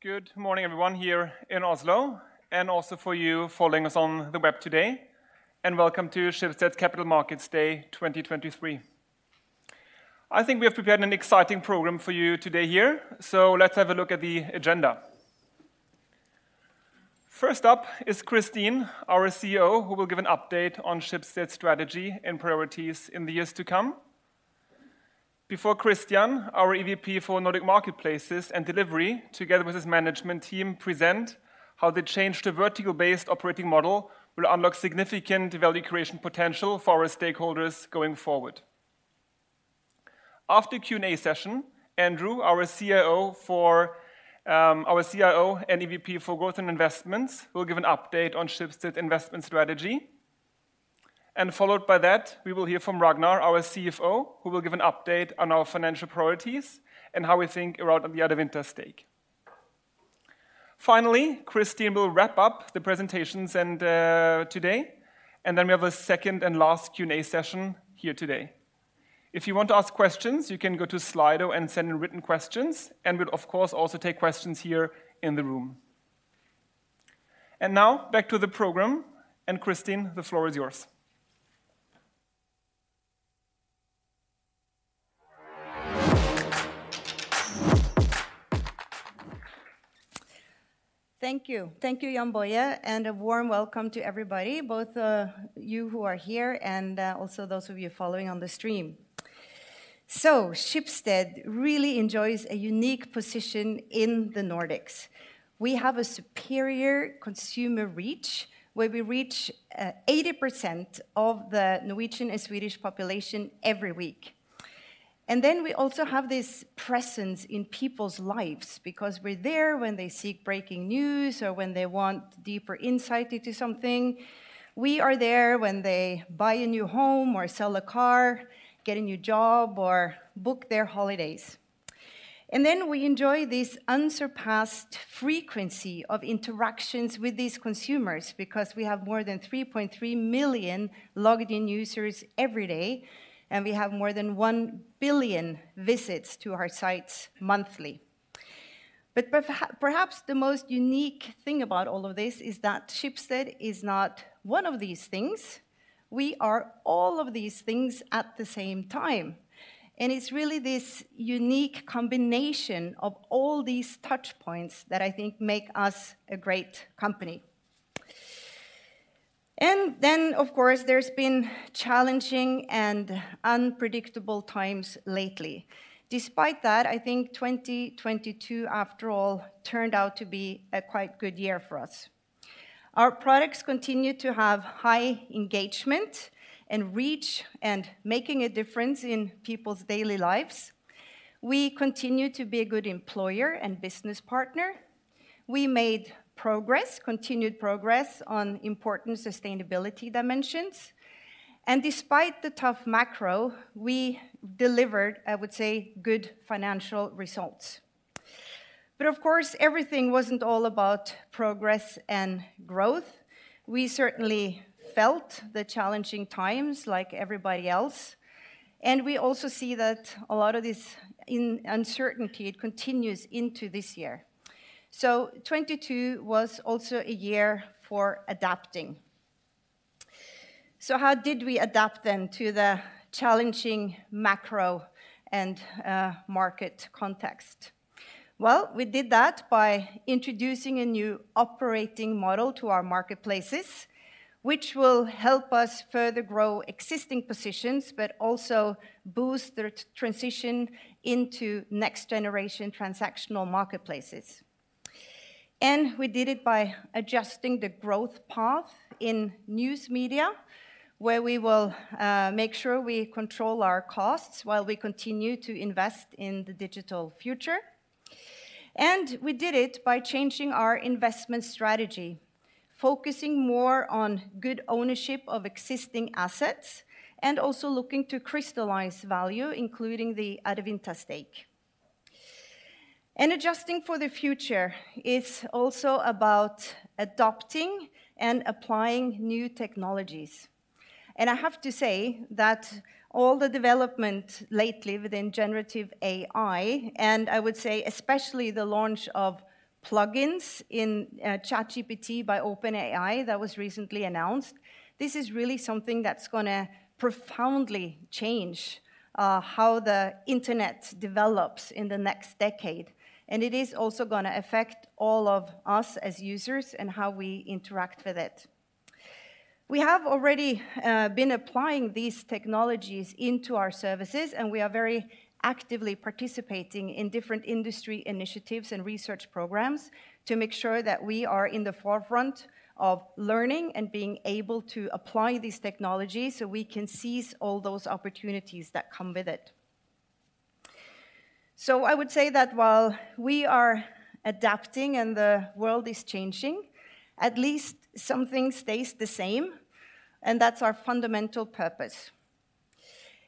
Good morning everyone here in Oslo, and also for you following us on the web today, and welcome to Schibsted's Capital Markets Day 2023. I think we have prepared an exciting program for you today here. Let's have a look at the agenda. First up is Kristin, our CEO, who will give an update on Schibsted's strategy and priorities in the years to come. Before Christian, our EVP for Nordic Marketplaces and Delivery, together with his management team, present how the change to vertical-based operating model will unlock significant value creation potential for our stakeholders going forward. After Q&A session, Andrew, our CIO and EVP for Growth and Investments, will give an update on Schibsted investment strategy. Followed by that, we will hear from Ragnar, our CFO, who will give an update on our financial priorities and how we think about the Adevinta stake. Finally, Kristin will wrap up the presentations today. Then we have a second and last Q&A session here today. If you want to ask questions, you can go to Slido and send in written questions. We'll of course also take questions here in the room. Now back to the program. Kristin, the floor is yours. Thank you. Thank you, Jan-Boye, a warm welcome to everybody, both, you who are here and, also those of you following on the stream. Schibsted really enjoys a unique position in the Nordics. We have a superior consumer reach, where we reach 80% of the Norwegian and Swedish population every week. We also have this presence in people's lives because we're there when they seek breaking news or when they want deeper insight into something. We are there when they buy a new home or sell a car, get a new job, or book their holidays. We enjoy this unsurpassed frequency of interactions with these consumers because we have more than 3.3 million logged in users every day, and we have more than 1 billion visits to our sites monthly. Perhaps the most unique thing about all of this is that Schibsted is not one of these things. We are all of these things at the same time. It's really this unique combination of all these touch points that I think make us a great company. Of course, there's been challenging and unpredictable times lately. Despite that, I think 2022, after all, turned out to be a quite good year for us. Our products continue to have high engagement and reach and making a difference in people's daily lives. We continue to be a good employer and business partner. We made continued progress on important sustainability dimensions. Despite the tough macro, we delivered, I would say, good financial results. Of course, everything wasn't all about progress and growth. We certainly felt the challenging times like everybody else, and we also see that a lot of this uncertainty, it continues into this year. 2022 was also a year for adapting. How did we adapt then to the challenging macro and market context? Well, we did that by introducing a new operating model to our marketplaces, which will help us further grow existing positions, but also boost the transition into next generation transactional marketplaces. We did it by adjusting the growth path in news media, where we will make sure we control our costs while we continue to invest in the digital future. We did it by changing our investment strategy, focusing more on good ownership of existing assets, and also looking to crystallize value, including the Adevinta stake. Adjusting for the future is also about adopting and applying new technologies. I have to say that all the development lately within generative AI, and I would say especially the launch of plugins in ChatGPT by OpenAI that was recently announced, this is really something that's gonna profoundly change how the internet develops in the next decade. It is also gonna affect all of us as users and how we interact with it. We have already been applying these technologies into our services, and we are very actively participating in different industry initiatives and research programs to make sure that we are in the forefront of learning and being able to apply these technologies so we can seize all those opportunities that come with it. I would say that while we are adapting and the world is changing, at least something stays the same, and that's our fundamental purpose.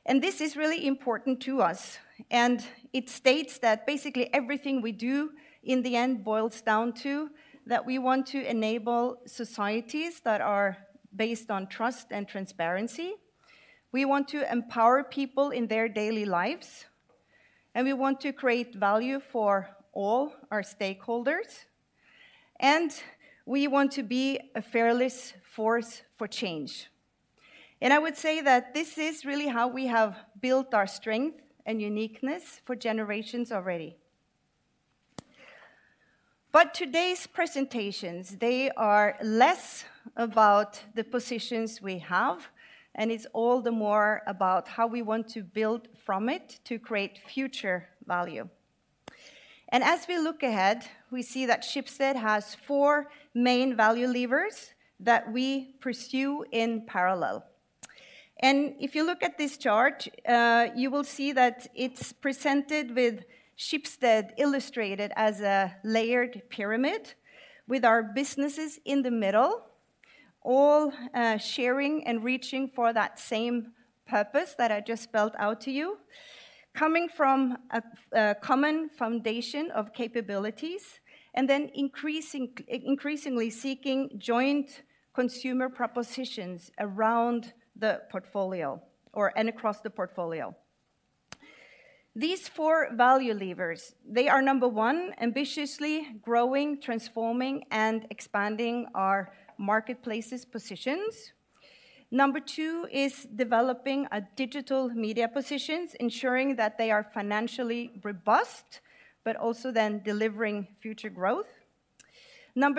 This is really important to us, and it states that basically everything we do in the end boils down to that we want to enable societies that are based on trust and transparency. We want to empower people in their daily lives. We want to create value for all our stakeholders, and we want to be a fearless force for change. I would say that this is really how we have built our strength and uniqueness for generations already. Today's presentations, they are less about the positions we have, and it's all the more about how we want to build from it to create future value. As we look ahead, we see that Schibsted has four main value levers that we pursue in parallel. If you look at this chart, you will see that it's presented with Schibsted illustrated as a layered pyramid with our businesses in the middle, all sharing and reaching for that same purpose that I just spelled out to you, coming from a common foundation of capabilities and then increasingly seeking joint consumer propositions around the portfolio or, and across the portfolio. These four value levers, they are one, ambitiously growing, transforming, and expanding our marketplaces positions. Two is developing a digital media positions, ensuring that they are financially robust, but also then delivering future growth.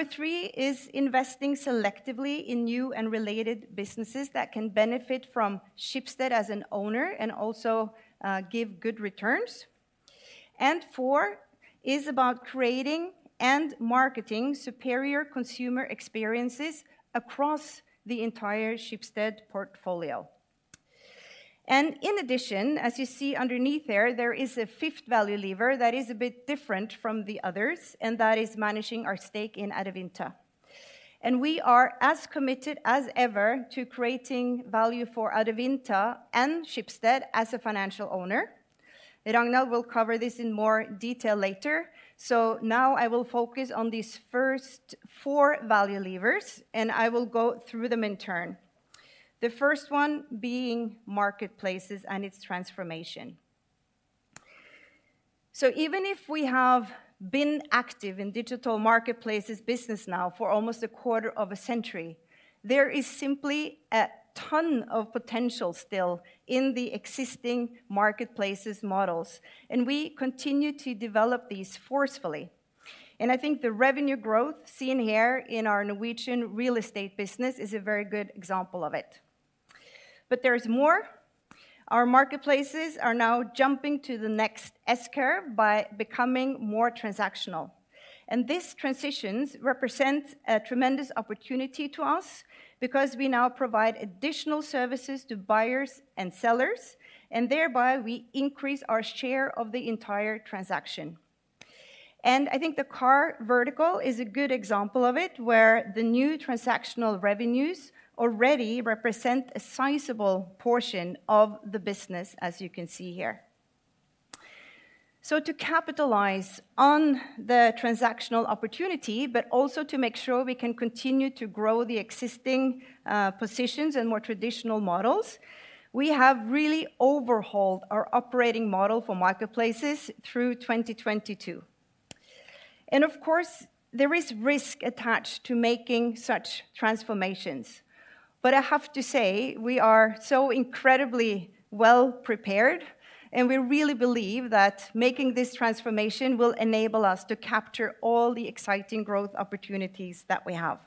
Three is investing selectively in new and related businesses that can benefit from Schibsted as an owner and also give good returns. Four is about creating and marketing superior consumer experiences across the entire Schibsted portfolio. In addition, as you see underneath there is a fifth value lever that is a bit different from the others, and that is managing our stake in Adevinta. We are as committed as ever to creating value for Adevinta and Schibsted as a financial owner. Ragnar will cover this in more detail later. Now I will focus on these first four value levers, and I will go through them in turn. The first one being marketplaces and its transformation. Even if we have been active in digital marketplaces business now for almost a quarter of a century, there is simply a ton of potential still in the existing marketplaces models, and we continue to develop these forcefully. I think the revenue growth seen here in our Norwegian real estate business is a very good example of it. There is more. Our marketplaces are now jumping to the next S-curve by becoming more transactional. These transitions represent a tremendous opportunity to us because we now provide additional services to buyers and sellers, and thereby we increase our share of the entire transaction. I think the car vertical is a good example of it, where the new transactional revenues already represent a sizable portion of the business, as you can see here. To capitalize on the transactional opportunity, but also to make sure we can continue to grow the existing positions and more traditional models, we have really overhauled our operating model for marketplaces through 2022. Of course, there is risk attached to making such transformations. I have to say, we are so incredibly well prepared, and we really believe that making this transformation will enable us to capture all the exciting growth opportunities that we have.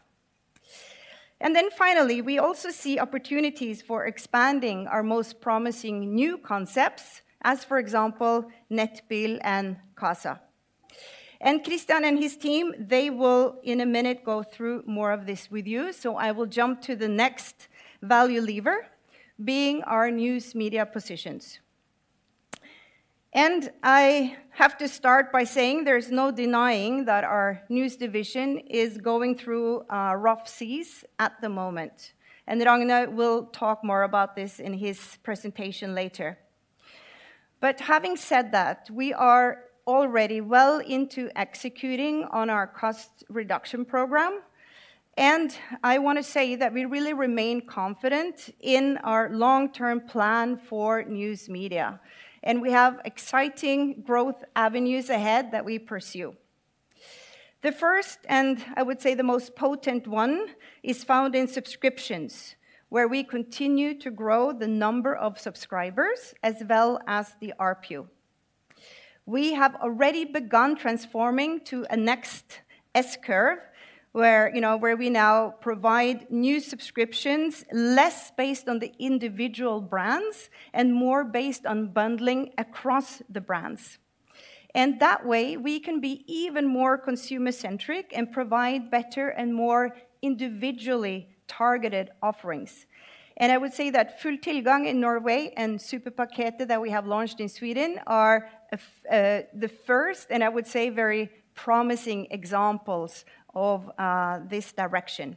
Then finally, we also see opportunities for expanding our most promising new concepts as, for example, Nettbil and Qasa. Christian and his team, they will in a minute go through more of this with you. I will jump to the next value lever being our news media positions. I have to start by saying there's no denying that our news division is going through rough seas at the moment. Ragnhild will talk more about this in his presentation later. Having said that, we are already well into executing on our cost reduction program. I wanna say that we really remain confident in our long-term plan for news media. We have exciting growth avenues ahead that we pursue. The first, and I would say the most potent one, is found in subscriptions, where we continue to grow the number of subscribers as well as the ARPU. We have already begun transforming to a next S-curve where, you know, we now provide new subscriptions less based on the individual brands and more based on bundling across the brands. That way, we can be even more consumer-centric and provide better and more individually targeted offerings. I would say that Fulltilgang in Norway and Superpaketet that we have launched in Sweden are the first, and I would say very promising examples of this direction.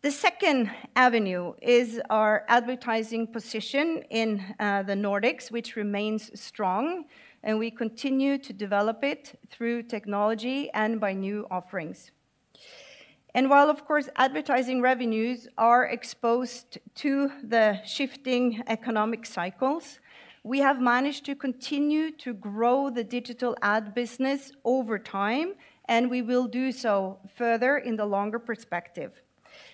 The second avenue is our advertising position in the Nordics, which remains strong, and we continue to develop it through technology and by new offerings. While of course advertising revenues are exposed to the shifting economic cycles, we have managed to continue to grow the digital ad business over time, and we will do so further in the longer perspective.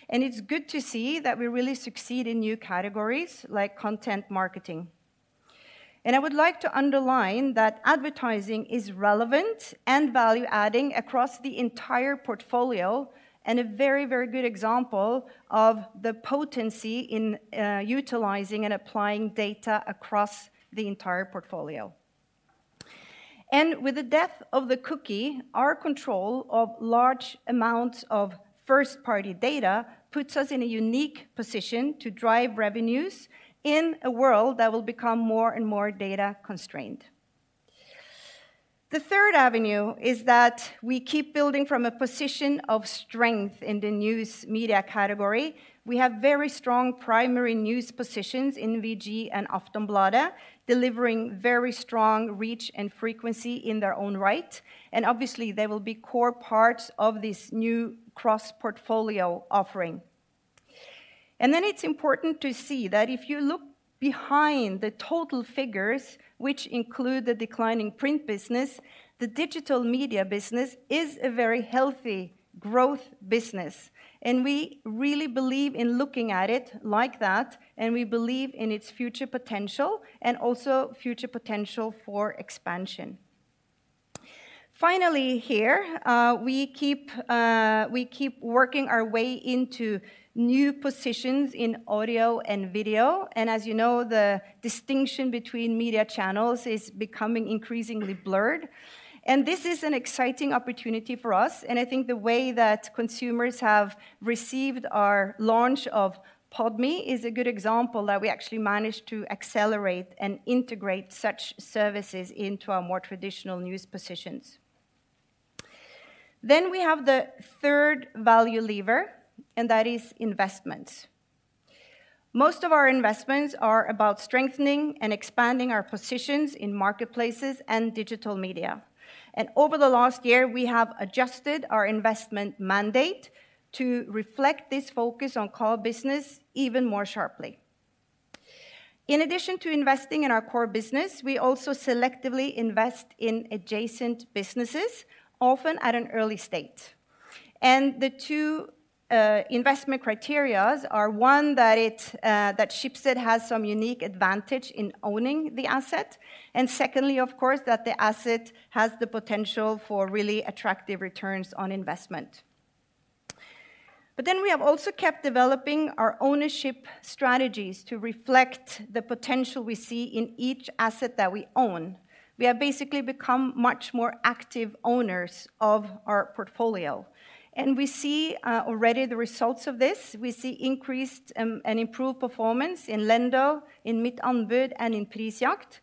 It's good to see that we really succeed in new categories like content marketing. I would like to underline that advertising is relevant and value-adding across the entire portfolio and a very, very good example of the potency in utilizing and applying data across the entire portfolio. With the death of the cookie, our control of large amounts of first-party data puts us in a unique position to drive revenues in a world that will become more and more data-constrained. The third avenue is that we keep building from a position of strength in the news media category. We have very strong primary news positions in VG and Aftonbladet, delivering very strong reach and frequency in their own right. Obviously they will be core parts of this new cross-portfolio offering. Then it's important to see that if you look behind the total figures, which include the declining print business, the digital media business is a very healthy growth business. We really believe in looking at it like that, and we believe in its future potential and also future potential for expansion. Finally here, we keep working our way into new positions in audio and video. As you know, the distinction between media channels is becoming increasingly blurred. This is an exciting opportunity for us, and I think the way that consumers have received our launch of Podme is a good example that we actually managed to accelerate and integrate such services into our more traditional news positions. We have the third value lever, and that is investments. Most of our investments are about strengthening and expanding our positions in marketplaces and digital media. Over the last year, we have adjusted our investment mandate to reflect this focus on core business even more sharply. In addition to investing in our core business, we also selectively invest in adjacent businesses, often at an early stage. The two investment criterias are one, that Schibsted has some unique advantage in owning the asset, and secondly, of course, that the asset has the potential for really attractive returns on investment. We have also kept developing our ownership strategies to reflect the potential we see in each asset that we own. We have basically become much more active owners of our portfolio. We see already the results of this. We see increased and improved performance in Lendo, in Mittanbud, and in Prisjakt.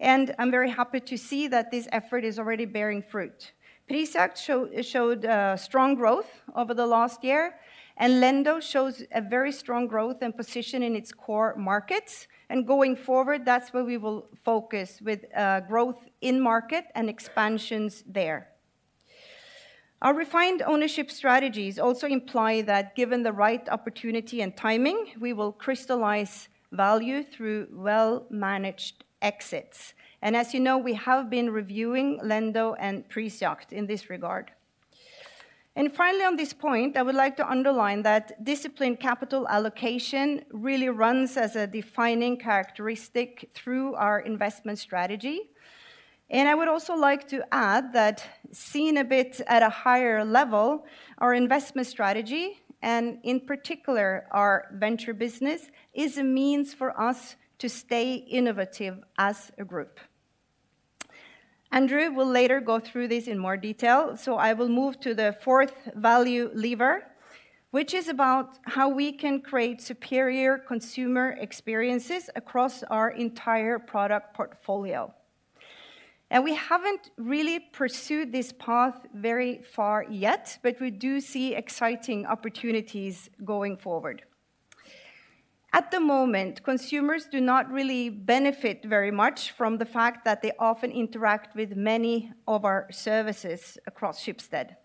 I'm very happy to see that this effort is already bearing fruit. Prisjakt showed strong growth over the last year, and Lendo shows a very strong growth and position in its core markets. Going forward, that's where we will focus with growth in market and expansions there. Our refined ownership strategies also imply that given the right opportunity and timing, we will crystallize value through well-managed exits. As you know, we have been reviewing Lendo and Prisjakt in this regard. Finally on this point, I would like to underline that disciplined capital allocation really runs as a defining characteristic through our investment strategy. I would also like to add that seeing a bit at a higher level our investment strategy, and in particular our venture business, is a means for us to stay innovative as a group. Andrew will later go through this in more detail, so I will move to the fourth value lever, which is about how we can create superior consumer experiences across our entire product portfolio. We haven't really pursued this path very far yet, but we do see exciting opportunities going forward. At the moment, consumers do not really benefit very much from the fact that they often interact with many of our services across Schibsted.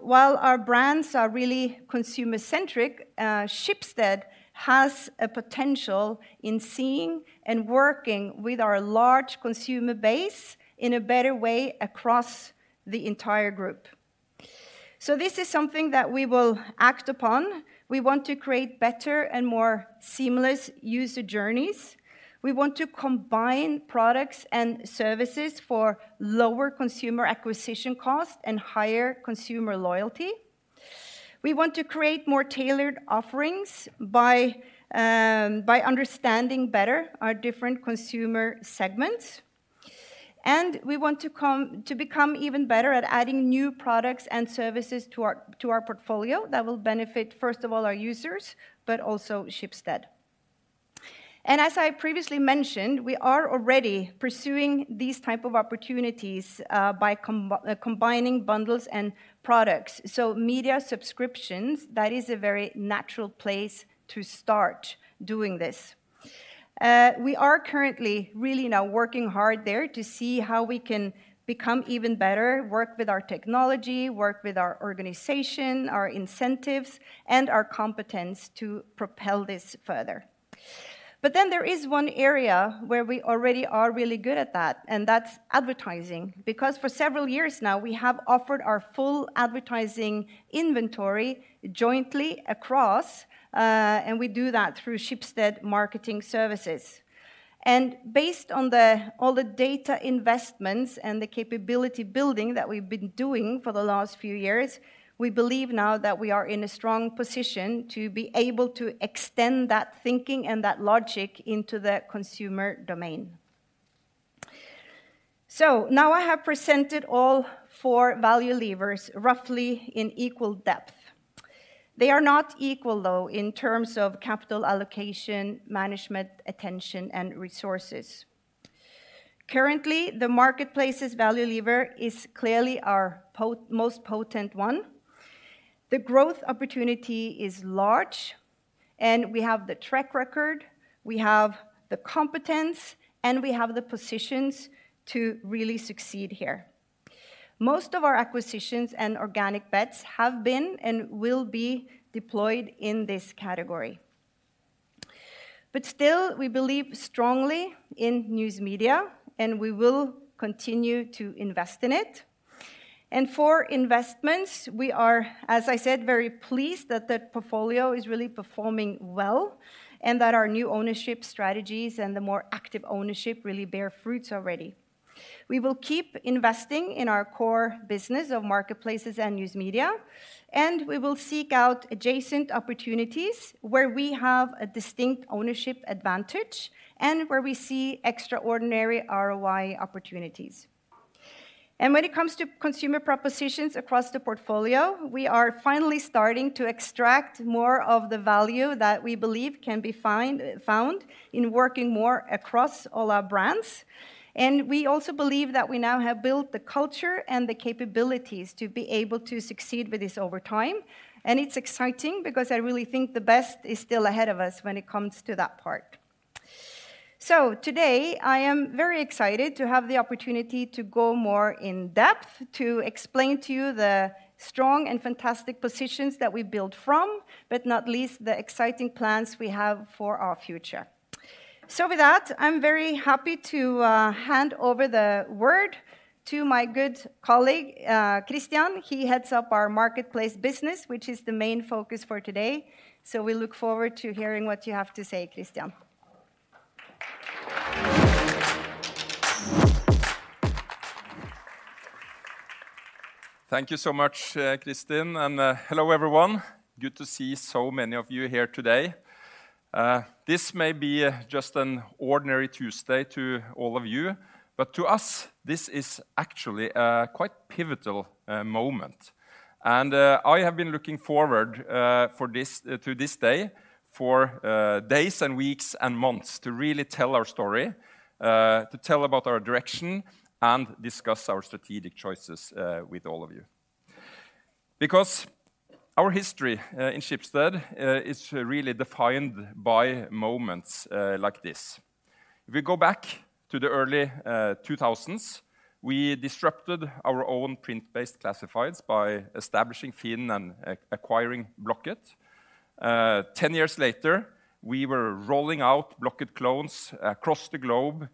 While our brands are really consumer-centric, Schibsted has a potential in seeing and working with our large consumer base in a better way across the entire group. This is something that we will act upon. We want to create better and more seamless user journeys. We want to combine products and services for lower consumer acquisition cost and higher consumer loyalty. We want to create more tailored offerings by understanding better our different consumer segments. We want to become even better at adding new products and services to our portfolio that will benefit, first of all, our users, but also Schibsted. As I previously mentioned, we are already pursuing these type of opportunities by combining bundles and products. Media subscriptions, that is a very natural place to start doing this. We are currently really now working hard there to see how we can become even better, work with our technology, work with our organization, our incentives, and our competence to propel this further. There is one area where we already are really good at that, and that's advertising, because for several years now, we have offered our full advertising inventory jointly across, and we do that through Schibsted Marketing Services. Based on the, all the data investments and the capability building that we've been doing for the last few years, we believe now that we are in a strong position to be able to extend that thinking and that logic into the consumer domain. I have presented all four value levers roughly in equal depth. They are not equal though in terms of capital allocation, management, attention, and resources. Currently, the marketplace's value lever is clearly our most potent one. The growth opportunity is large, and we have the track record, we have the competence, and we have the positions to really succeed here. Most of our acquisitions and organic bets have been and will be deployed in this category. Still, we believe strongly in news media, and we will continue to invest in it. For investments, we are, as I said, very pleased that the portfolio is really performing well and that our new ownership strategies and the more active ownership really bear fruits already. We will keep investing in our core business of marketplaces and news media, and we will seek out adjacent opportunities where we have a distinct ownership advantage and where we see extraordinary ROI opportunities. When it comes to consumer propositions across the portfolio, we are finally starting to extract more of the value that we believe can be found in working more across all our brands. We also believe that we now have built the culture and the capabilities to be able to succeed with this over time. It's exciting because I really think the best is still ahead of us when it comes to that part. Today, I am very excited to have the opportunity to go more in depth to explain to you the strong and fantastic positions that we build from, but not least the exciting plans we have for our future. With that, I'm very happy to hand over the word to my good colleague, Christian. He heads up our marketplace business, which is the main focus for today. We look forward to hearing what you have to say, Christian. Thank you so much, Kristin, and hello everyone. Good to see so many of you here today. This may be just an ordinary Tuesday to all of you, but to us, this is actually a quite pivotal moment. I have been looking forward to this day for days and weeks and months to really tell our story, to tell about our direction and discuss our strategic choices with all of you. Our history in Schibsted is really defined by moments like this. If we go back to the early 2000s, we disrupted our own print-based classifieds by establishing Finn and acquiring Blocket. 10 years later, we were rolling out Blocket clones across the globe.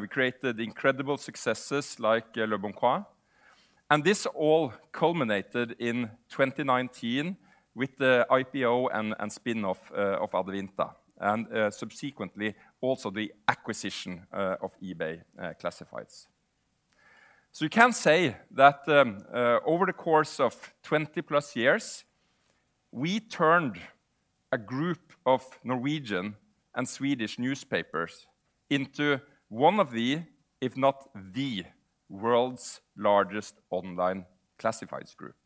We created incredible successes like leboncoin. This all culminated in 2019 with the IPO and spin off of Adevinta, and subsequently also the acquisition of eBay Classifieds. You can say that over the course of 20 plus years, we turned a group of Norwegian and Swedish newspapers into one of the, if not the world's largest online classifieds group.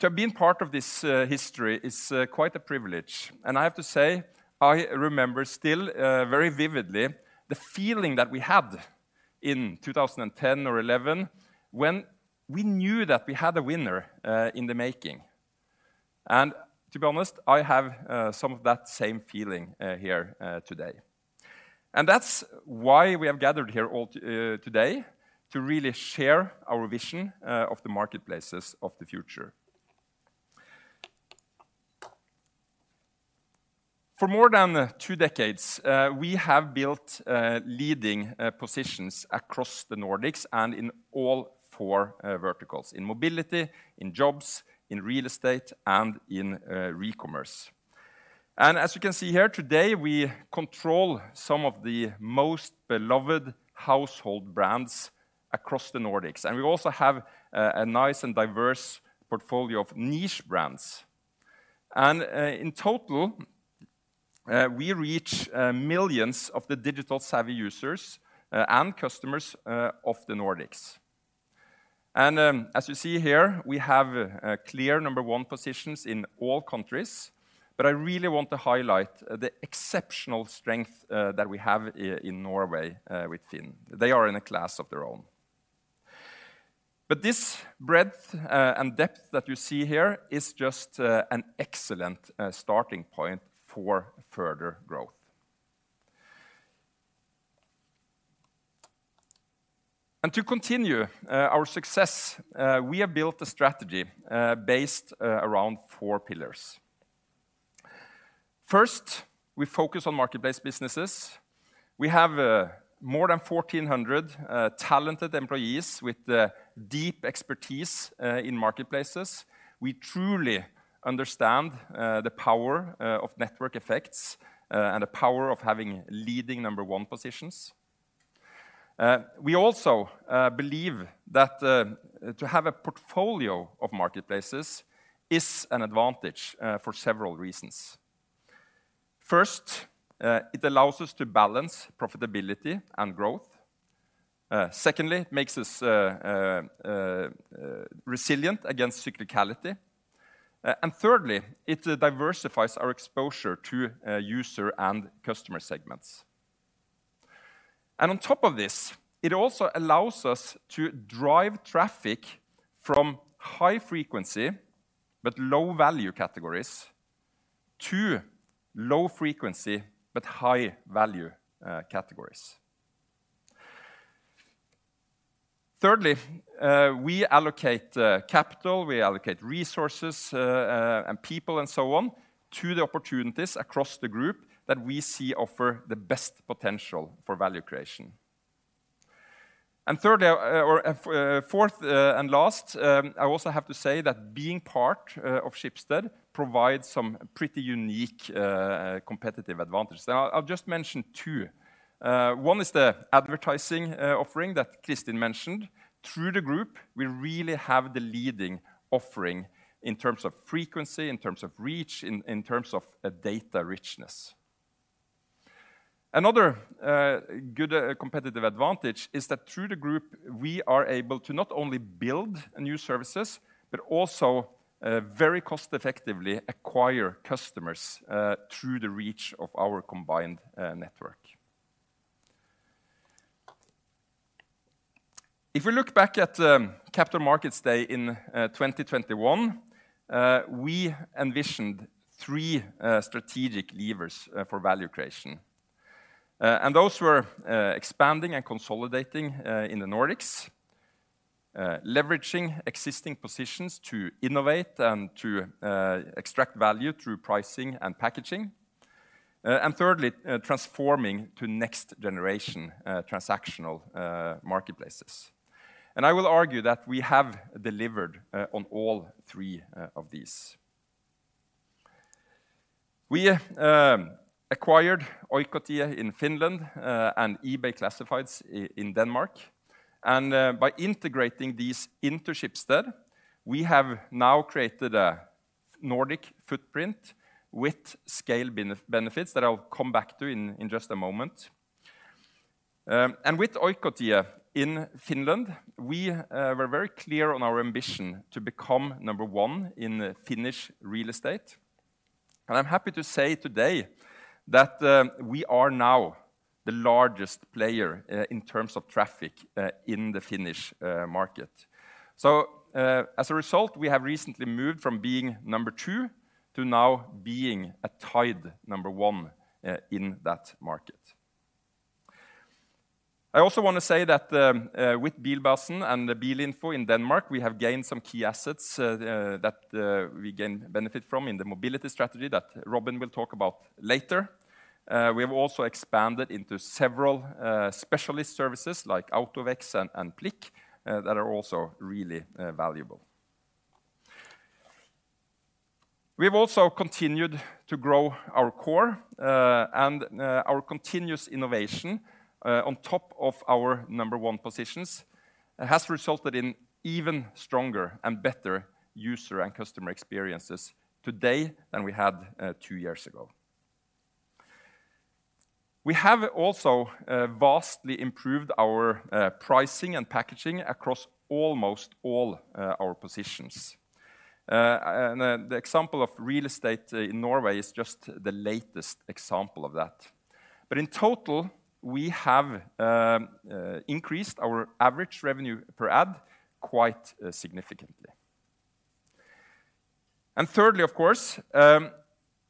To have been part of this history is quite a privilege. I have to say, I remember still very vividly the feeling that we had in 2010 or 2011 when we knew that we had a winner in the making. To be honest, I have some of that same feeling here today. That's why we have gathered here all today to really share our vision of the marketplaces of the future. For more than two decades, we have built leading positions across the Nordics and in all four verticals: in mobility, in jobs, in real estate, and in recommerce. As you can see here today, we control some of the most beloved household brands across the Nordics. We also have a nice and diverse portfolio of niche brands. In total, we reach millions of the digital savvy users and customers of the Nordics. As you see here, we have clear number one positions in all countries, but I really want to highlight the exceptional strength that we have in Norway with Finn. They are in a class of their own. This breadth and depth that you see here is just an excellent starting point for further growth. To continue our success, we have built a strategy based around four pillars. First, we focus on marketplace businesses. We have more than 1,400 talented employees with deep expertise in marketplaces. We truly understand the power of network effects and the power of having leading number one positions. We also believe that to have a portfolio of marketplaces is an advantage for several reasons. First, it allows us to balance profitability and growth. Secondly, it makes us resilient against cyclicality. Thirdly, it diversifies our exposure to user and customer segments. On top of this, it also allows us to drive traffic from high frequency but low value categories to low frequency but high value categories. Thirdly, we allocate capital, we allocate resources, and people and so on to the opportunities across the group that we see offer the best potential for value creation. Thirdly, or fourth, and last, I also have to say that being part of Schibsted provides some pretty unique competitive advantage. I'll just mention two. One is the advertising offering that Kristin mentioned. Through the group, we really have the leading offering in terms of frequency, in terms of reach, in terms of data richness. Another good competitive advantage is that through the group, we are able to not only build new services, but also very cost effectively acquire customers through the reach of our combined network. If we look back at Capital Markets Day in 2021, we envisioned three strategic levers for value creation. Those were expanding and consolidating in the Nordics, leveraging existing positions to innovate and to extract value through pricing and packaging. Thirdly, transforming to next generation transactional marketplaces. I will argue that we have delivered on all three of these. We acquired Oikotie.fi in Finland and eBay Classifieds in Denmark. By integrating these into Schibsted, we have now created a Nordic footprint with scale benefits that I'll come back to in just a moment. With Oikotie.fi in Finland, we were very clear on our ambition to become number 1 in Finnish real estate. I'm happy to say today that we are now the largest player in terms of traffic in the Finnish market. As a result, we have recently moved from being number two to now being a tied number one in that market. I also wanna say that with Bilbasen and Bilinfo in Denmark, we have gained some key assets that we gain benefit from in the mobility strategy that Robin Suwe will talk about later. We have also expanded into several specialist services like AutoVex and Plik that are also really valuable. We have also continued to grow our core and our continuous innovation on top of our number one positions, has resulted in even stronger and better user and customer experiences today than we had two years ago. We have also vastly improved our pricing and packaging across almost all our positions. The example of real estate in Norway is just the latest example of that. In total, we have increased our average revenue per ad quite significantly. Thirdly, of course,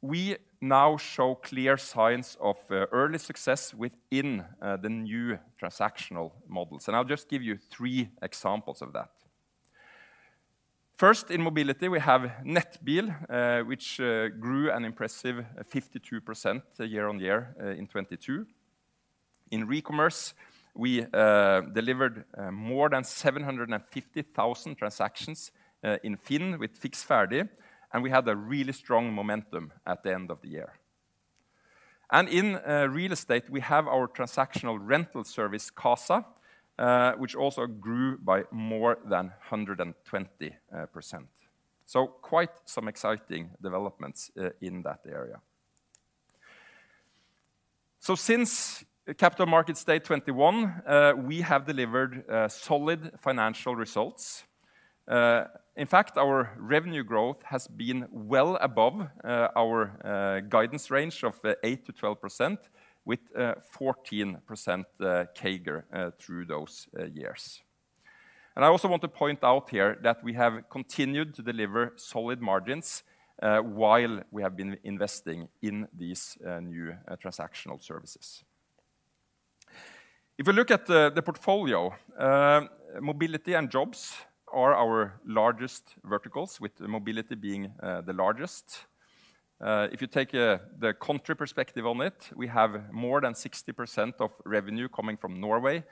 we now show clear signs of early success within the new transactional models. I'll just give you three examples of that. First, in mobility, we have Nettbil, which grew an impressive 52% year-on-year in 2022. In recommerce, we delivered more than 750,000 transactions in FINN withFiks ferdig, and we had a really strong momentum at the end of the year. In real estate, we have our transactional rental service, Qasa, which also grew by more than 120%. Quite some exciting developments in that area. Since Capital Markets Day 2021, we have delivered solid financial results. In fact, our revenue growth has been well above our guidance range of 8%-12% with 14% CAGR through those years. I also want to point out here that we have continued to deliver solid margins while we have been investing in these new transactional services. If you look at the portfolio, mobility and jobs are our largest verticals, with mobility being the largest. If you take the country perspective on it, we have more than 60% of revenue coming from Norway,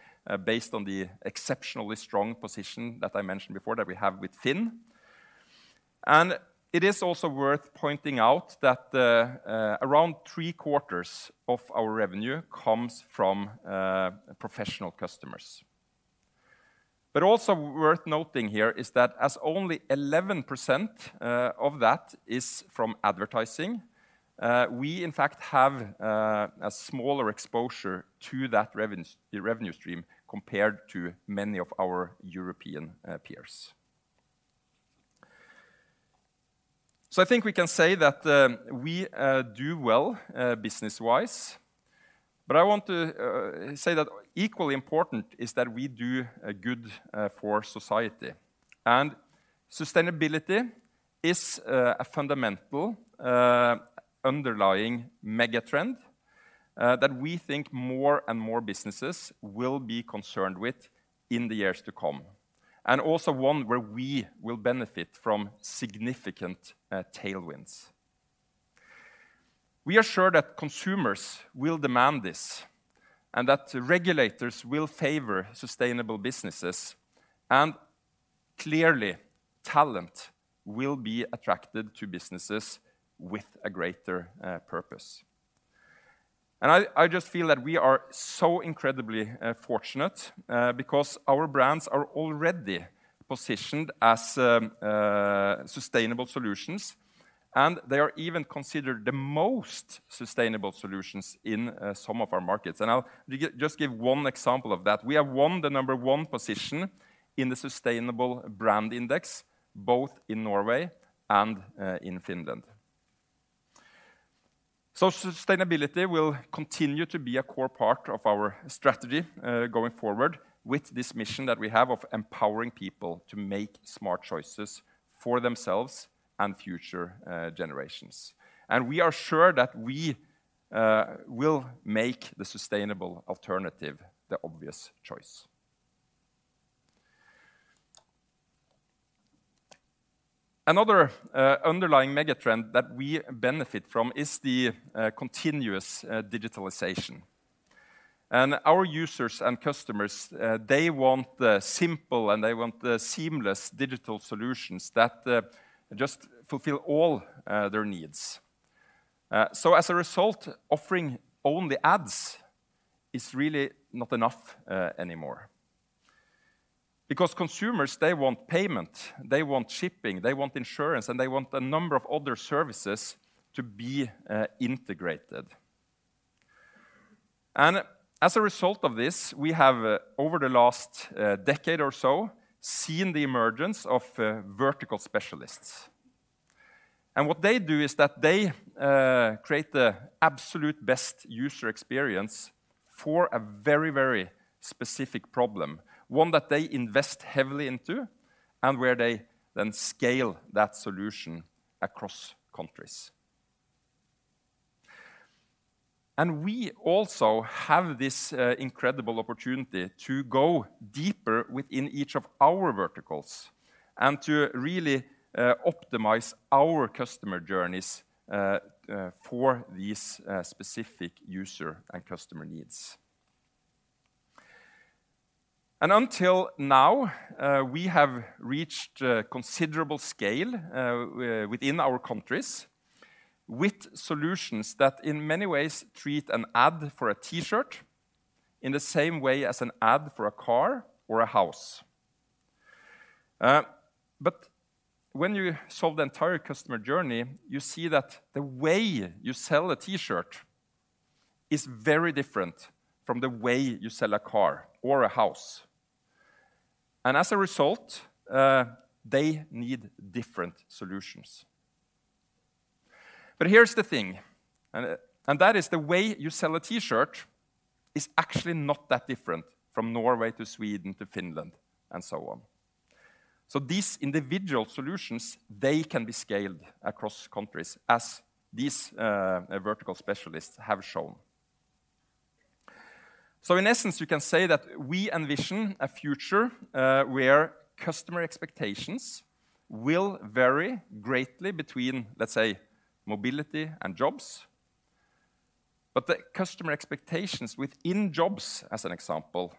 based on the exceptionally strong position that I mentioned before that we have with FINN.no. It is also worth pointing out that around 3/4 of our revenue comes from professional customers. Also worth noting here is that as only 11% of that is from advertising, we in fact have a smaller exposure to that revenue stream compared to many of our European peers. I think we can say that we do well business-wise. I want to say that equally important is that we do good for society. Sustainability is a fundamental underlying mega trend that we think more and more businesses will be concerned with in the years to come, and also one where we will benefit from significant tailwinds. We are sure that consumers will demand this, and that regulators will favor sustainable businesses, and clearly, talent will be attracted to businesses with a greater purpose. I just feel that we are so incredibly fortunate because our brands are already positioned as sustainable solutions, and they are even considered the most sustainable solutions in some of our markets. I'll just give one example of that. We have won the number one position in the Sustainable Brand Index, both in Norway and in Finland. Sustainability will continue to be a core part of our strategy, going forward with this mission that we have of empowering people to make smart choices for themselves and future generations. We are sure that we will make the sustainable alternative the obvious choice. Another underlying mega trend that we benefit from is the continuous digitalization. Our users and customers, they want the simple, and they want the seamless digital solutions that just fulfill all their needs. As a result, offering only ads is really not enough anymore. Consumers, they want payment, they want shipping, they want insurance, and they want a number of other services to be integrated. As a result of this, we have, over the last decade or so, seen the emergence of vertical specialists. What they do is that they create the absolute best user experience for a very, very specific problem, one that they invest heavily into and where they then scale that solution across countries. We also have this incredible opportunity to go deeper within each of our verticals and to really optimize our customer journeys for these specific user and customer needs. Until now, we have reached a considerable scale within our countries with solutions that in many ways treat an ad for a T-shirt in the same way as an ad for a car or a house. When you solve the entire customer journey, you see that the way you sell a T-shirt is very different from the way you sell a car or a house. As a result, they need different solutions. Here's the thing, that is the way you sell a T-shirt is actually not that different from Norway to Sweden to Finland and so on. These individual solutions, they can be scaled across countries as these vertical specialists have shown. In essence, you can say that we envision a future where customer expectations will vary greatly between, let's say, mobility and jobs. The customer expectations within jobs, as an example,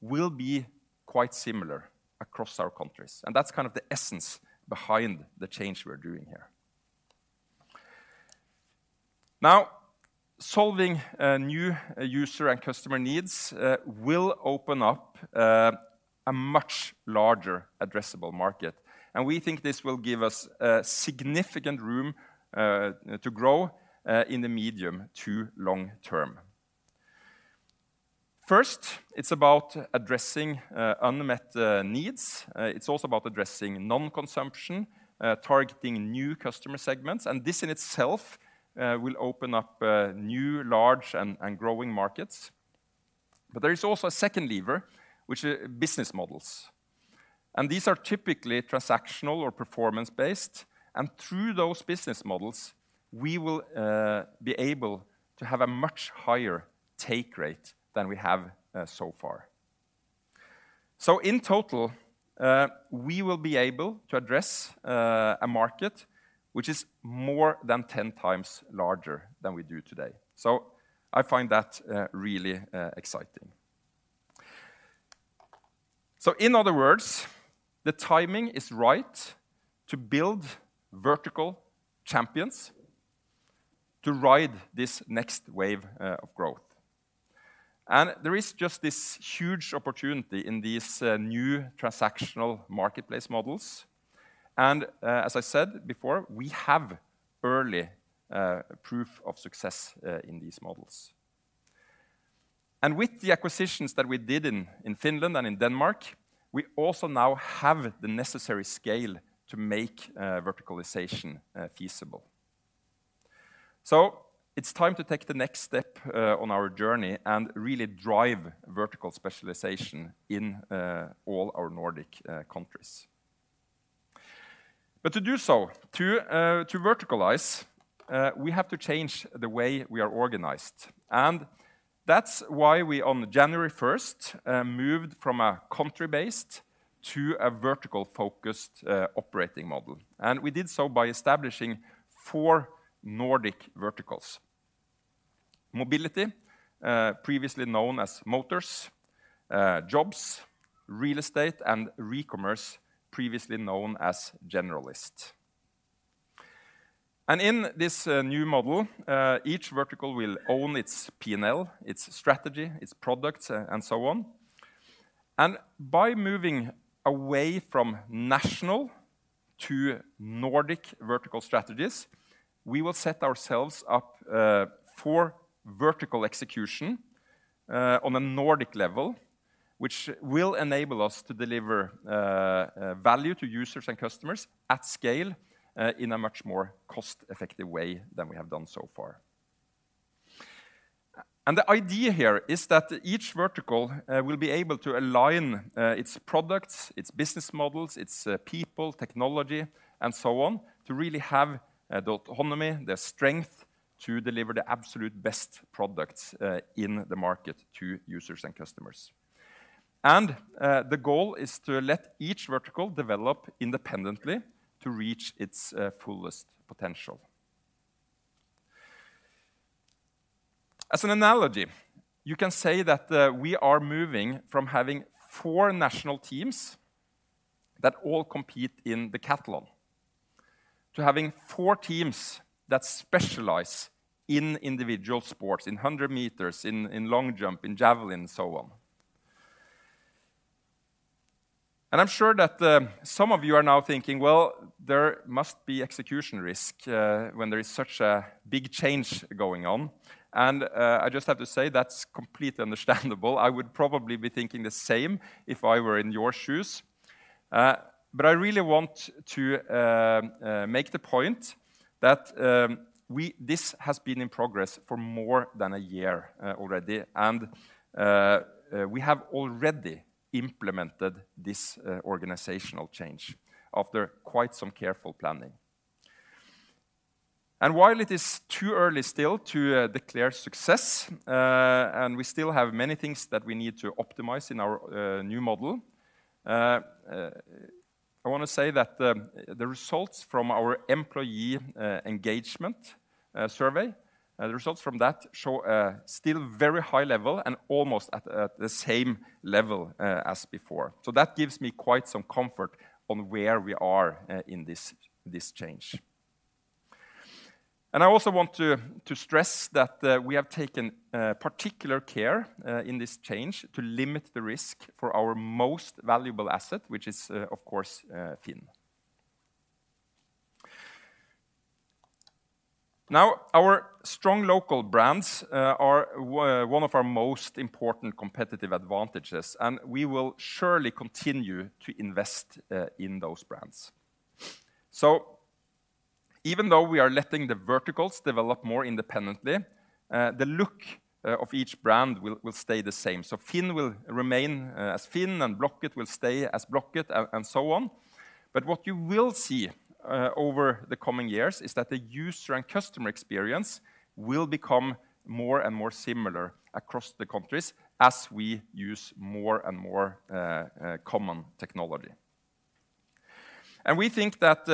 will be quite similar across our countries, and that's kind of the essence behind the change we're doing here. Now, solving new user and customer needs will open up a much larger addressable market. We think this will give us significant room to grow in the medium to long term. First, it's about addressing unmet needs. It's also about addressing non-consumption, targeting new customer segments. This in itself will open up new, large and growing markets. There is also a second lever, which is business models, and these are typically transactional or performance-based. Through those business models, we will be able to have a much higher take rate than we have so far. In total, we will be able to address a market which is more than 10 times larger than we do today. I find that really exciting. In other words, the timing is right to build vertical champions to ride this next wave of growth. There is just this huge opportunity in these new transactional marketplace models. As I said before, we have early proof of success in these models. With the acquisitions that we did in Finland and in Denmark, we also now have the necessary scale to make verticalization feasible. It's time to take the next step on our journey and really drive vertical specialization in all our Nordic countries. To do so, to verticalize, we have to change the way we are organized. That's why we on January first moved from a country-based to a vertical-focused operating model. We did so by establishing four Nordic verticals: Mobility, previously known as Motors, Jobs, Real Estate, and Recommerce, previously known as Generalist. In this new model, each vertical will own its P&L, its strategy, its products and so on. By moving away from national to Nordic vertical strategies, we will set ourselves up for vertical execution on a Nordic level, which will enable us to deliver value to users and customers at scale in a much more cost-effective way than we have done so far. The idea here is that each vertical will be able to align its products, its business models, its people, technology and so on to really have the autonomy, the strength to deliver the absolute best products in the market to users and customers. The goal is to let each vertical develop independently to reach its fullest potential. As an analogy, you can say that we are moving from having four national teams that all compete in the decathlon to having four teams that specialize in individual sports, in 100 meters, in long jump, in javelin and so on. I'm sure that some of you are now thinking, "Well, there must be execution risk when there is such a big change going on." I just have to say that's completely understandable. I would probably be thinking the same if I were in your shoes. I really want to make the point that this has been in progress for more than one year already, and we have already implemented this organizational change after quite some careful planning. While it is too early still to declare success, and we still have many things that we need to optimize in our new model, I wanna say that the results from our employee engagement survey, the results from that show a still very high level and almost at the same level as before. That gives me quite some comfort on where we are in this change. I also want to stress that we have taken particular care in this change to limit the risk for our most valuable asset, which is, of course, Finn. Now, our strong local brands are one of our most important competitive advantages, and we will surely continue to invest in those brands. Even though we are letting the verticals develop more independently, the look of each brand will stay the same. Finn will remain as Finn and Blocket will stay as Blocket and so on. What you will see over the coming years is that the user and customer experience will become more and more similar across the countries as we use more and more common technology. We think that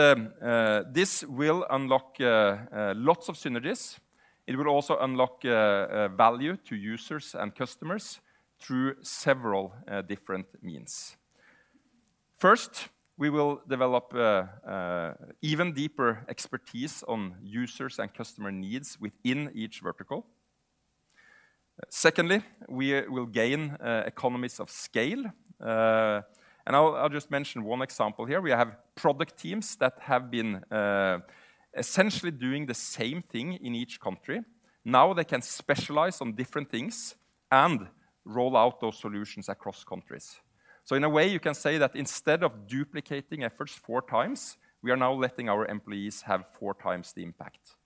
this will unlock lots of synergies. It will also unlock value to users and customers through several different means. First, we will develop even deeper expertise on users and customer needs within each vertical. Secondly, we will gain economies of scale. And I'll just mention one example here. We have product teams that have been essentially doing the same thing in each country. Now they can specialize on different things and roll out those solutions across countries. In a way, you can say that instead of duplicating efforts four times, we are now letting our employees have four times the impact.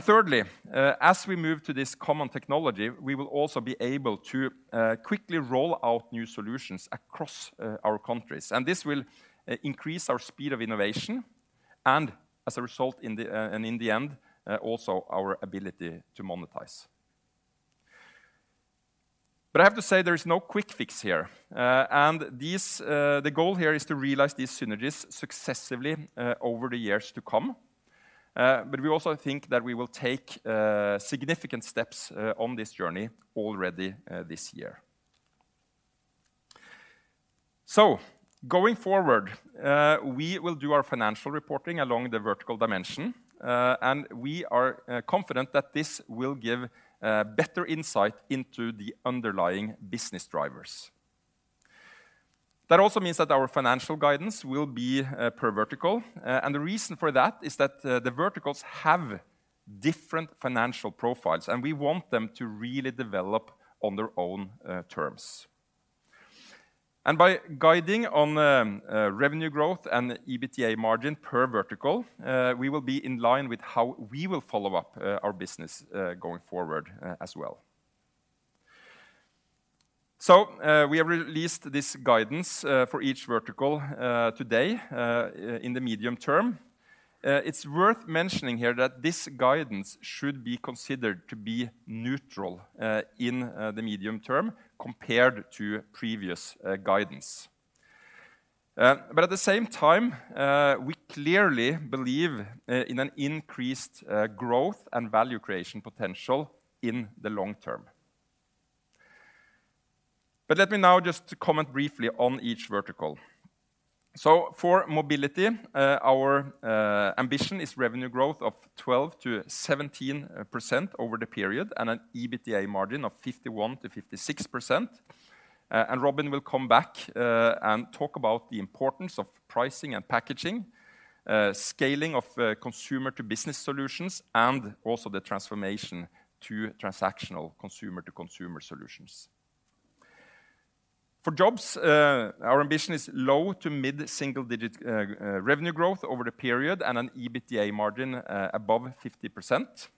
Thirdly, as we move to this common technology, we will also be able to quickly roll out new solutions across our countries. This will increase our speed of innovation and as a result in the and in the end, also our ability to monetize. I have to say there is no quick fix here. The goal here is to realize these synergies successively over the years to come. We also think that we will take significant steps on this journey already this year. Going forward, we will do our financial reporting along the vertical dimension, and we are confident that this will give better insight into the underlying business drivers. That also means that our financial guidance will be per vertical. The reason for that is that the verticals have different financial profiles, and we want them to really develop on their own terms. By guiding on revenue growth and the EBITDA margin per vertical, we will be in line with how we will follow up our business going forward as well. We have released this guidance for each vertical today in the medium term. It's worth mentioning here that this guidance should be considered to be neutral in the medium term compared to previous guidance. At the same time, we clearly believe in an increased growth and value creation potential in the long term. Let me now just comment briefly on each vertical. For Mobility, our ambition is revenue growth of 12%-17% over the period and an EBITDA margin of 51%-56%. Robin will come back and talk about the importance of pricing and packaging, scaling of consumer-to-business solutions, and also the transformation to transactional consumer-to-consumer solutions. For Jobs, our ambition is low to mid single digit revenue growth over the period and an EBITDA margin above 50%.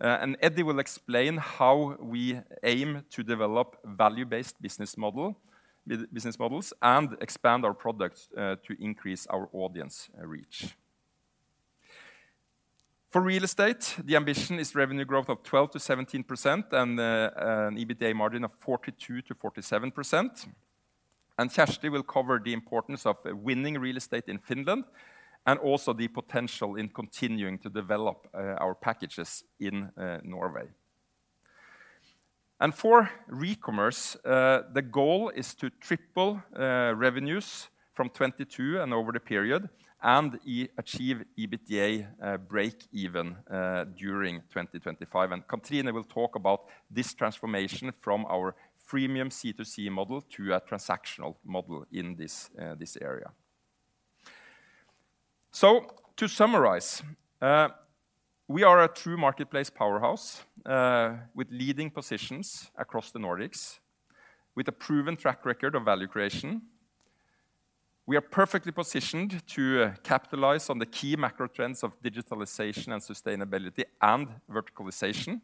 Eddie will explain how we aim to develop value-based business models and expand our products to increase our audience reach. For Real Estate, the ambition is revenue growth of 12%-17% and an EBITDA margin of 42%-47%. Kjersti will cover the importance of winning real estate in Finland and also the potential in continuing to develop our packages in Norway. For Recommerce, the goal is to triple revenues from 2022 and over the period and achieve EBITDA breakeven during 2025. Cathrine Laksfoss will talk about this transformation from our freemium C2C model to a transactional model in this area. To summarize, we are a true marketplace powerhouse with leading positions across the Nordics with a proven track record of value creation. We are perfectly positioned to capitalize on the key macro trends of digitalization and sustainability and verticalization.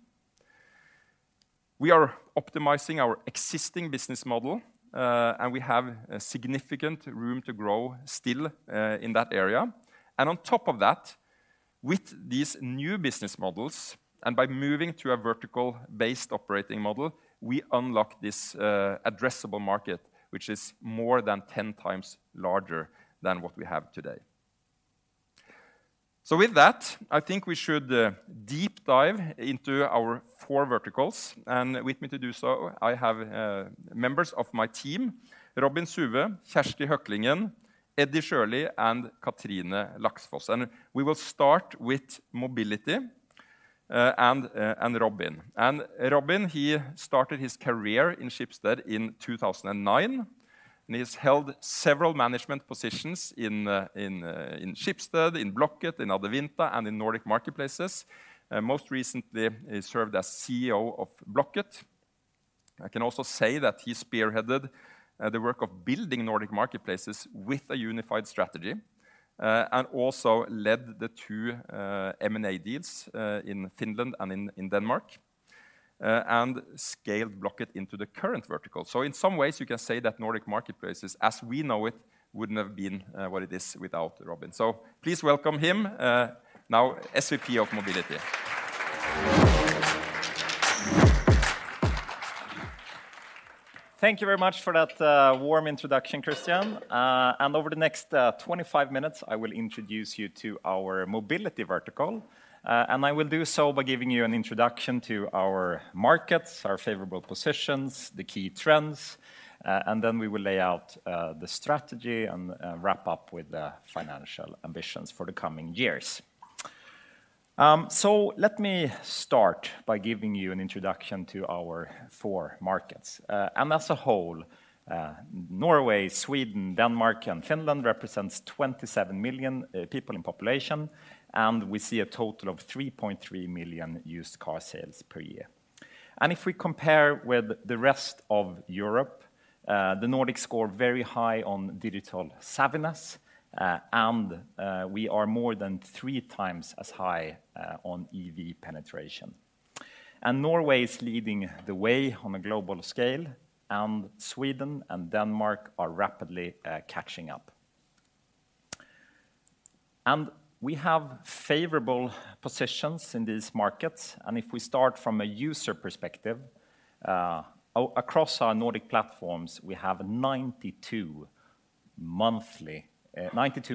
We are optimizing our existing business model, and we have significant room to grow still in that area. On top of that, with these new business models and by moving to a vertical-based operating model, we unlock this addressable market, which is more than 10 times larger than what we have today. With that, I think we should deep dive into our four verticals. With me to do so, I have members of my team, Robin Suwe, Kjersti Høklingen, Eddie Sjølie, and Katrine Laksefoss. We will start with Mobility and Robin. Robin, he started his career in Schibsted in 2009, and he's held several management positions in Schibsted, in Blocket, in Adevinta, and in Nordic Marketplaces. Most recently, he served as CEO of Blocket. I can also say that he spearheaded the work of building Nordic Marketplaces with a unified strategy, and also led the two M&A deals in Finland and in Denmark, and scaled Blocket into the current vertical. In some ways you can say that Nordic Marketplaces, as we know it, wouldn't have been what it is without Robin. Please welcome him, now SVP of Mobility. Thank you very much for that warm introduction, Christian. Over the next 25 minutes, I will introduce you to our mobility vertical. I will do so by giving you an introduction to our markets, our favorable positions, the key trends, then we will lay out the strategy and wrap up with the financial ambitions for the coming years. Let me start by giving you an introduction to our four markets. As a whole, Norway, Sweden, Denmark, and Finland represents 27 million people in population, and we see a total of 3.3 million used car sales per year. If we compare with the rest of Europe, the Nordics score very high on digital savviness, and we are more than three times as high on EV penetration. Norway is leading the way on a global scale, and Sweden and Denmark are rapidly catching up. We have favorable positions in these markets. If we start from a user perspective, across our Nordic platforms, we have 92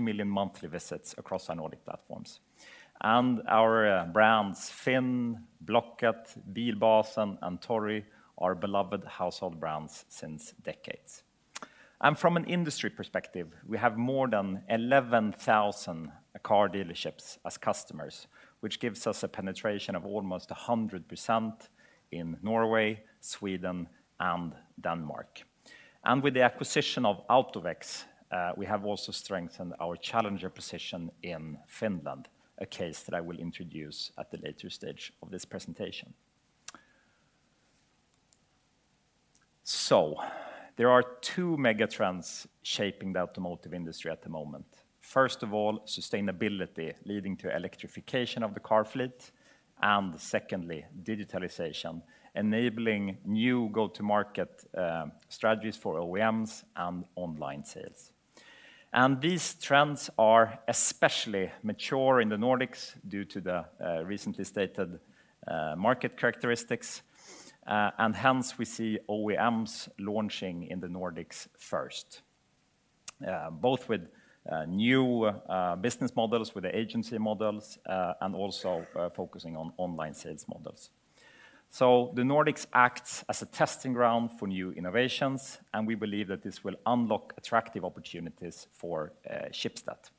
million monthly visits across our Nordic platforms. Our brands Finn, Blocket, Bilbasen, and Tori are beloved household brands since decades. From an industry perspective, we have more than 11,000 car dealerships as customers, which gives us a penetration of almost 100% in Norway, Sweden, and Denmark. With the acquisition of AutoVex, we have also strengthened our challenger position in Finland, a case that I will introduce at the later stage of this presentation. There are two megatrends shaping the automotive industry at the moment. First of all, sustainability leading to electrification of the car fleet, secondly, digitalization enabling new go-to-market strategies for OEMs and online sales. These trends are especially mature in the Nordics due to the recently stated market characteristics. Hence we see OEMs launching in the Nordics first, both with new business models, with the agency models, and also focusing on online sales models. The Nordics acts as a testing ground for new innovations, and we believe that this will unlock attractive opportunities for Schibsted.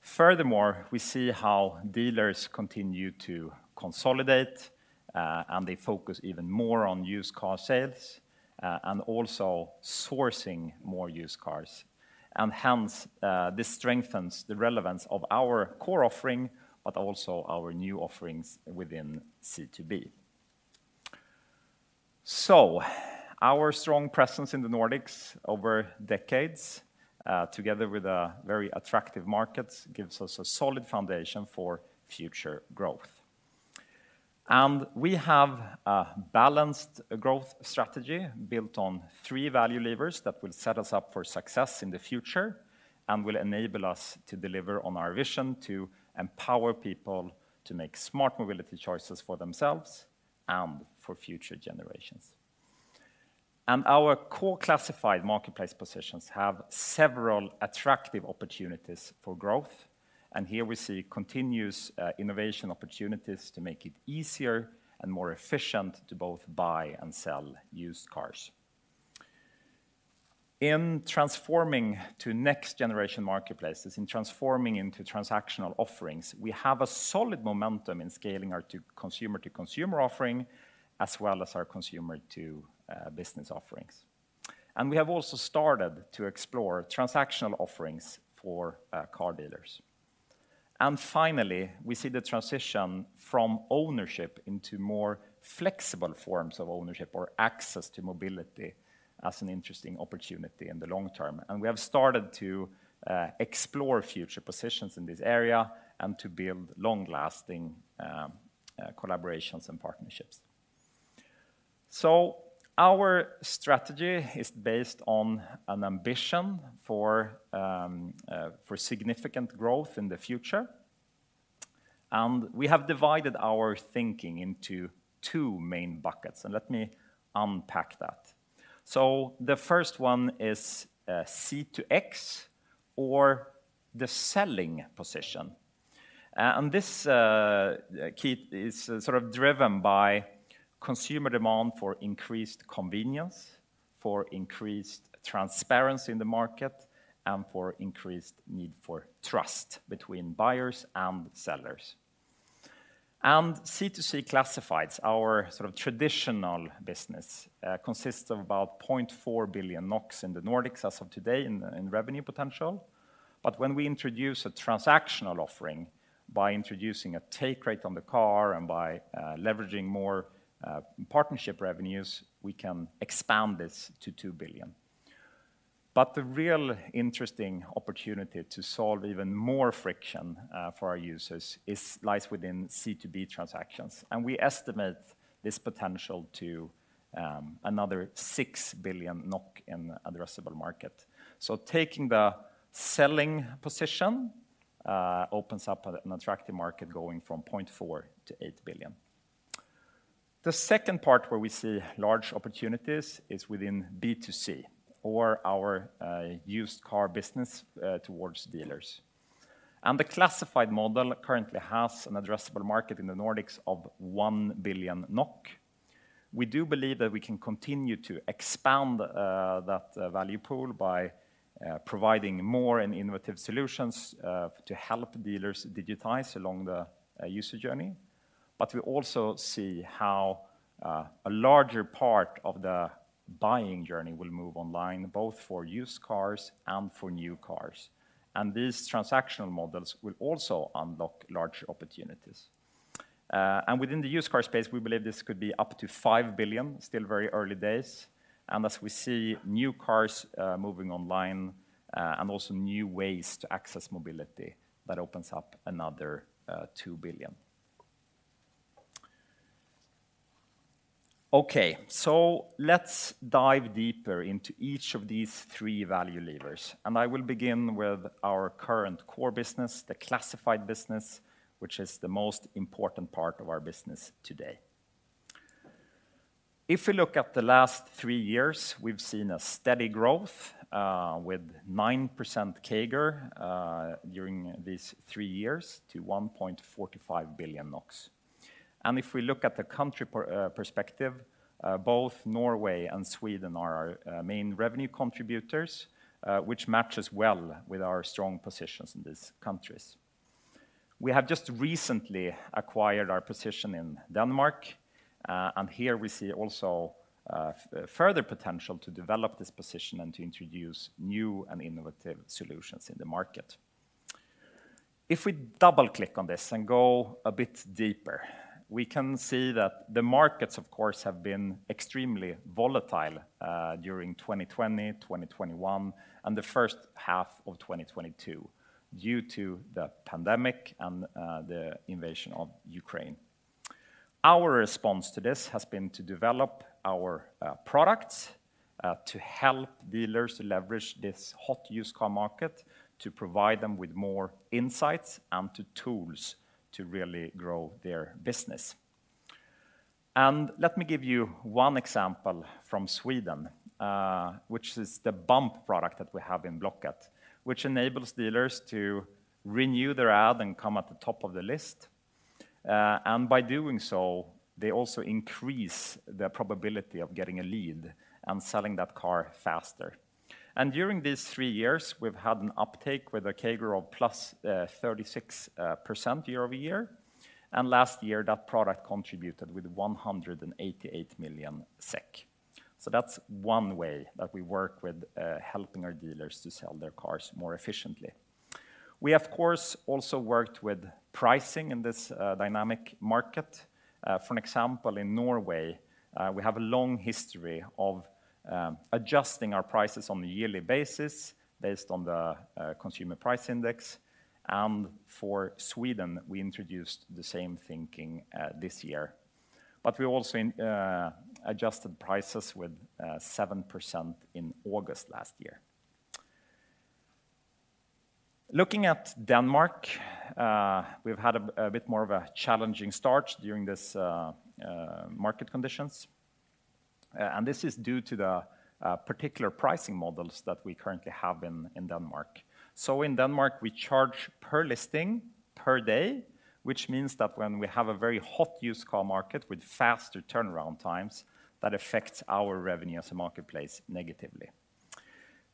Furthermore, we see how dealers continue to consolidate, and they focus even more on used car sales, and also sourcing more used cars. Hence, this strengthens the relevance of our core offering, but also our new offerings within C2B. Our strong presence in the Nordics over decades, together with very attractive markets, gives us a solid foundation for future growth. We have a balanced growth strategy built on three value levers that will set us up for success in the future and will enable us to deliver on our vision to empower people to make smart mobility choices for themselves and for future generations. Our core classified marketplace positions have several attractive opportunities for growth. Here we see continuous innovation opportunities to make it easier and more efficient to both buy and sell used cars. In transforming to next generation marketplaces, in transforming into transactional offerings, we have a solid momentum in scaling our consumer-to-consumer offering, as well as our consumer to business offerings. We have also started to explore transactional offerings for car dealers. Finally, we see the transition from ownership into more flexible forms of ownership or access to mobility as an interesting opportunity in the long term. We have started to explore future positions in this area and to build long-lasting collaborations and partnerships. Our strategy is based on an ambition for significant growth in the future. We have divided our thinking into two main buckets, and let me unpack that. The first one is C2X or the selling position. This key is sort of driven by consumer demand for increased convenience, for increased transparency in the market, and for increased need for trust between buyers and sellers. C2C classifieds, our sort of traditional business, consists of about 0.4 billion NOK in the Nordics as of today in revenue potential. When we introduce a transactional offering by introducing a take rate on the car and by leveraging more partnership revenues, we can expand this to 2 billion. The real interesting opportunity to solve even more friction for our users lies within C2B transactions, and we estimate this potential to another 6 billion NOK in addressable market. Taking the selling position opens up an attractive market going from 0.4 to 8 billion. The second part where we see large opportunities is within B2C or our used car business towards dealers. The classified model currently has an addressable market in the Nordics of 1 billion NOK. We do believe that we can continue to expand that value pool by providing more and innovative solutions to help dealers digitize along the user journey. We also see how a larger part of the buying journey will move online, both for used cars and for new cars. These transactional models will also unlock large opportunities. Within the used car space, we believe this could be up to 5 billion, still very early days. As we see new cars moving online, and also new ways to access mobility, that opens up another 2 billion. Let's dive deeper into each of these three value levers. I will begin with our current core business, the classified business, which is the most important part of our business today. If we look at the last three years, we've seen a steady growth with 9% CAGR during these three years to 1.45 billion NOK. If we look at the country perspective, both Norway and Sweden are our main revenue contributors, which matches well with our strong positions in these countries. We have just recently acquired our position in Denmark, and here we see also further potential to develop this position and to introduce new and innovative solutions in the market. If we double-click on this and go a bit deeper, we can see that the markets of course have been extremely volatile during 2020, 2021, and the first half of 2022 due to the pandemic and the invasion of Ukraine. Our response to this has been to develop our products to help dealers leverage this hot used car market, to provide them with more insights and to tools to really grow their business. Let me give you one example from Sweden, which is the bump product that we have in Blocket, which enables dealers to renew their ad and come at the top of the list. By doing so, they also increase the probability of getting a lead and selling that car faster. During these three years, we've had an uptake with a CAGR of +36% year-over-year. Last year, that product contributed with 188 million SEK. That's one way that we work with helping our dealers to sell their cars more efficiently. We of course also worked with pricing in this dynamic market. For an example, in Norway, we have a long history of adjusting our prices on a yearly basis based on the Consumer Price Index. For Sweden, we introduced the same thinking this year. We also adjusted prices with 7% in August last year. Looking at Denmark, we've had a bit more of a challenging start during this market conditions. This is due to the particular pricing models that we currently have in Denmark. In Denmark, we charge per listing per day, which means that when we have a very hot used car market with faster turnaround times, that affects our revenue as a marketplace negatively.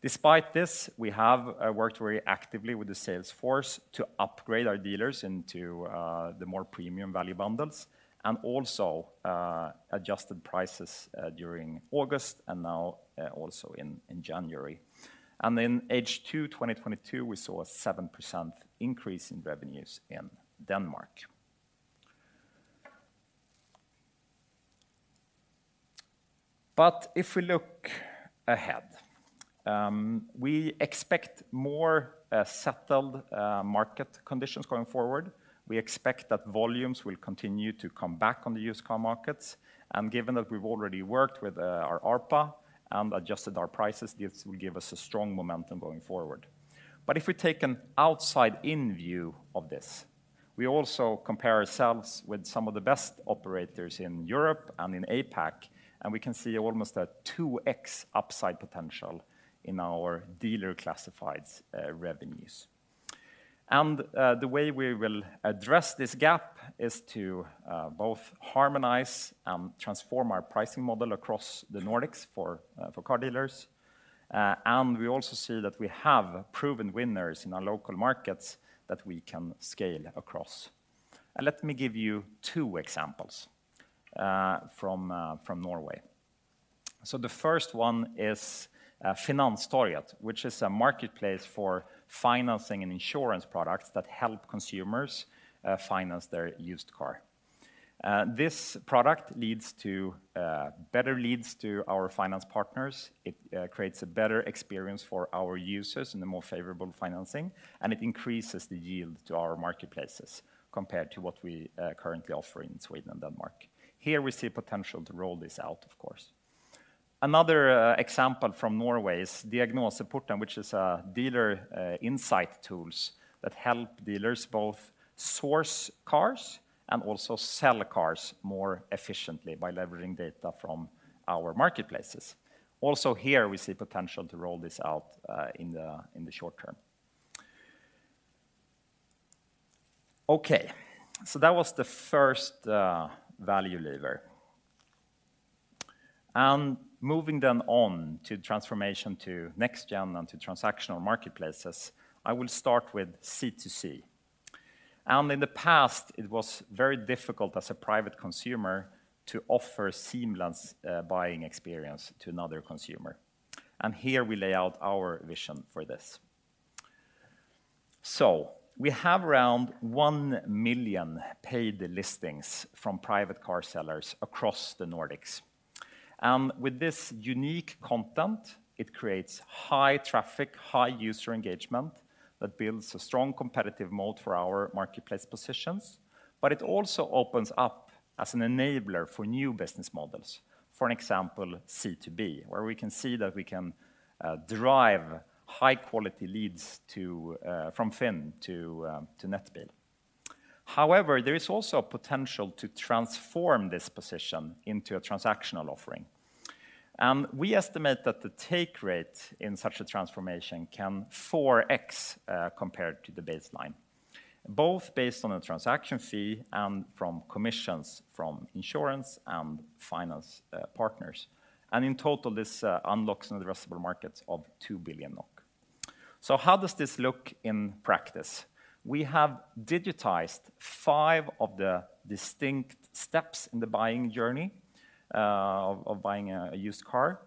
Despite this, we have worked very actively with the sales force to upgrade our dealers into the more premium value bundles, and also adjusted prices during August and now also in January. In H2 2022, we saw a 7% increase in revenues in Denmark. If we look ahead, we expect more settled market conditions going forward. We expect that volumes will continue to come back on the used car markets. Given that we've already worked with our ARPA and adjusted our prices, this will give us a strong momentum going forward. If we take an outside-in view of this, we also compare ourselves with some of the best operators in Europe and in APAC, and we can see almost a 2x upside potential in our dealer classifieds revenues. The way we will address this gap is to both harmonize and transform our pricing model across the Nordics for car dealers. We also see that we have proven winners in our local markets that we can scale across. Let me give you two examples from Norway. The first one is Finanstorget, which is a marketplace for financing and insurance products that help consumers finance their used car. This product leads to better leads to our finance partners. It creates a better experience for our users and a more favorable financing, and it increases the yield to our marketplaces compared to what we currently offer in Sweden and Denmark. Here we see potential to roll this out, of course. Another example from Norway is Diagnose Support, which is a dealer insight tools that help dealers both source cars and also sell cars more efficiently by leveraging data from our marketplaces. Also here, we see potential to roll this out in the short term. That was the first value lever. Moving then on to transformation to next-gen and to transactional marketplaces, I will start with C2C. In the past, it was very difficult as a private consumer to offer seamless buying experience to another consumer. Here we lay out our vision for this. We have around 1 million paid listings from private car sellers across the Nordics. With this unique content, it creates high traffic, high user engagement that builds a strong competitive moat for our marketplace positions. It also opens up as an enabler for new business models. For example, C2B, where we can see that we can drive high-quality leads to from Finn to Nettbil. However, there is also a potential to transform this position into a transactional offering. We estimate that the take rate in such a transformation can 4x compared to the baseline, both based on a transaction fee and from commissions from insurance and finance partners. In total, this unlocks an addressable markets of 2 billion NOK. How does this look in practice? We have digitized five of the distinct steps in the buying journey of buying a used car.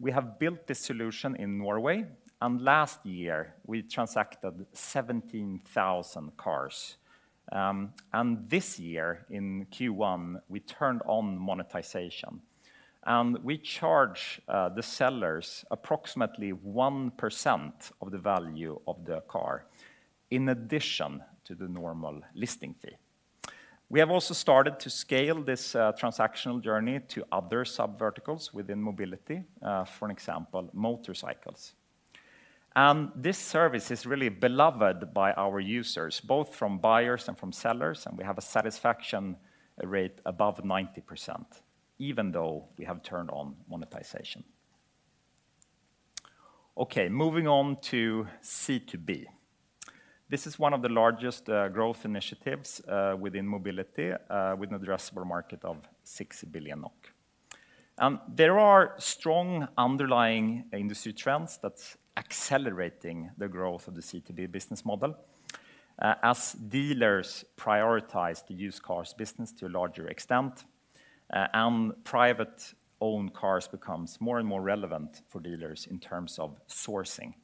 We have built this solution in Norway, and last year we transacted 17,000 cars. This year in Q1, we turned on monetization. We charge the sellers approximately 1% of the value of the car in addition to the normal listing fee. We have also started to scale this transactional journey to other subverticals within mobility, for an example, motorcycles. This service is really beloved by our users, both from buyers and from sellers, and we have a satisfaction rate above 90%, even though we have turned on monetization. Okay, moving on to C2B. This is one of the largest growth initiatives within mobility, with an addressable market of 6 billion NOK. There are strong underlying industry trends that's accelerating the growth of the C2B business model, as dealers prioritize the used cars business to a larger extent, and private-owned cars becomes more and more relevant for dealers in terms of sourcing.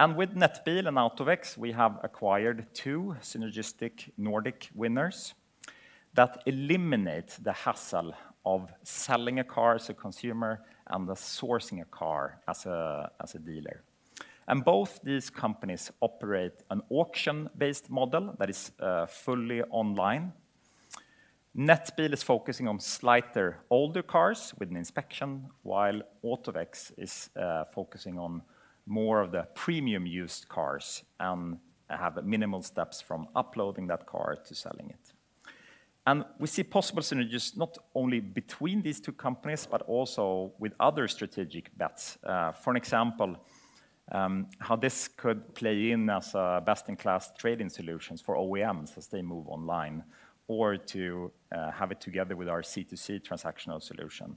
With Nettbil and AutoVex, we have acquired two synergistic Nordic winners that eliminate the hassle of selling a car as a consumer and the sourcing a car as a dealer. Both these companies operate an auction-based model that is fully online. Nettbill is focusing on slighter older cars with an inspection, while AutoVex is focusing on more of the premium used cars and have minimal steps from uploading that car to selling it. We see possible synergies not only between these two companies, but also with other strategic bets. For an example, how this could play in as a best-in-class trading solutions for OEMs as they move online or to have it together with our C2C transactional solution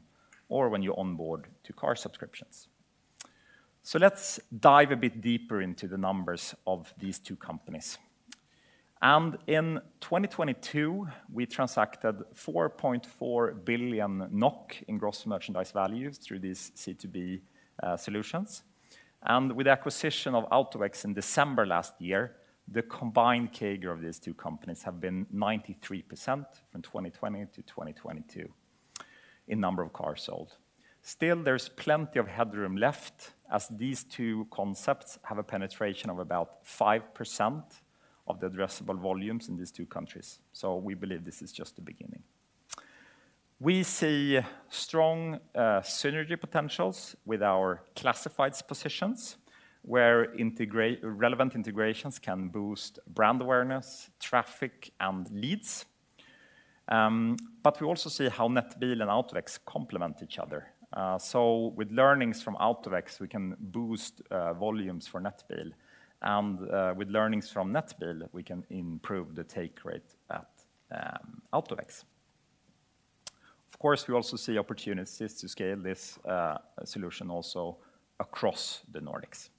or when you onboard to car subscriptions. Let's dive a bit deeper into the numbers of these two companies. In 2022, we transacted 4.4 billion NOK in gross merchandise values through these C2B solutions. With acquisition of AutoVex in December last year, the combined CAGR of these two companies have been 93% from 2020 to 2022 in number of cars sold. Still, there's plenty of headroom left as these two concepts have a penetration of about 5% of the addressable volumes in these two countries. We believe this is just the beginning. We see strong synergy potentials with our classifieds positions, where relevant integrations can boost brand awareness, traffic, and leads. We also see how Nettbil and AutoVex complement each other. With learnings from AutoVex, we can boost volumes for Nettbil. With learnings from Nettbil, we can improve the take rate at AutoVex. Of course, we also see opportunities to scale this solution also across the Nordics.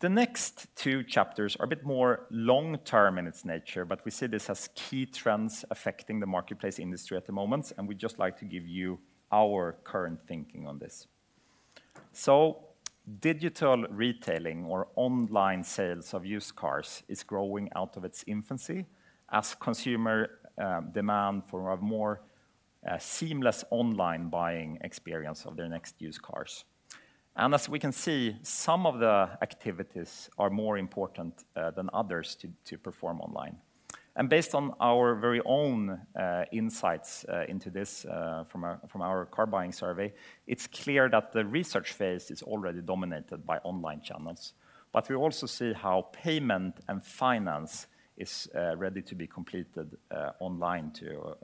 The next 2 chapters are a bit more long-term in its nature, but we see this as key trends affecting the marketplace industry at the moment, and we'd just like to give you our current thinking on this. Digital retailing or online sales of used cars is growing out of its infancy as consumer demand for a more seamless online buying experience of their next used cars. As we can see, some of the activities are more important than others to perform online. Based on our very own insights into this from our car buying survey, it's clear that the research phase is already dominated by online channels. We also see how payment and finance is ready to be completed online to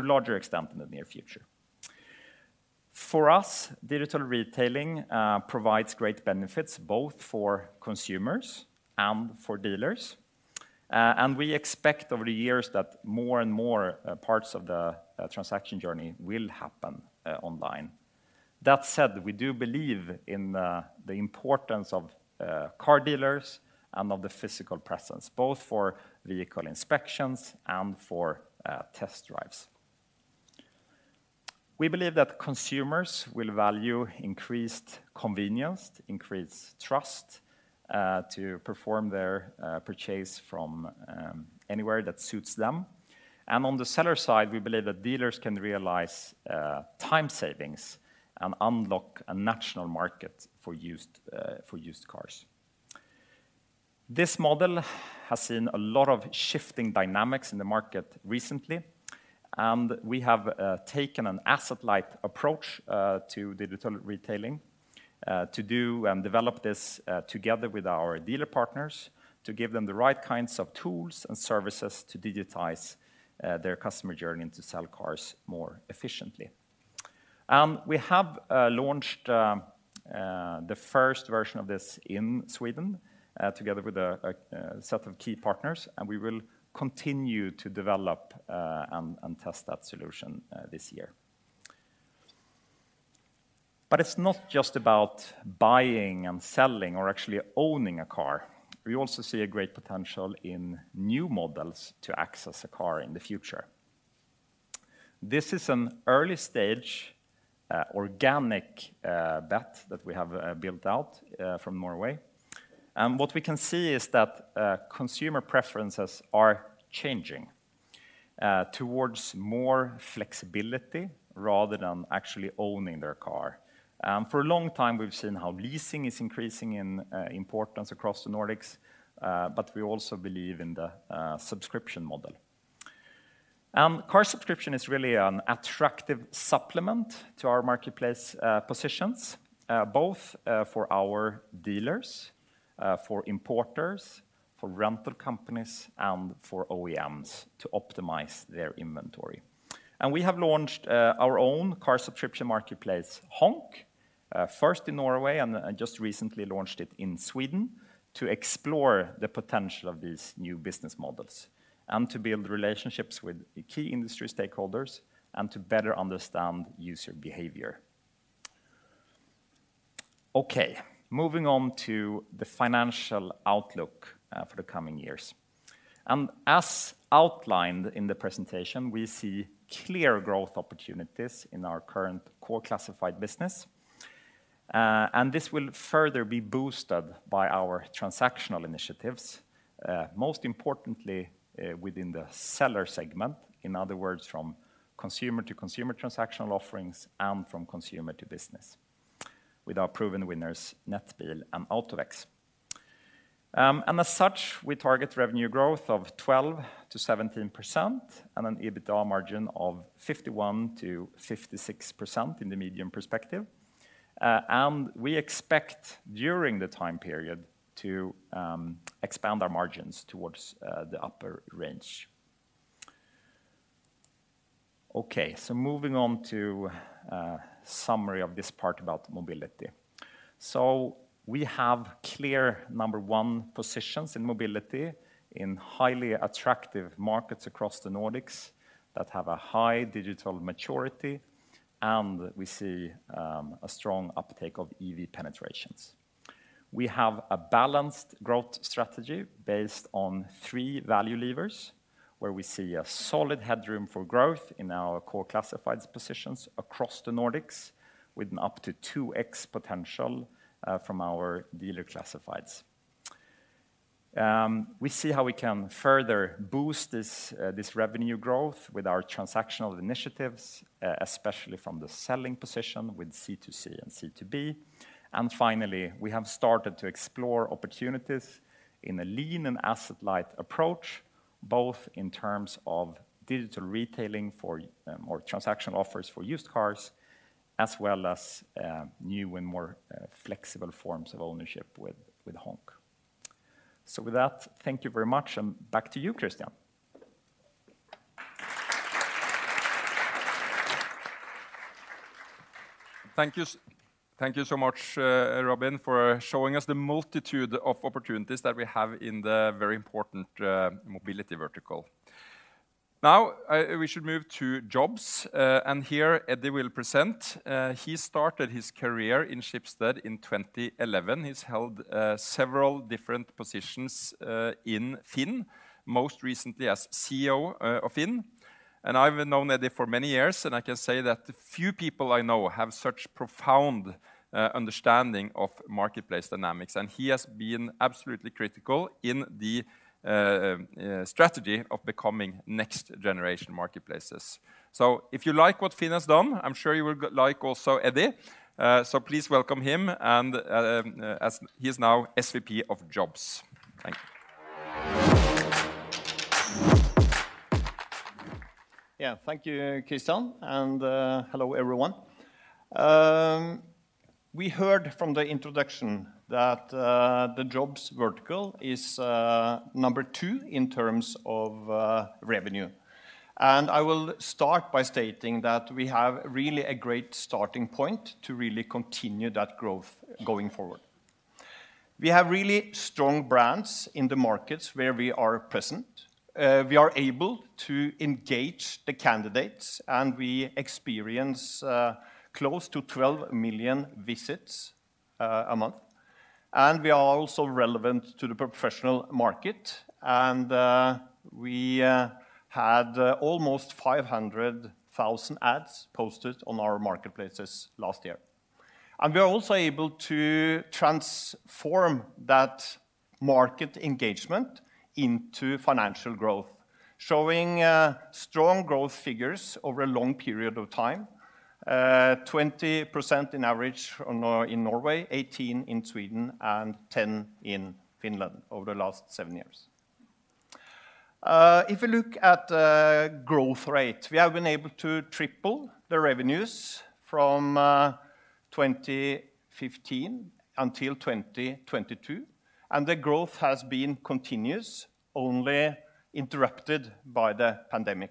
a larger extent in the near future. For us, digital retailing provides great benefits both for consumers and for dealers. We expect over the years that more and more parts of the transaction journey will happen online. That said, we do believe in the importance of car dealers and of the physical presence, both for vehicle inspections and for test drives. We believe that consumers will value increased convenience, increased trust, to perform their purchase from anywhere that suits them. On the seller side, we believe that dealers can realize time savings and unlock a national market for used cars. This model has seen a lot of shifting dynamics in the market recently. We have taken an asset-light approach to digital retailing to do and develop this together with our dealer partners to give them the right kinds of tools and services to digitize their customer journey and to sell cars more efficiently. We have launched the first version of this in Sweden together with a set of key partners. We will continue to develop and test that solution this year. It's not just about buying and selling or actually owning a car. We also see a great potential in new models to access a car in the future. This is an early-stage, organic bet that we have built out from Norway. What we can see is that consumer preferences are changing towards more flexibility rather than actually owning their car. For a long time we've seen how leasing is increasing in importance across the Nordics, but we also believe in the subscription model. Car subscription is really an attractive supplement to our marketplace positions both for our dealers, for importers, for rental companies, and for OEMs to optimize their inventory. We have launched our own car subscription marketplace, Honk, first in Norway and just recently launched it in Sweden to explore the potential of these new business models and to build relationships with key industry stakeholders and to better understand user behavior. Okay, moving on to the financial outlook for the coming years. As outlined in the presentation, we see clear growth opportunities in our current core classified business. This will further be boosted by our transactional initiatives, most importantly, within the seller segment, in other words, from consumer-to-consumer transactional offerings and from consumer to business with our proven winners, Nettbil and AutoVex. As such, we target revenue growth of 12%-17% and an EBITDA margin of 51%-56% in the medium perspective. We expect during the time period to expand our margins towards the upper range. Moving on to a summary of this part about mobility. We have clear number one positions in mobility in highly attractive markets across the Nordics that have a high digital maturity, and we see a strong uptake of EV penetrations. We have a balanced growth strategy based on three value levers, where we see a solid headroom for growth in our core classifieds positions across the Nordics with an up to 2x potential from our dealer classifieds. We see how we can further boost this revenue growth with our transactional initiatives, especially from the selling position with C2C and C2B. Finally, we have started to explore opportunities in a lean and asset-light approach, both in terms of digital retailing for transactional offers for used cars, as well as new and more flexible forms of ownership with Honk. With that, thank you very much, and back to you, Christian. Thank you thank you so much, Robin, for showing us the multitude of opportunities that we have in the very important mobility vertical. Now, we should move to jobs. Here Eddie will present. He started his career in Schibsted in 2011. He's held, several different positions, in FINN.no, most recently as CEO of FINN.no. I've known Eddie for many years, and I can say that the few people I know have such profound understanding of marketplace dynamics, and he has been absolutely critical in the strategy of becoming next generation marketplaces. If you like what FINN.no has done, I'm sure you will like also Eddie. Please welcome him and as he is now SVP of Jobs. Thank you. Yeah. Thank you, Christian, and hello, everyone. We heard from the introduction that the jobs vertical is number two in terms of revenue. I will start by stating that we have really a great starting point to really continue that growth going forward. We have really strong brands in the markets where we are present. We are able to engage the candidates, and we experience close to 12 million visits a month. We are also relevant to the professional market, and we had almost 500,000 ads posted on our marketplaces last year. We are also able to transform that market engagement into financial growth, showing strong growth figures over a long period of time, 20% in average in Norway, 18% in Sweden, and 10% in Finland over the last seven years. If you look at growth rate, we have been able to triple the revenues from 2015 until 2022, and the growth has been continuous, only interrupted by the pandemic.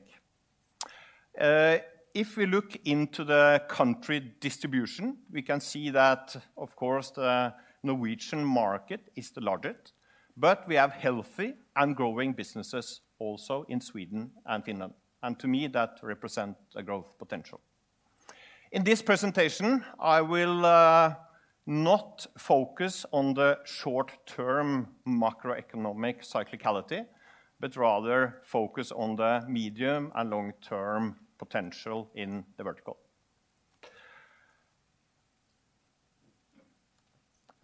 If we look into the country distribution, we can see that, of course, the Norwegian market is the largest, but we have healthy and growing businesses also in Sweden and Finland, and to me, that represent a growth potential. In this presentation, I will not focus on the short-term macroeconomic cyclicality but rather focus on the medium and long-term potential in the vertical.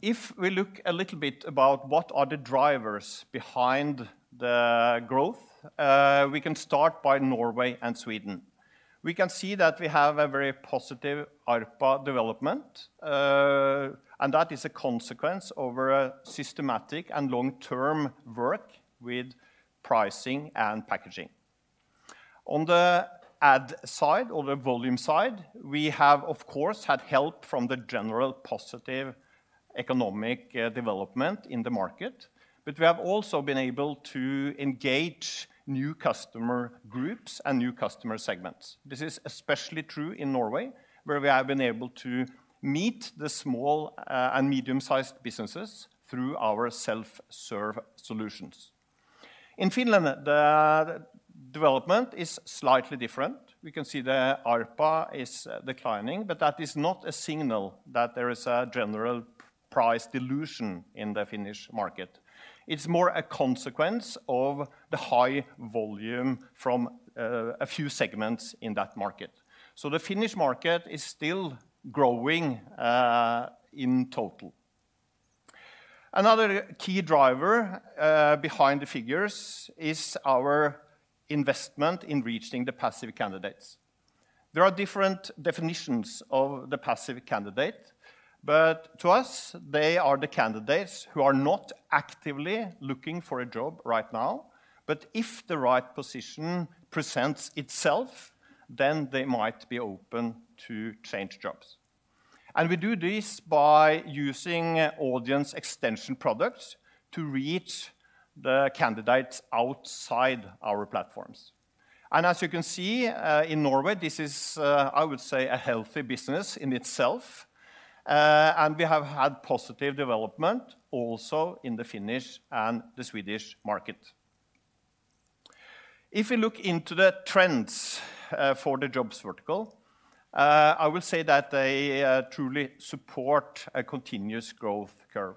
If we look a little bit about what are the drivers behind the growth, we can start by Norway and Sweden. We can see that we have a very positive ARPA development, and that is a consequence of a systematic and long-term work with pricing and packaging. On the ad side or the volume side, we have, of course, had help from the general positive economic development in the market, but we have also been able to engage new customer groups and new customer segments. This is especially true in Norway, where we have been able to meet the small and medium-sized businesses through our self-serve solutions. In Finland, the development is slightly different. We can see the ARPA is declining, but that is not a signal that there is a general price dilution in the Finnish market. It's more a consequence of the high volume from a few segments in that market. The Finnish market is still growing in total. Another key driver behind the figures is our investment in reaching the passive candidates. There are different definitions of the passive candidate, but to us, they are the candidates who are not actively looking for a job right now. If the right position presents itself, then they might be open to change jobs. We do this by using audience extension products to reach the candidates outside our platforms. As you can see, in Norway, this is, I would say, a healthy business in itself, and we have had positive development also in the Finnish and the Swedish market. If you look into the trends for the jobs vertical, I will say that they truly support a continuous growth curve.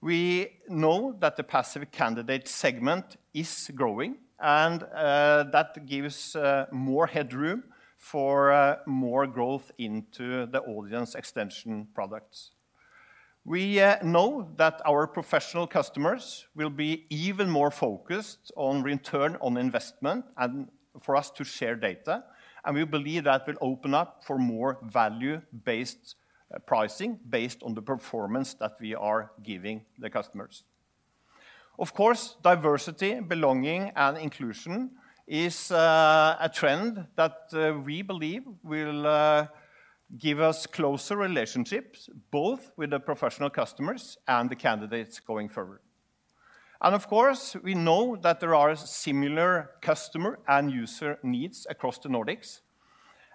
We know that the passive candidate segment is growing, and that gives more headroom for more growth into the audience extension products. We know that our professional customers will be even more focused on return on investment and for us to share data, and we believe that will open up for more value-based pricing based on the performance that we are giving the customers. Of course, diversity, belonging, and inclusion is a trend that we believe will give us closer relationships, both with the professional customers and the candidates going forward. Of course, we know that there are similar customer and user needs across the Nordics.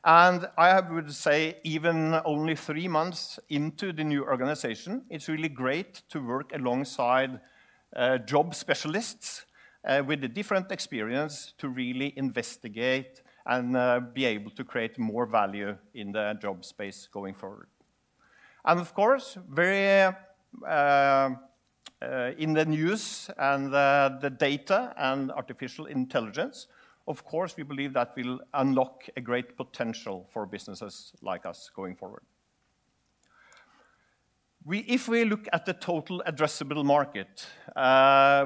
I would say even only three months into the new organization, it's really great to work alongside job specialists with a different experience to really investigate and be able to create more value in the job space going forward. Of course, very in the news and the data and artificial intelligence, of course, we believe that will unlock a great potential for businesses like us going forward. If we look at the total addressable market,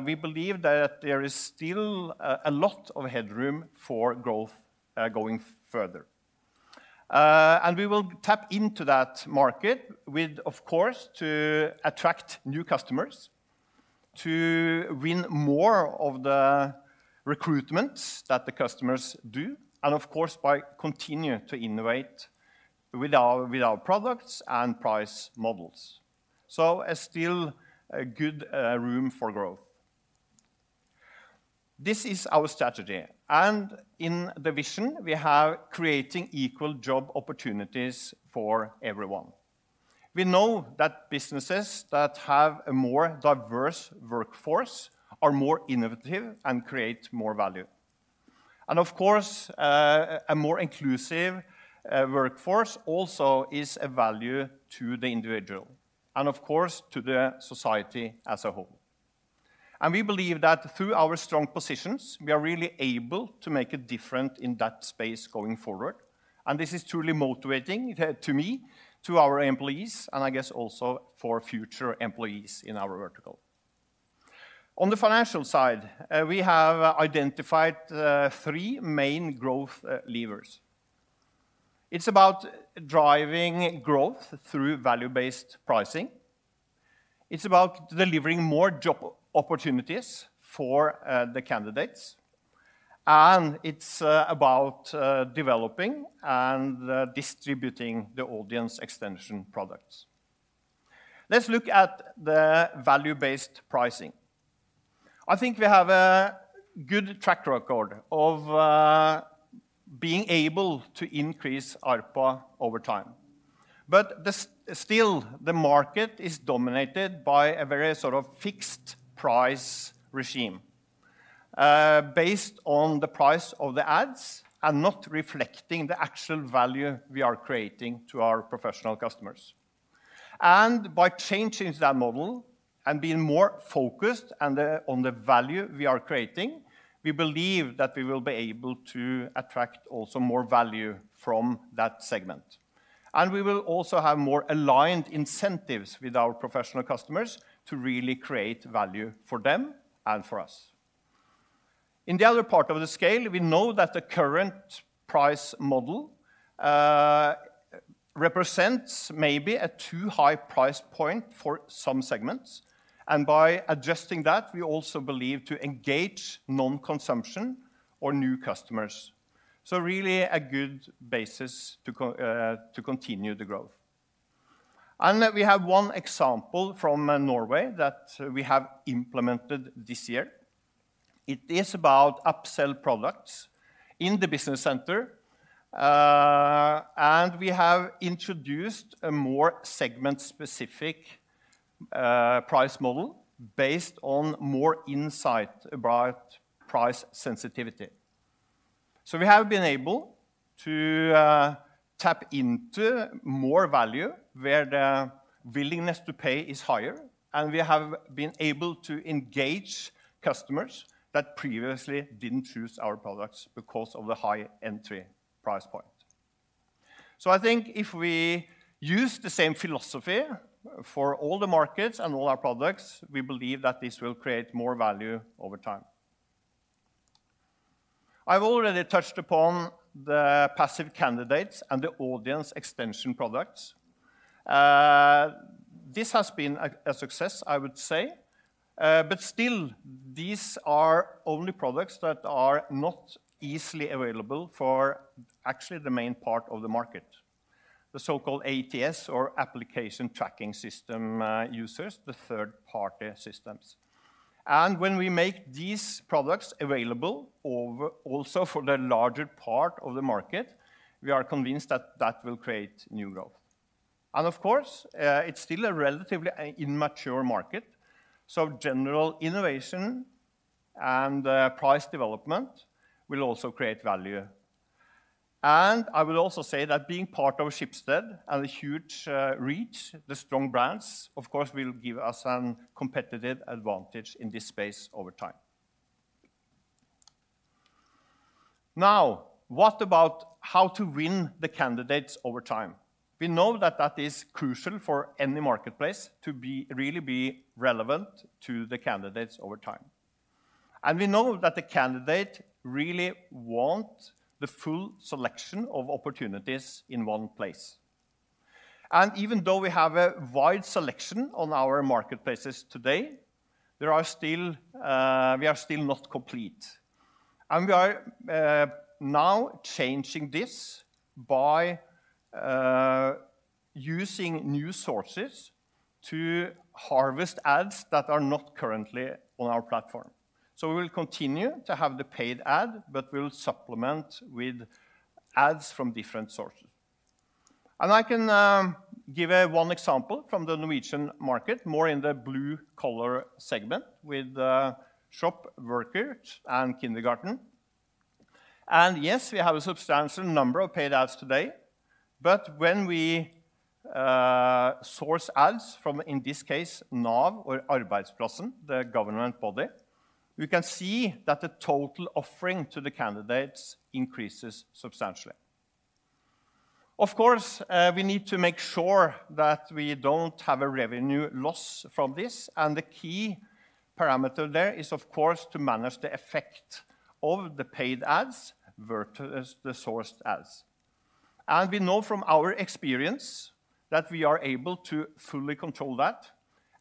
we believe that there is still a lot of headroom for growth going further. We will tap into that market with, of course, to attract new customers, to win more of the recruitments that the customers do, and of course, by continuing to innovate with our products and price models. Is still a good room for growth. This is our strategy, and in the vision we have creating equal job opportunities for everyone. We know that businesses that have a more diverse workforce are more innovative and create more value. And of course, a more inclusive workforce also is a value to the individual and of course to the society as a whole. We believe that through our strong positions, we are really able to make a difference in that space going forward. This is truly motivating to me, to our employees, and I guess also for future employees in our vertical. On the financial side, we have identified three main growth levers. It is about driving growth through value-based pricing, it is about delivering more job opportunities for the candidates, and it is about developing and distributing the audience extension products. Let's look at the value-based pricing. I think we have a good track record of being able to increase ARPA over time. Still the market is dominated by a very sort of fixed price regime, based on the price of the ads and not reflecting the actual value we are creating to our professional customers. By changing that model and being more focused on the value we are creating, we believe that we will be able to attract also more value from that segment. We will also have more aligned incentives with our professional customers to really create value for them and for us. In the other part of the scale, we know that the current price model represents maybe a too high price point for some segments, and by adjusting that, we also believe to engage non-consumption or new customers. Really a good basis to continue the growth. We have one example from Norway that we have implemented this year. It is about upsell products in the business center, and we have introduced a more segment-specific price model based on more insight about price sensitivity. We have been able to tap into more value where the willingness to pay is higher, and we have been able to engage customers that previously didn't choose our products because of the high entry price point. I think if we use the same philosophy for all the markets and all our products, we believe that this will create more value over time. I've already touched upon the passive candidates and the audience extension products. This has been a success, I would say. But still these are only products that are not easily available for actually the main part of the market, the so-called ATS or application tracking system, users, the third-party systems. When we make these products available also for the larger part of the market, we are convinced that that will create new growth. Of course, it's still a relatively immature market, so general innovation and price development will also create value. I will also say that being part of Schibsted and the huge reach, the strong brands, of course, will give us an competitive advantage in this space over time. Now, what about how to win the candidates over time? We know that that is crucial for any marketplace to be really be relevant to the candidates over time. We know that the candidate really want the full selection of opportunities in one place. Even though we have a wide selection on our marketplaces today, there are still, we are still not complete. We are now changing this by using new sources to harvest ads that are not currently on our platform. We will continue to have the paid ad, but we'll supplement with ads from different sources. I can give one example from the Norwegian market, more in the blue-collar segment with the shop workers and kindergarten. Yes, we have a substantial number of paid ads today, but when we source ads from, in this case, NAV or arbeidsplassen.no, the government body, you can see that the total offering to the candidates increases substantially. Of course, we need to make sure that we don't have a revenue loss from this. The key parameter there is of course to manage the effect of the paid ads versus the sourced ads. We know from our experience that we are able to fully control that,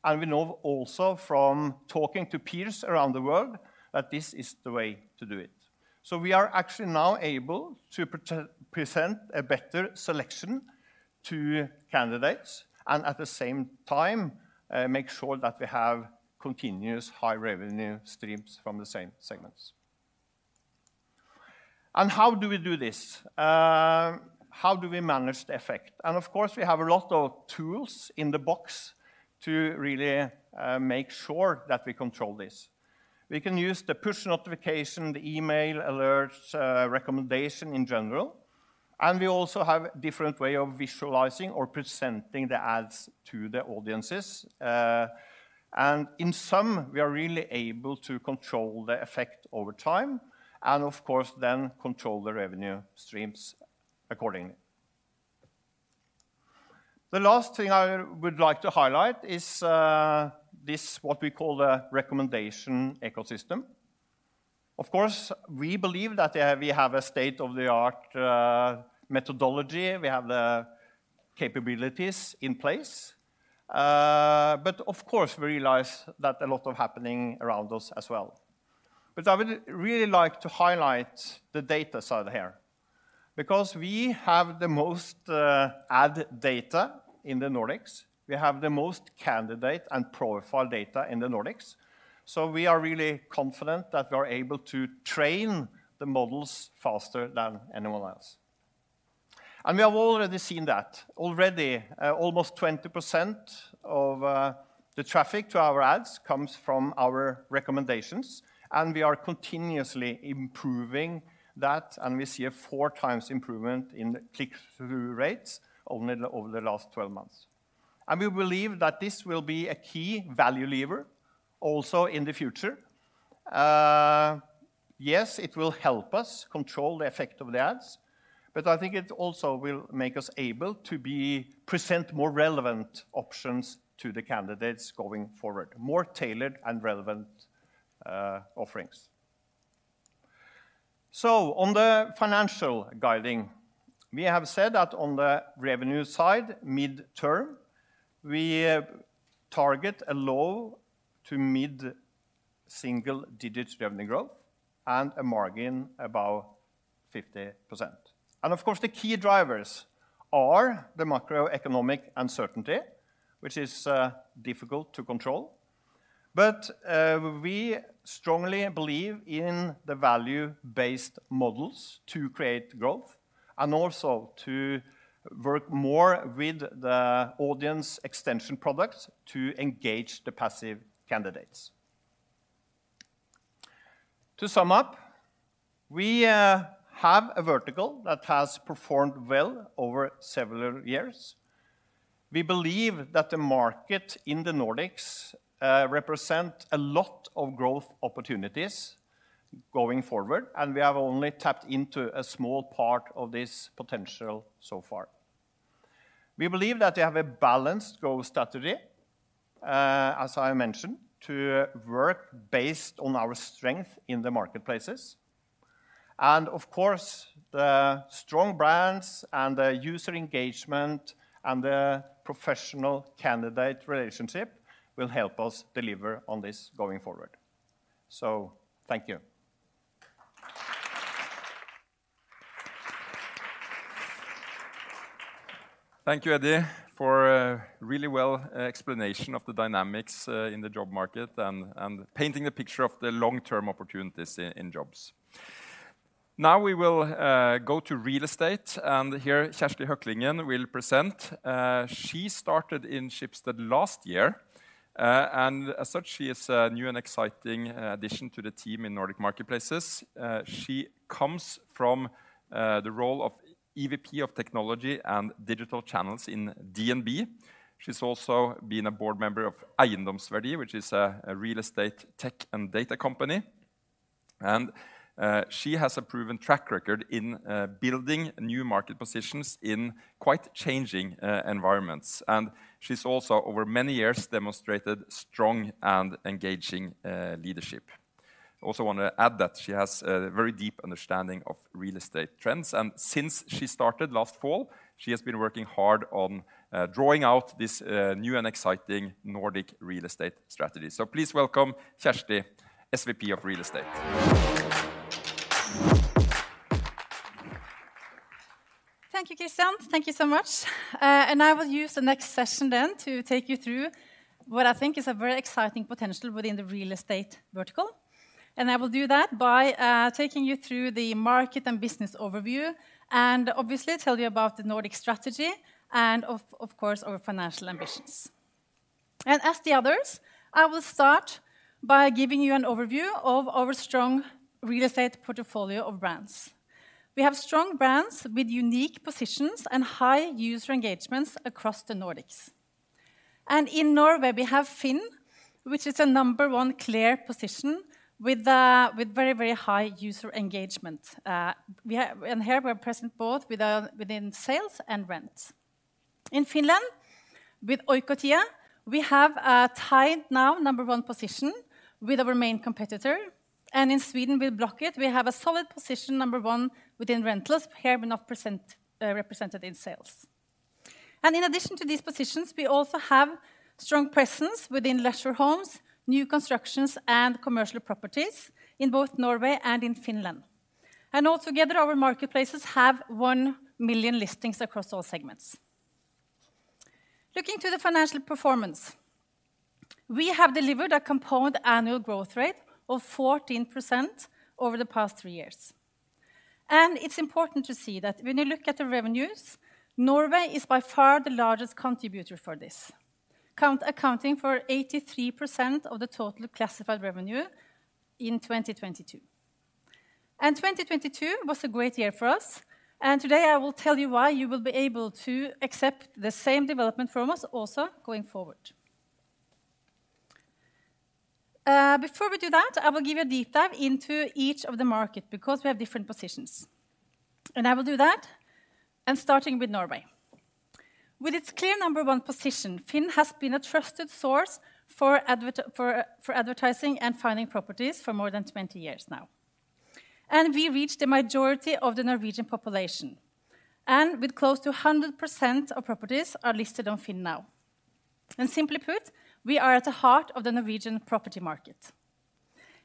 and we know also from talking to peers around the world that this is the way to do it. We are actually now able to pre-present a better selection to candidates and at the same time, make sure that we have continuous high revenue streams from the same segments. How do we do this? How do we manage the effect? Of course, we have a lot of tools in the box to really, make sure that we control this. We can use the push notification, the email alerts, recommendation in general. We also have different way of visualizing or presenting the ads to the audiences. In sum, we are really able to control the effect over time and of course then control the revenue streams accordingly. The last thing I would like to highlight is this, what we call a recommendation ecosystem. Of course, we believe that we have a state-of-the-art methodology. We have the capabilities in place. Of course we realize that a lot of happening around us as well. I would really like to highlight the data side here, because we have the most ad data in the Nordics. We have the most candidate and profile data in the Nordics, so we are really confident that we are able to train the models faster than anyone else. We have already seen that. Already, almost 20% of the traffic to our ads comes from our recommendations, and we are continuously improving that, and we see a four times improvement in click-through rates only over the last 12 months. We believe that this will be a key value lever also in the future. Yes, it will help us control the effect of the ads, but I think it also will make us able to present more relevant options to the candidates going forward, more tailored and relevant offerings. On the financial guiding, we have said that on the revenue side, midterm, we target a low to mid single-digit revenue growth and a margin above 50%. Of course, the key drivers are the macroeconomic uncertainty, which is difficult to control. We strongly believe in the value-based models to create growth and also to work more with the audience extension products to engage the passive candidates. To sum up, we have a vertical that has performed well over several years. We believe that the market in the Nordics represent a lot of growth opportunities going forward, and we have only tapped into a small part of this potential so far. We believe that we have a balanced growth strategy, as I mentioned, to work based on our strength in the marketplaces. Of course, the strong brands and the user engagement and the professional candidate relationship will help us deliver on this going forward. Thank you. Thank you, Eddie, for a really well explanation of the dynamics in the job market and painting the picture of the long-term opportunities in jobs. Now we will go to real estate, and here Kjersti Høklingen will present. She started in Schibsted last year, and as such, she is a new and exciting addition to the team in Nordic Marketplaces. She comes from the role of EVP of Technology and Digital Channels in DNB. She's also been a board member of Eiendomsverdi, which is a real estate tech and data company. She has a proven track record in building new market positions in quite changing environments. She's also over many years demonstrated strong and engaging leadership. Wanna add that she has a very deep understanding of real estate trends. Since she started last fall, she has been working hard on drawing out this new and exciting Nordic real estate strategy. Please welcome Kjersti, SVP of Real Estate. Thank you, Christian. Thank you so much. I will use the next session then to take you through what I think is a very exciting potential within the real estate vertical. I will do that by taking you through the market and business overview, and obviously tell you about the Nordic strategy and of course, our financial ambitions. As the others, I will start by giving you an overview of our strong real estate portfolio of brands. We have strong brands with unique positions and high user engagements across the Nordics. In Norway, we have FINN.no, which is a number one clear position with very, very high user engagement. Here we are present both with, within sales and rent. In Finland, with Oikotie.fi, we have a tied now number one position with our main competitor, and in Sweden, with Blocket, we have a solid position number one within rentals, here we're not present, represented in sales. In addition to these positions, we also have strong presence within leisure homes, new constructions, and commercial properties in both Norway and in Finland. Altogether, our marketplaces have 1 million listings across all segments. Looking to the financial performance, we have delivered a compound annual growth rate of 14% over the past three years. It's important to see that when you look at the revenues, Norway is by far the largest contributor for this. Accounting for 83% of the total classified revenue in 2022. 2022 was a great year for us. Today I will tell you why you will be able to accept the same development from us also going forward. Before we do that, I will give you a deep dive into each of the market, because we have different positions. I will do that, starting with Norway. With its clear number one position, FINN.no has been a trusted source for advertising and finding properties for more than 20 years now. We reach the majority of the Norwegian population, and with close to 100% of properties are listed on FINN.no now. Simply put, we are at the heart of the Norwegian property market.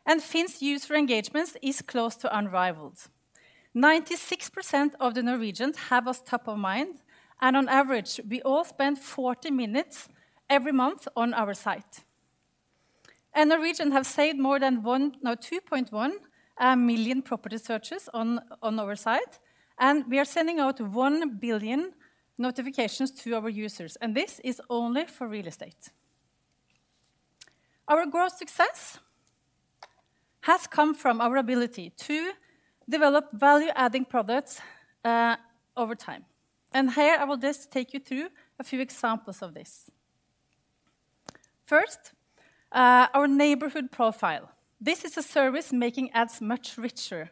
FINN.no's user engagements is close to unrivaled. 96% of the Norwegians have us top of mind. On average, we all spend 40 minutes every month on our site. Norwegians have saved more than 2.1 million property searches on our site. We are sending out 1 billion notifications to our users. This is only for real estate. Our growth success has come from our ability to develop value-adding products over time. Here I will just take you through a few examples of this. First, our neighborhood profile. This is a service making ads much richer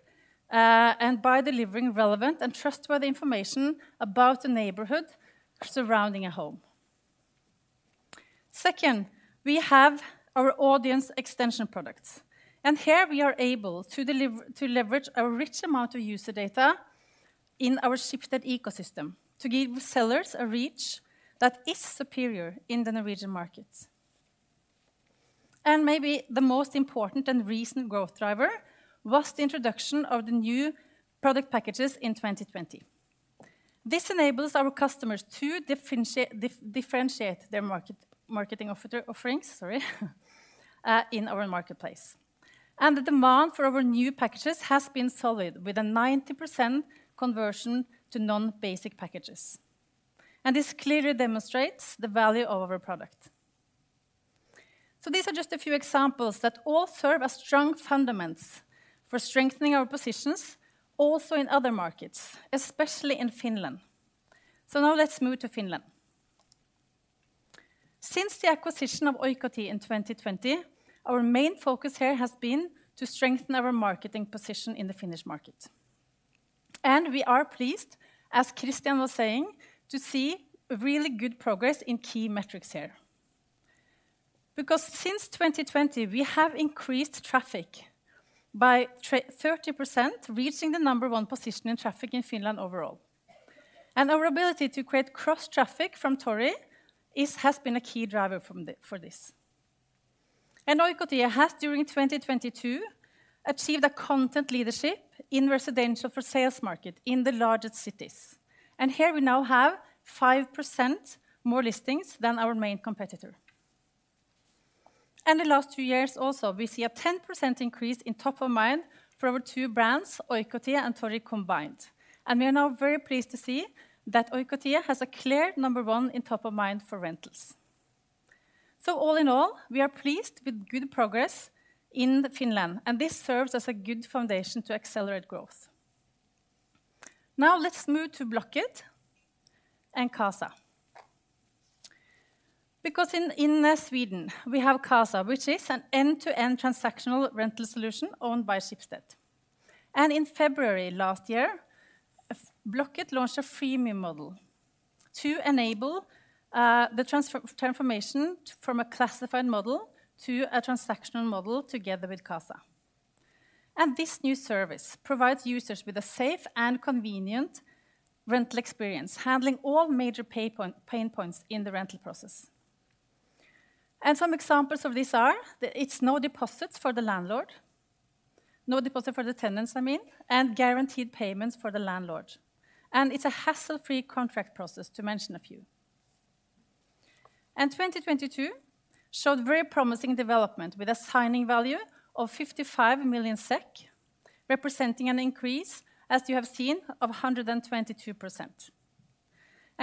by delivering relevant and trustworthy information about the neighborhood surrounding a home. Second, we have our audience extension products. Here we are able to leverage our rich amount of user data in our Schibsted ecosystem to give sellers a reach that is superior in the Norwegian market. Maybe the most important and recent growth driver was the introduction of the new product packages in 2020. This enables our customers to differentiate their marketing offerings, sorry, in our marketplace. The demand for our new packages has been solid, with a 90% conversion to non-basic packages. This clearly demonstrates the value of our product. These are just a few examples that all serve as strong fundamentals for strengthening our positions, also in other markets, especially in Finland. Now let's move to Finland. Since the acquisition of Oikotie.fi in 2020, our main focus here has been to strengthen our marketing position in the Finnish market. We are pleased, as Christian was saying, to see really good progress in key metrics here. Since 2020, we have increased traffic by 30%, reaching the number one position in traffic in Finland overall. Our ability to create cross-traffic from Tori has been a key driver for this. Oikotie.fi has, during 2022, achieved a content leadership in residential for sales market in the largest cities. Here we now have 5% more listings than our main competitor. The last two years also, we see a 10% increase in top of mind for our two brands, Oikotie.fi and Tori combined. We are now very pleased to see that Oikotie.fi has a clear number one in top of mind for rentals. All in all, we are pleased with good progress in Finland, and this serves as a good foundation to accelerate growth. Now let's move to Blocket and Qasa. In Sweden, we have Qasa, which is an end-to-end transactional rental solution owned by Schibsted. In February last year, Blocket launched a freemium model to enable the transformation from a classified model to a transactional model together with Qasa. This new service provides users with a safe and convenient rental experience, handling all major pain points in the rental process. Some examples of this are that it's no deposits for the landlord, no deposit for the tenants, I mean, and guaranteed payments for the landlord. It's a hassle-free contract process, to mention a few. 2022 showed very promising development, with a signing value of 55 million SEK, representing an increase, as you have seen, of 122%.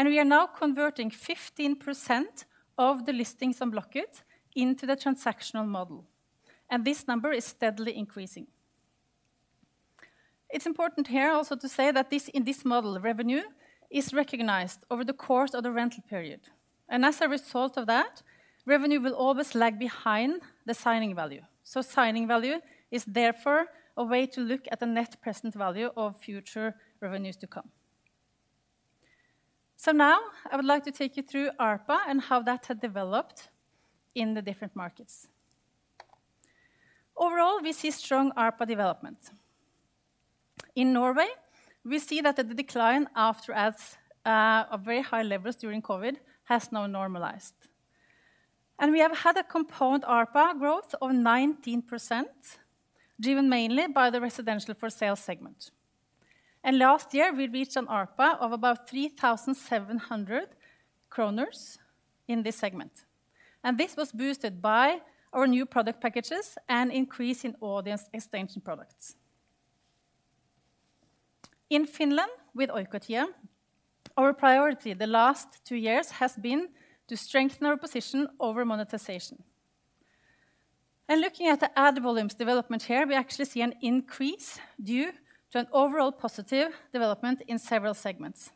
We are now converting 15% of the listings on Blocket into the transactional model. This number is steadily increasing. It's important here also to say that this, in this model, revenue is recognized over the course of the rental period. As a result of that, revenue will always lag behind the signing value. Signing value is therefore a way to look at the net present value of future revenues to come. Now I would like to take you through ARPA and how that has developed in the different markets. Overall, we see strong ARPA development. In Norway, we see that the decline after ads of very high levels during COVID has now normalized. We have had a compound ARPA growth of 19%, driven mainly by the residential for sale segment. Last year, we reached an ARPA of about 3,700 kroner in this segment. This was boosted by our new product packages and increase in audience extension products. In Finland, with Oikotie.fi, our priority the last two years has been to strengthen our position over monetization. Looking at the ad volumes development here, we actually see an increase due to an overall positive development in several segments.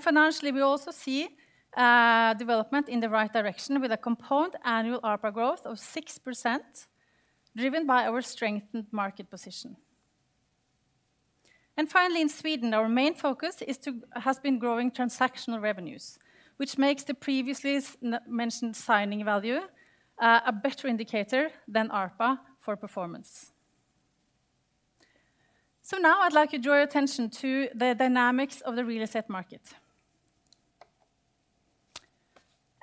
Financially, we also see development in the right direction with a compound annual ARPA growth of 6% driven by our strengthened market position. Finally, in Sweden, our main focus has been growing transactional revenues, which makes the previously mentioned signing value a better indicator than ARPA for performance. Now I'd like to draw your attention to the dynamics of the real estate market.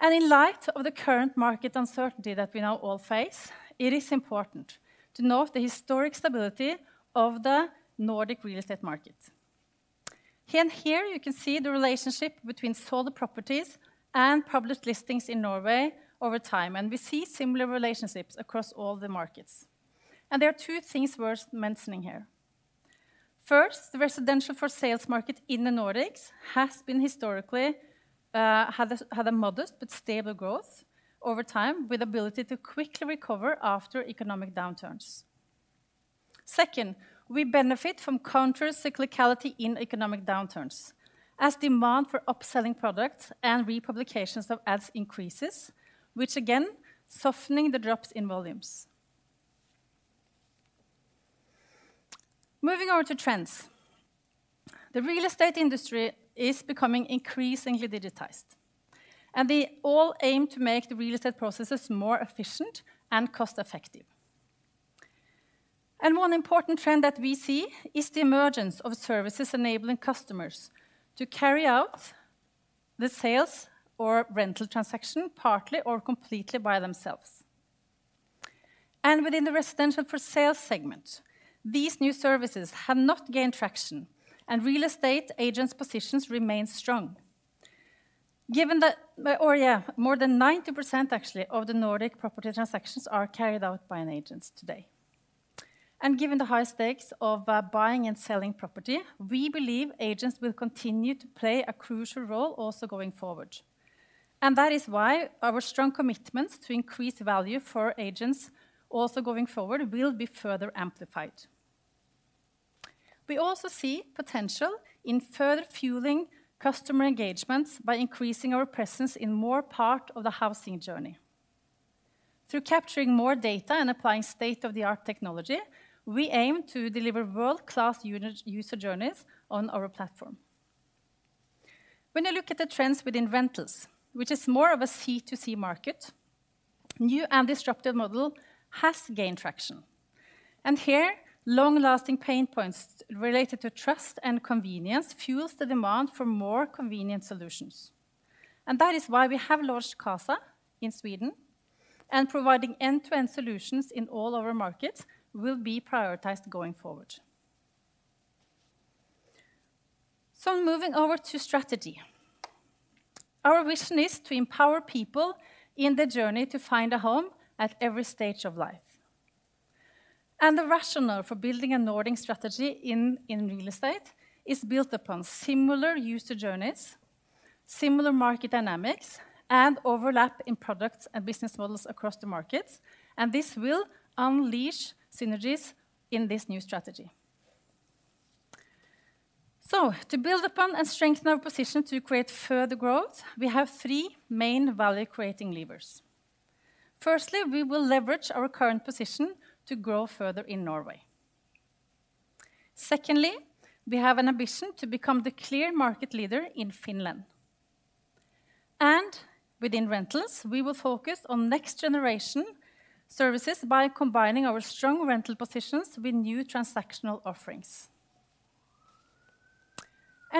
In light of the current market uncertainty that we now all face, it is important to note the historic stability of the Nordic real estate market. Here you can see the relationship between sold properties and published listings in Norway over time, and we see similar relationships across all the markets. There are two things worth mentioning here. First, the residential for sales market in the Nordics has been historically had a modest but stable growth over time with ability to quickly recover after economic downturns. Second, we benefit from counter cyclicality in economic downturns as demand for upselling products and republications of ads increases, which again, softening the drops in volumes. Moving on to trends. The real estate industry is becoming increasingly digitized, and they all aim to make the real estate processes more efficient and cost-effective. One important trend that we see is the emergence of services enabling customers to carry out the sales or rental transaction partly or completely by themselves. Within the residential for sale segment, these new services have not gained traction, and real estate agents' positions remain strong. Oh, yeah. More than 90% actually of the Nordic property transactions are carried out by an agent today. Given the high stakes of buying and selling property, we believe agents will continue to play a crucial role also going forward. That is why our strong commitments to increase value for agents also going forward will be further amplified. We also see potential in further fueling customer engagements by increasing our presence in more part of the housing journey. Through capturing more data and applying state-of-the-art technology, we aim to deliver world-class user journeys on our platform. When you look at the trends within rentals, which is more of a C2C market, new and disruptive model has gained traction. Here, long-lasting pain points related to trust and convenience fuels the demand for more convenient solutions. That is why we have launched Qasa in Sweden, and providing end-to-end solutions in all our markets will be prioritized going forward. Moving over to strategy. Our vision is to empower people in their journey to find a home at every stage of life. The rationale for building a Nordic strategy in real estate is built upon similar user journeys, similar market dynamics, and overlap in products and business models across the markets. This will unleash synergies in this new strategy. To build upon and strengthen our position to create further growth, we have three main value-creating levers. Firstly, we will leverage our current position to grow further in Norway. Secondly, we have an ambition to become the clear market leader in Finland. Within rentals, we will focus on next-generation services by combining our strong rental positions with new transactional offerings.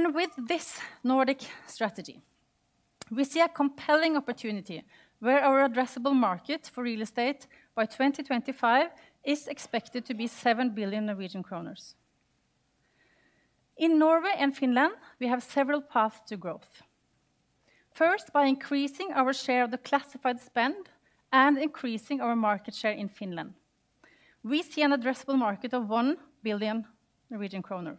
With this Nordic strategy, we see a compelling opportunity where our addressable market for real estate by 2025 is expected to be 7 billion Norwegian kroner. In Norway and Finland, we have several paths to growth. First, by increasing our share of the classified spend and increasing our market share in Finland, we see an addressable market of 1 billion Norwegian kroner.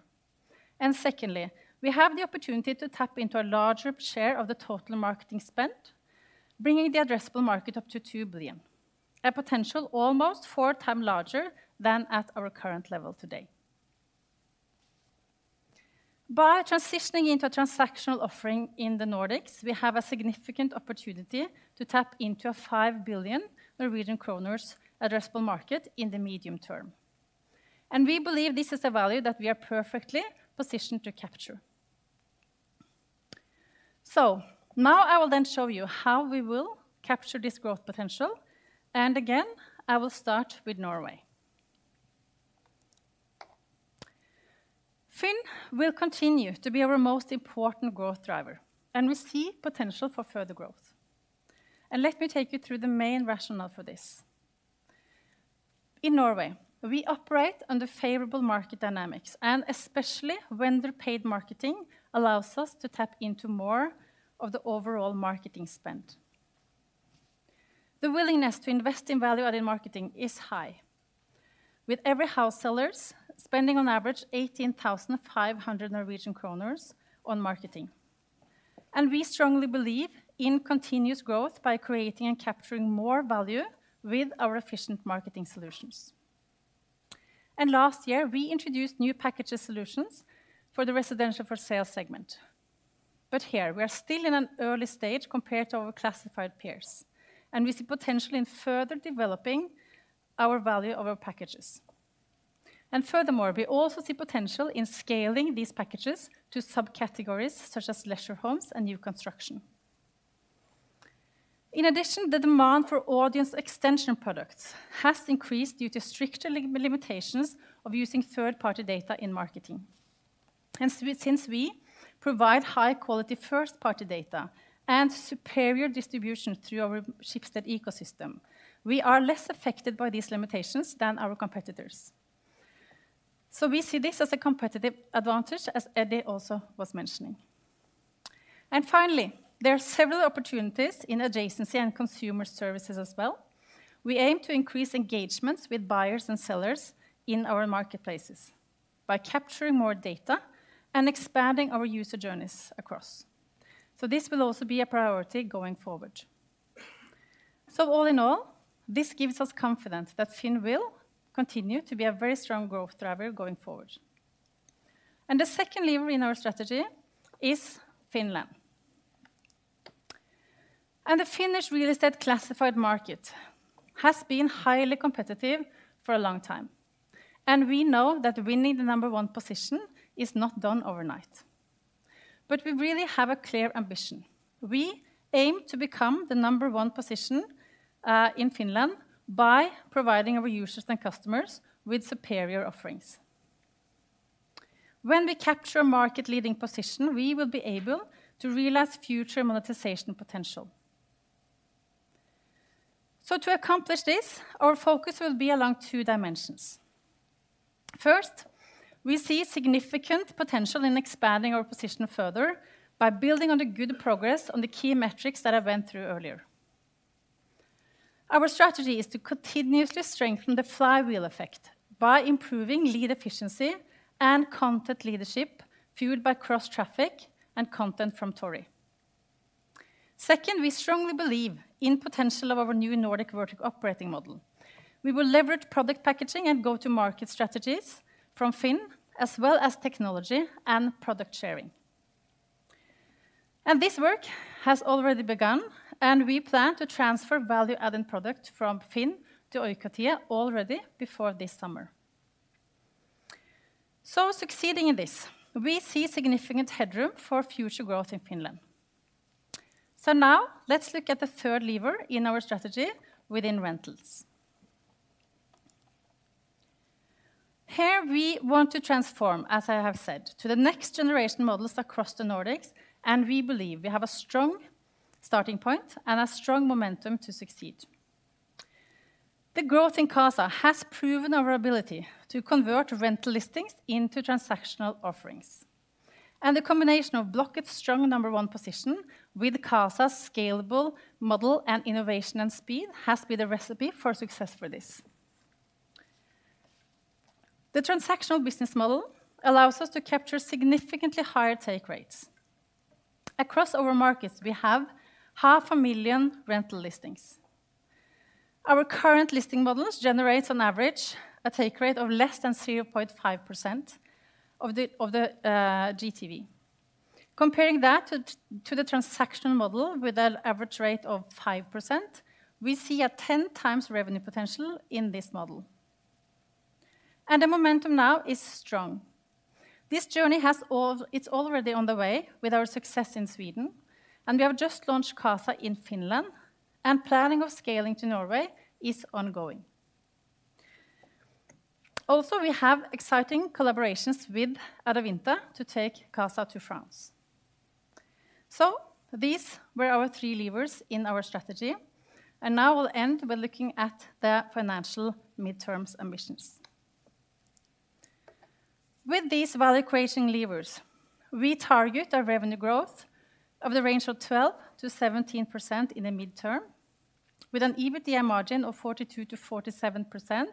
Secondly, we have the opportunity to tap into a larger share of the total marketing spend, bringing the addressable market up to 2 billion, a potential almost four times larger than at our current level today. By transitioning into a transactional offering in the Nordics, we have a significant opportunity to tap into a 5 billion Norwegian kroner addressable market in the medium term. We believe this is a value that we are perfectly positioned to capture. Now I will then show you how we will capture this growth potential, and again, I will start with Norway. FINN.no will continue to be our most important growth driver, and we see potential for further growth. Let me take you through the main rationale for this. In Norway, we operate under favorable market dynamics, and especially vendor paid marketing allows us to tap into more of the overall marketing spend. The willingness to invest in value-added marketing is high, with every house sellers spending on average 18,500 Norwegian kroner on marketing. We strongly believe in continuous growth by creating and capturing more value with our efficient marketing solutions. Last year, we introduced new packages solutions for the residential for sale segment. Here we are still in an early stage compared to our classified peers, and we see potential in further developing our value of our packages. Furthermore, we also see potential in scaling these packages to subcategories such as leisure homes and new construction. In addition, the demand for audience extension products has increased due to stricter limitations of using third-party data in marketing. Since we provide high quality first-party data and superior distribution through our Schibsted ecosystem, we are less affected by these limitations than our competitors. We see this as a competitive advantage, as Eddie also was mentioning. Finally, there are several opportunities in adjacency and consumer services as well. We aim to increase engagements with buyers and sellers in our marketplaces by capturing more data and expanding our user journeys across. This will also be a priority going forward. All in all, this gives us confidence that FINN.no will continue to be a very strong growth driver going forward. The second lever in our strategy is Finland. The Finnish real estate classified market has been highly competitive for a long time, and we know that winning the number one position is not done overnight. We really have a clear ambition. We aim to become the number one position in Finland by providing our users and customers with superior offerings. When we capture a market-leading position, we will be able to realize future monetization potential. To accomplish this, our focus will be along two dimensions. First, we see significant potential in expanding our position further by building on the good progress on the key metrics that I went through earlier. Our strategy is to continuously strengthen the flywheel effect by improving lead efficiency and content leadership fueled by cross traffic and content from Tori. Second, we strongly believe in potential of our new Nordic vertical operating model. We will leverage product packaging and go-to-market strategies from FINN.no, as well as technology and product sharing. This work has already begun, and we plan to transfer value-added product from FINN.no to Oikotie.fi already before this summer. Succeeding in this, we see significant headroom for future growth in Finland. Now let's look at the third lever in our strategy within rentals. Here we want to transform, as I have said, to the next generation models across the Nordics, and we believe we have a strong starting point and a strong momentum to succeed. The growth in Qasa has proven our ability to convert rental listings into transactional offerings, and the combination of Blocket's strong number one position with Qasa's scalable model and innovation and speed has been the recipe for success for this. The transactional business model allows us to capture significantly higher take rates. Across our markets, we have half a million rental listings. Our current listing models generates on average a take rate of less than 0.5% of the GTV. Comparing that to the transactional model with an average rate of 5%, we see a ten times revenue potential in this model. The momentum now is strong. This journey has it's already on the way with our success in Sweden, and we have just launched Qasa in Finland, and planning of scaling to Norway is ongoing. Also, we have exciting collaborations with Adevinta to take Qasa to France. These were our three levers in our strategy, now we'll end by looking at the financial mid-term ambitions. With these value-creating levers, we target our revenue growth of the range of 12%-17% in the mid-term, with an EBITDA margin of 42%-47%,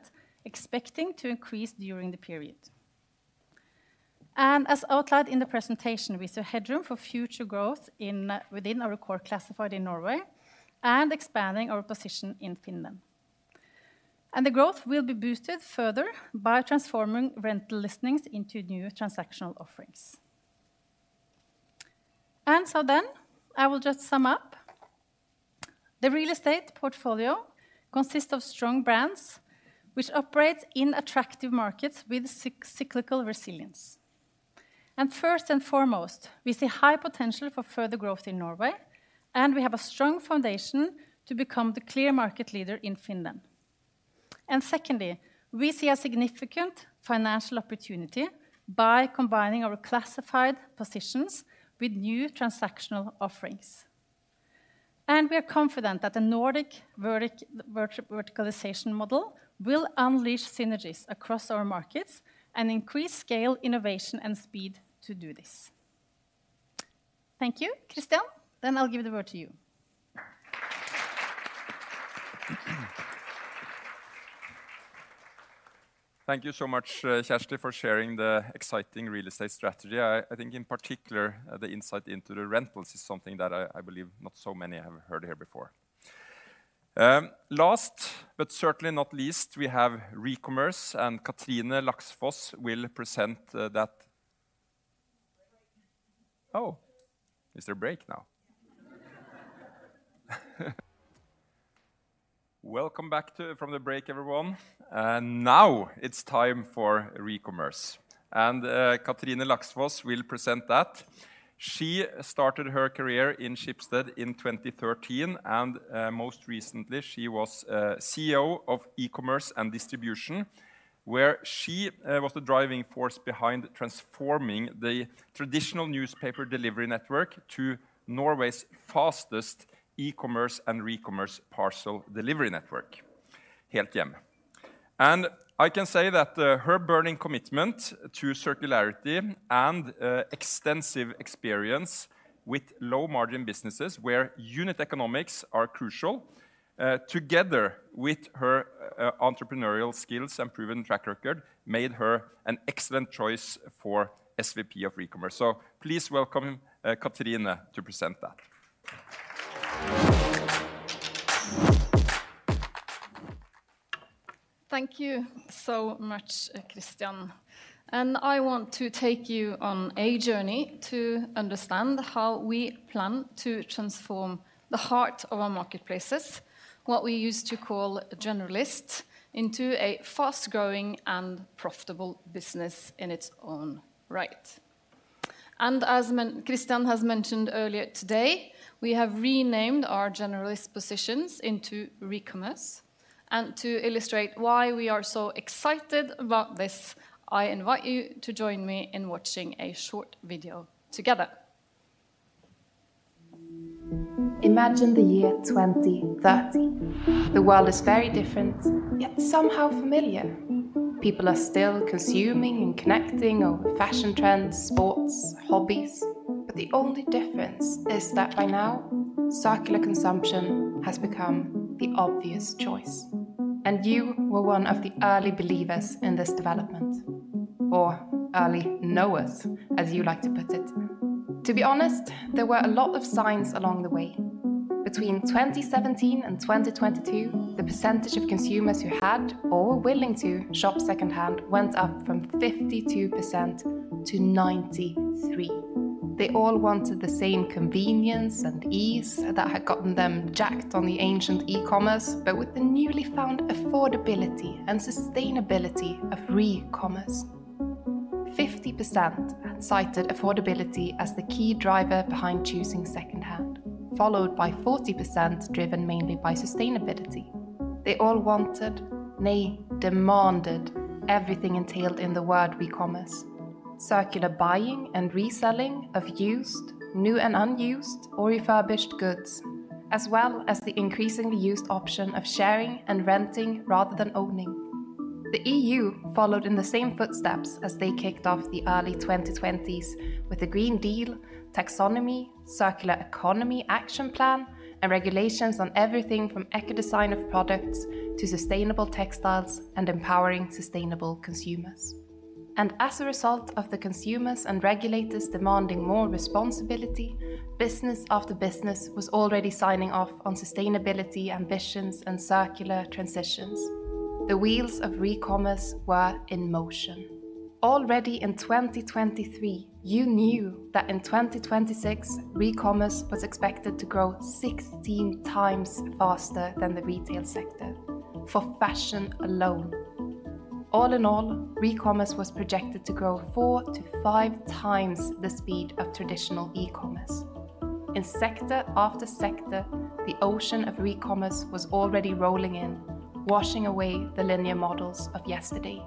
expecting to increase during the period. As outlined in the presentation, we see headroom for future growth in, within our core classified in Norway and expanding our position in Finland. The growth will be boosted further by transforming rental listings into new transactional offerings. I will just sum up. The real estate portfolio consists of strong brands which operate in attractive markets with cyclical resilience. First and foremost, we see high potential for further growth in Norway, and we have a strong foundation to become the clear market leader in Finland. Secondly, we see a significant financial opportunity by combining our classified positions with new transactional offerings. We are confident that the Nordic verticalization model will unleash synergies across our markets and increase scale, innovation, and speed to do this. Thank you. Christian, I'll give the word to you. Thank you so much, Kjersti, for sharing the exciting real estate strategy. I think in particular, the insight into the rentals is something that I believe not so many have heard here before. Last but certainly not least, we have Recommerce. Cathrine Laksfoss will present that. Oh, is there a break now? Welcome back from the break, everyone. Now it's time for Recommerce. Cathrine Laksfoss will present that. She started her career in Schibsted in 2013. Most recently she was CEO of E-commerce and Distribution, where she was the driving force behind transforming the traditional newspaper delivery network to Norway's fastest e-commerce and recommerce parcel delivery network, Helthjem. I can say that, her burning commitment to circularity and extensive experience with low-margin businesses where unit economics are crucial, together with her entrepreneurial skills and proven track record made her an excellent choice for SVP of Recommerce. Please welcome, Katrine to present that. Thank you so much, Christian. I want to take you on a journey to understand how we plan to transform the heart of our marketplaces, what we used to call Generalist, into a fast-growing and profitable business in its own right. As Christian has mentioned earlier today, we have renamed our Generalist positions into Recommerce. To illustrate why we are so excited about this, I invite you to join me in watching a short video together. Imagine the year 2030. The world is very different, yet somehow familiar. People are still consuming and connecting over fashion trends, sports, hobbies, but the only difference is that by now, circular consumption has become the obvious choice, and you were one of the early believers in this development, or early knowers, as you like to put it. To be honest, there were a lot of signs along the way. Between 2017 and 2022, the percentage of consumers who had or were willing to shop secondhand went up from 52% to 93%. They all wanted the same convenience and ease that had gotten them jacked on the ancient e-commerce, with the newly found affordability and sustainability of recommerce. 50% had cited affordability as the key driver behind choosing secondhand, followed by 40% driven mainly by sustainability. They all wanted, nay, demanded everything entailed in the word recommerce, circular buying and reselling of used, new and unused or refurbished goods, as well as the increasingly used option of sharing and renting rather than owning. The EU followed in the same footsteps as they kicked off the early 2020s with the Green Deal Taxonomy, Circular Economy Action Plan, and regulations on everything from eco design of products to sustainable textiles and empowering sustainable consumers. As a result of the consumers and regulators demanding more responsibility, business after business was already signing off on sustainability ambitions and circular transitions. The wheels of Recommerce were in motion. Already in 2023, you knew that in 2026, Recommerce was expected to grow 16 times faster than the retail sector for fashion alone. All in all, Recommerce was projected to grow four to five times the speed of traditional e-commerce. In sector after sector, the ocean of Recommerce was already rolling in, washing away the linear models of yesterday.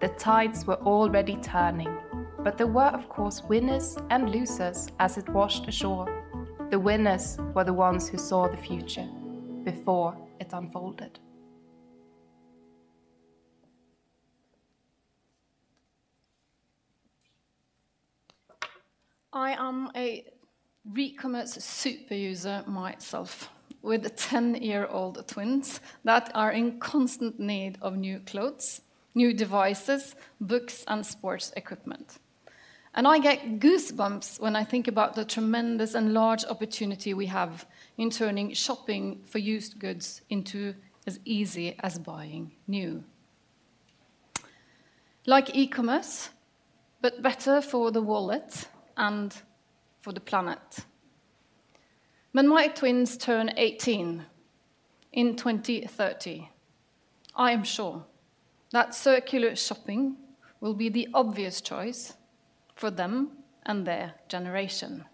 The tides were already turning, there were, of course, winners and losers as it washed ashore. The winners were the ones who saw the future before it unfolded. I am a recommerce super user myself with 10-year-old twins that are in constant need of new clothes, new devices, books, and sports equipment I get goosebumps when I think about the tremendous and large opportunity we have in turning shopping for used goods into as easy as buying new. Like e-commerce, but better for the wallet and for the planet. When my twins turn 18 in 2030, I am sure that circular shopping will be the obvious choice for them and their generation.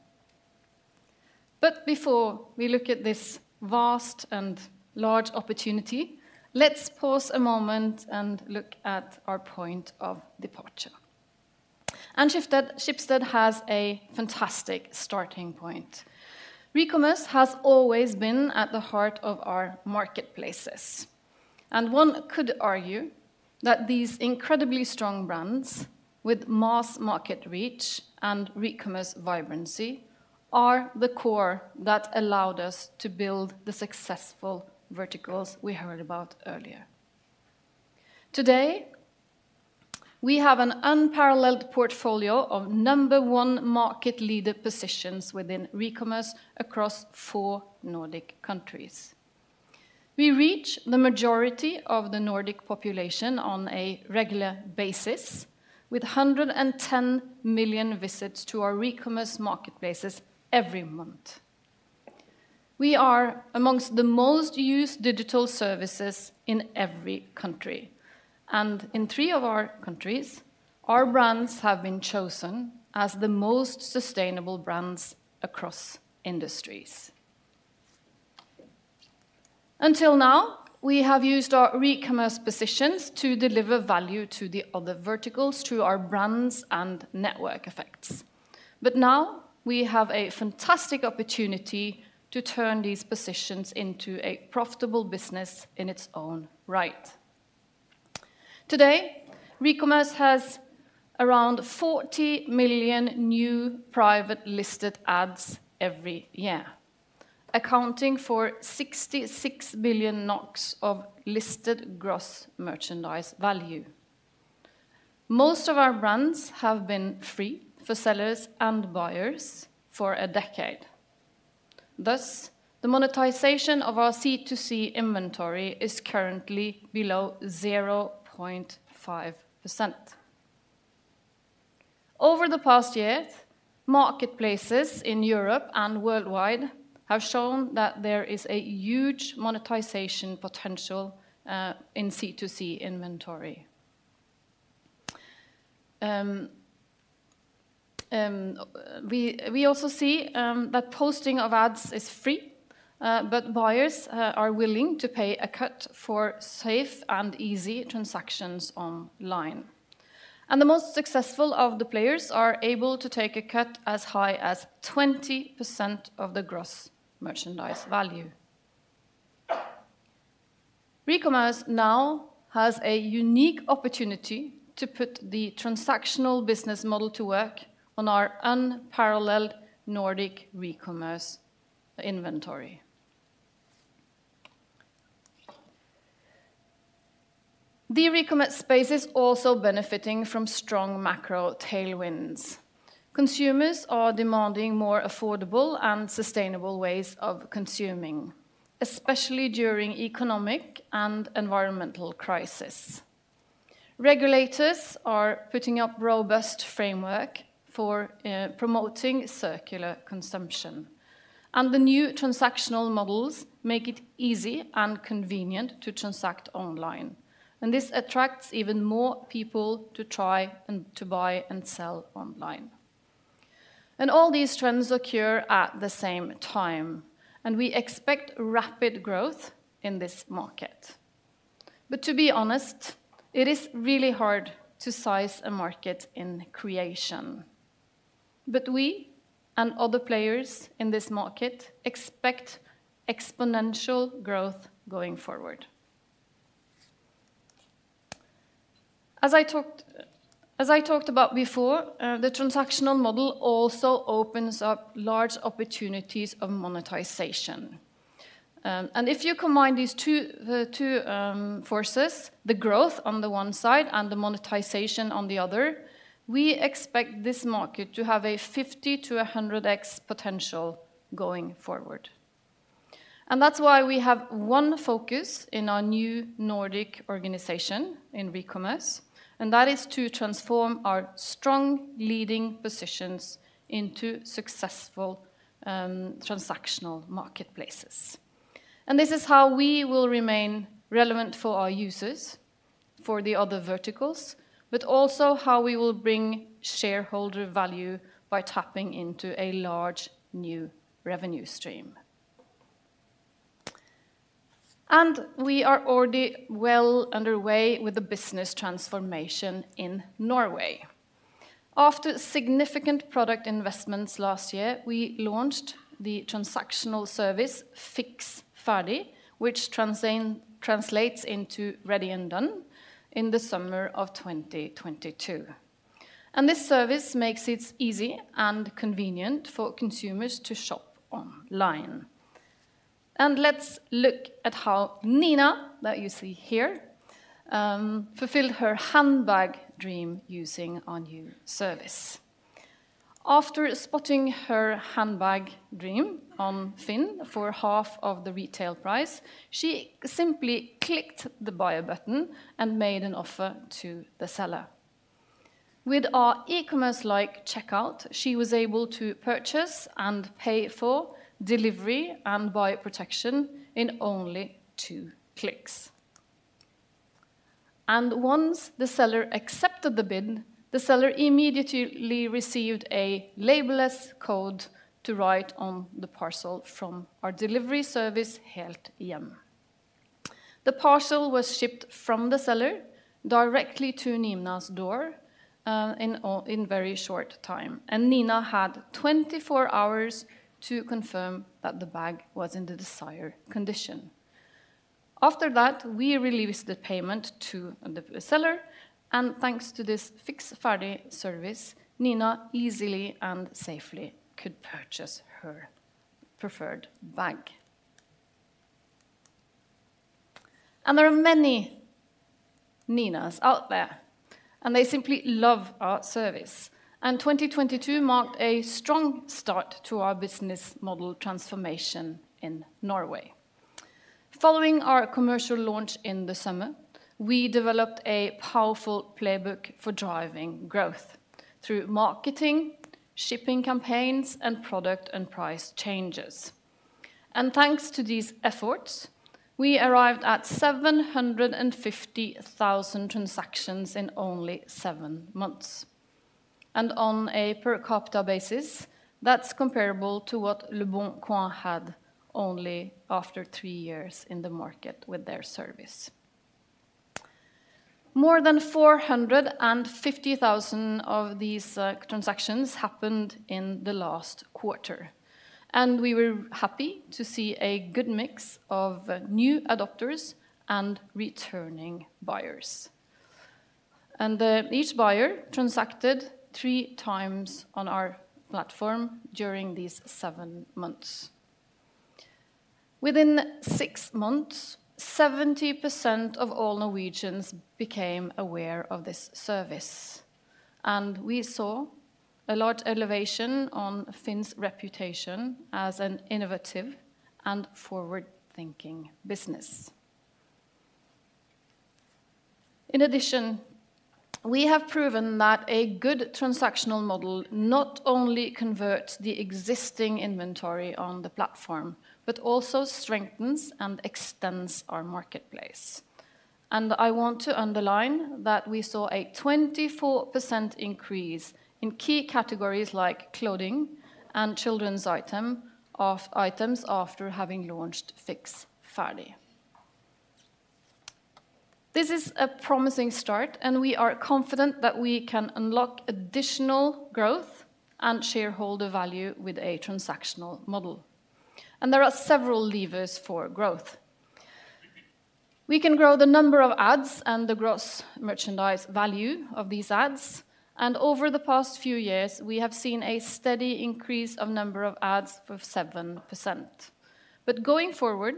Before we look at this vast and large opportunity, let's pause a moment and look at our point of departure. Schibsted has a fantastic starting point. Recommerce has always been at the heart of our marketplaces, and one could argue that these incredibly strong brands with mass market reach and recommerce vibrancy are the core that allowed us to build the successful verticals we heard about earlier. Today, we have an unparalleled portfolio of number 1 market leader positions within recommerce across 4 Nordic countries. We reach the majority of the Nordic population on a regular basis, with 110 million visits to our recommerce marketplaces every month. We are amongst the most used digital services in every country, and in three of our countries, our brands have been chosen as the most sustainable brands across industries. Until now, we have used our recommerce positions to deliver value to the other verticals through our brands and network effects. Now we have a fantastic opportunity to turn these positions into a profitable business in its own right. Today, recommerce has around 40 million new private listed ads every year, accounting for 66 billion NOK of listed gross merchandise value. Most of our brands have been free for sellers and buyers for a decade. Thus, the monetization of our C2C inventory is currently below 0.5%. Over the past year, marketplaces in Europe and worldwide have shown that there is a huge monetization potential in C2C inventory. We also see that posting of ads is free, but buyers are willing to pay a cut for safe and easy transactions online. The most successful of the players are able to take a cut as high as 20% of the gross merchandise value. Recommerce now has a unique opportunity to put the transactional business model to work on our unparalleled Nordic recommerce inventory. The recommerce space is also benefiting from strong macro tailwinds. Consumers are demanding more affordable and sustainable ways of consuming, especially during economic and environmental crisis. Regulators are putting up robust framework for promoting circular consumption. The new transactional models make it easy and convenient to transact online. This attracts even more people to try and to buy and sell online. All these trends occur at the same time, and we expect rapid growth in this market. To be honest, it is really hard to size a market in creation. We and other players in this market expect exponential growth going forward. As I talked about before, the transactional model also opens up large opportunities of monetization. If you combine these two forces, the growth on the one side and the monetization on the other, we expect this market to have a 50 to 100x potential going forward. That's why we have one focus in our new Nordic organization in recommerce, and that is to transform our strong leading positions into successful transactional marketplaces. This is how we will remain relevant for our users, for the other verticals, but also how we will bring shareholder value by tapping into a large new revenue stream. We are already well underway with the business transformation in Norway. After significant product investments last year, we launched the transactional service Fiks ferdig, which translates into Ready and Done, in the summer of 2022. This service makes it easy and convenient for consumers to shop online. Let's look at how Nina, that you see here, fulfilled her handbag dream using our new service. After spotting her handbag dream on FINN.no for half of the retail price, she simply clicked the buy button and made an offer to the seller. With our e-commerce-like checkout, she was able to purchase and pay for delivery and buy protection in only two clicks. Once the seller accepted the bid, the seller immediately received a label-less code to write on the parcel from our delivery service, Helthjem. The parcel was shipped from the seller directly to Nina's door in very short time, and Nina had 24 hours to confirm that the bag was in the desired condition. After that, we released the payment to the seller, and thanks to this Fiks ferdig service, Nina easily and safely could purchase her preferred bag. There are many Ninas out there, and they simply love our service, and 2022 marked a strong start to our business model transformation in Norway. Following our commercial launch in the summer, we developed a powerful playbook for driving growth through marketing, shipping campaigns, and product and price changes. Thanks to these efforts, we arrived at 750,000 transactions in only seven months. On a per capita basis, that's comparable to what leboncoin had only after three years in the market with their service. More than 450,000 of these transactions happened in the last quarter, and we were happy to see a good mix of new adopters and returning buyers. Each buyer transacted three times on our platform during these seven months. Within six months, 70% of all Norwegians became aware of this service, and we saw a large elevation on FINN.no's reputation as an innovative and forward-thinking business. In addition, we have proven that a good transactional model not only converts the existing inventory on the platform, but also strengthens and extends our marketplace. I want to underline that we saw a 24% increase in key categories like clothing and children's items after having launched Fiks ferdig. This is a promising start, we are confident that we can unlock additional growth and shareholder value with a transactional model, there are several levers for growth. We can grow the number of ads and the gross merchandise value of these ads, over the past few years, we have seen a steady increase of number of ads of 7%. Going forward,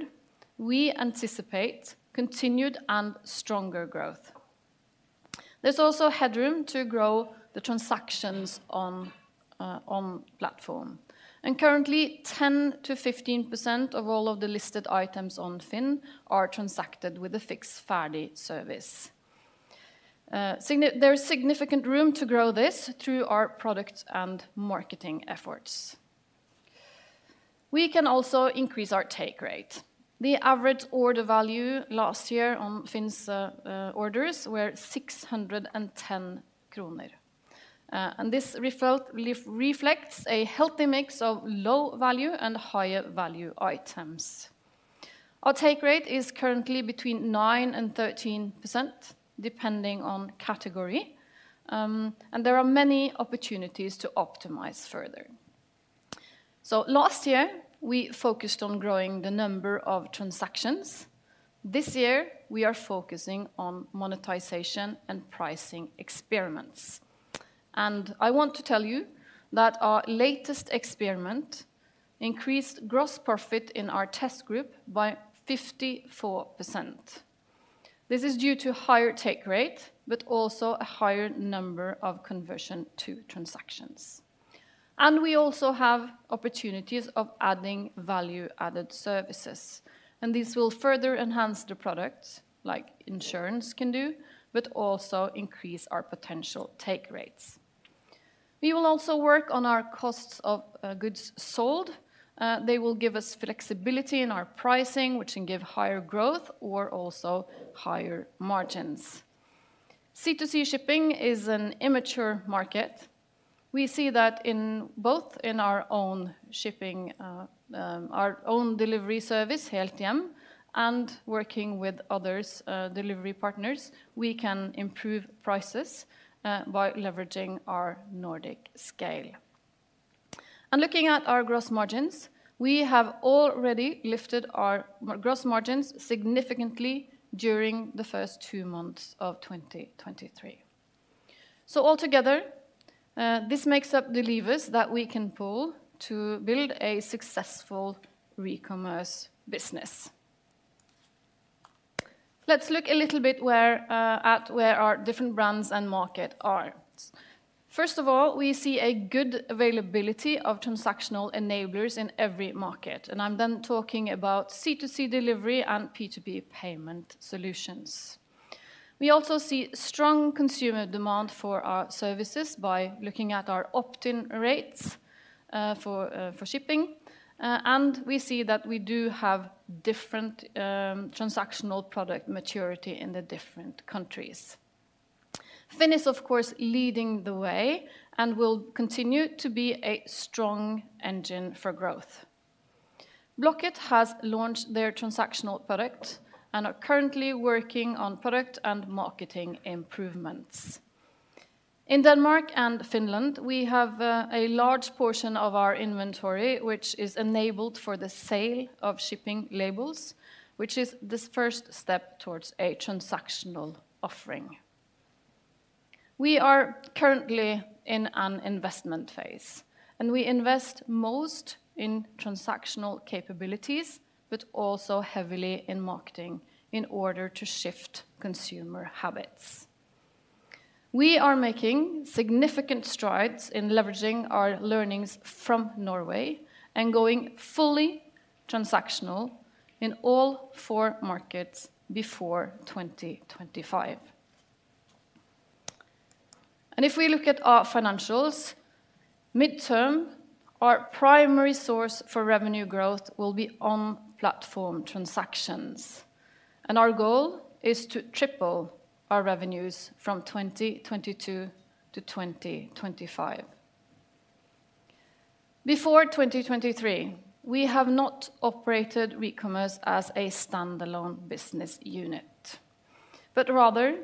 we anticipate continued and stronger growth. There's also headroom to grow the transactions on platform, currently 10%-15% of all of the listed items on FINN.no are transacted with the Fiks ferdig service. There is significant room to grow this through our product and marketing efforts. We can also increase our take rate. The average order value last year on FINN.no's orders were 610 kroner, and this reflects a healthy mix of low-value and higher-value items. Our take rate is currently between 9% and 13% depending on category, and there are many opportunities to optimize further. Last year, we focused on growing the number of transactions. This year, we are focusing on monetization and pricing experiments. I want to tell you that our latest experiment increased gross profit in our test group by 54%. This is due to higher take rate, but also a higher number of conversion to transactions. We also have opportunities of adding value-added services, and this will further enhance the product, like insurance can do, but also increase our potential take rates. We will also work on our costs of goods sold. They will give us flexibility in our pricing, which can give higher growth or also higher margins. C2C shipping is an immature market. We see that in both in our own shipping, our own delivery service, Helthjem, and working with others' delivery partners, we can improve prices by leveraging our Nordic scale. Looking at our gross margins, we have already lifted our gross margins significantly during the first two months of 2023. Altogether, this makes up the levers that we can pull to build a successful recommerce business. Let's look a little bit where at where our different brands and market are. First of all, we see a good availability of transactional enablers in every market, and I'm then talking about C2C delivery and P2P payment solutions. We also see strong consumer demand for our services by looking at our opt-in rates for shipping and we see that we do have different transactional product maturity in the different countries. FINN.no is of course leading the way and will continue to be a strong engine for growth. Blocket has launched their transactional product and are currently working on product and marketing improvements. In Denmark and Finland, we have a large portion of our inventory which is enabled for the sale of shipping labels, which is this first step towards a transactional offering. We are currently in an investment phase, and we invest most in transactional capabilities, but also heavily in marketing in order to shift consumer habits. We are making significant strides in leveraging our learnings from Norway and going fully transactional in all four markets before 2025. If we look at our financials, midterm, our primary source for revenue growth will be on platform transactions. Our goal is to triple our revenues from 2022 to 2025. Before 2023, we have not operated recommerce as a standalone business unit, but rather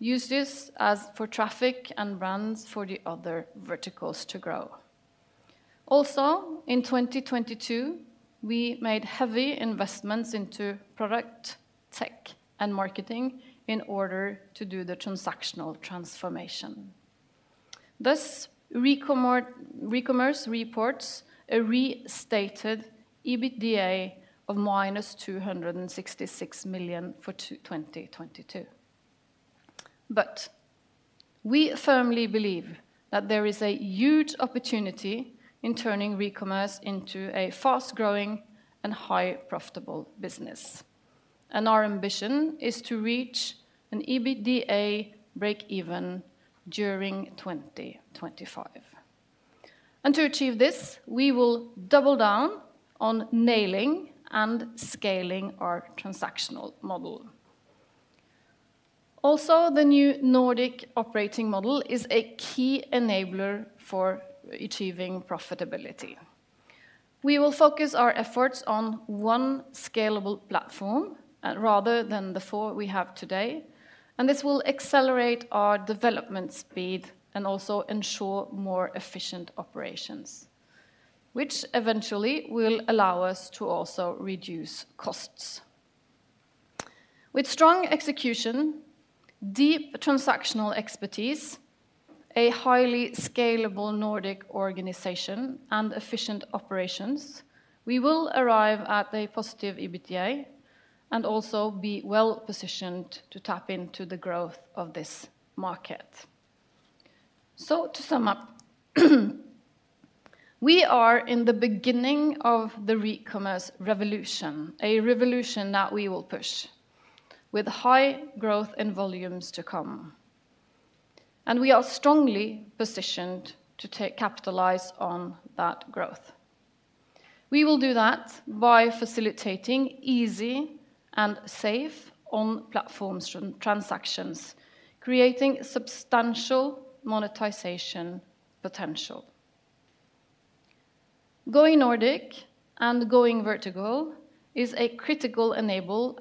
use this as for traffic and brands for the other verticals to grow. In 2022, we made heavy investments into product, tech, and marketing in order to do the transactional transformation. Recommerce reports a restated EBITDA of minus 266 million for 2022. We firmly believe that there is a huge opportunity in turning recommerce into a fast-growing and high profitable business. Our ambition is to reach an EBITDA break-even during 2025. To achieve this, we will double down on nailing and scaling our transactional model. The new Nordic operating model is a key enabler for achieving profitability. We will focus our efforts on one scalable platform rather than the four we have today, this will accelerate our development speed and also ensure more efficient operations, which eventually will allow us to also reduce costs. With strong execution, deep transactional expertise, a highly scalable Nordic organization, and efficient operations, we will arrive at a positive EBITDA and also be well-positioned to tap into the growth of this market. To sum up, we are in the beginning of the recommerce revolution, a revolution that we will push with high growth and volumes to come. We are strongly positioned to capitalize on that growth. We will do that by facilitating easy and safe on platforms transactions, creating substantial monetization potential. Going Nordic and going vertical is a critical enabler,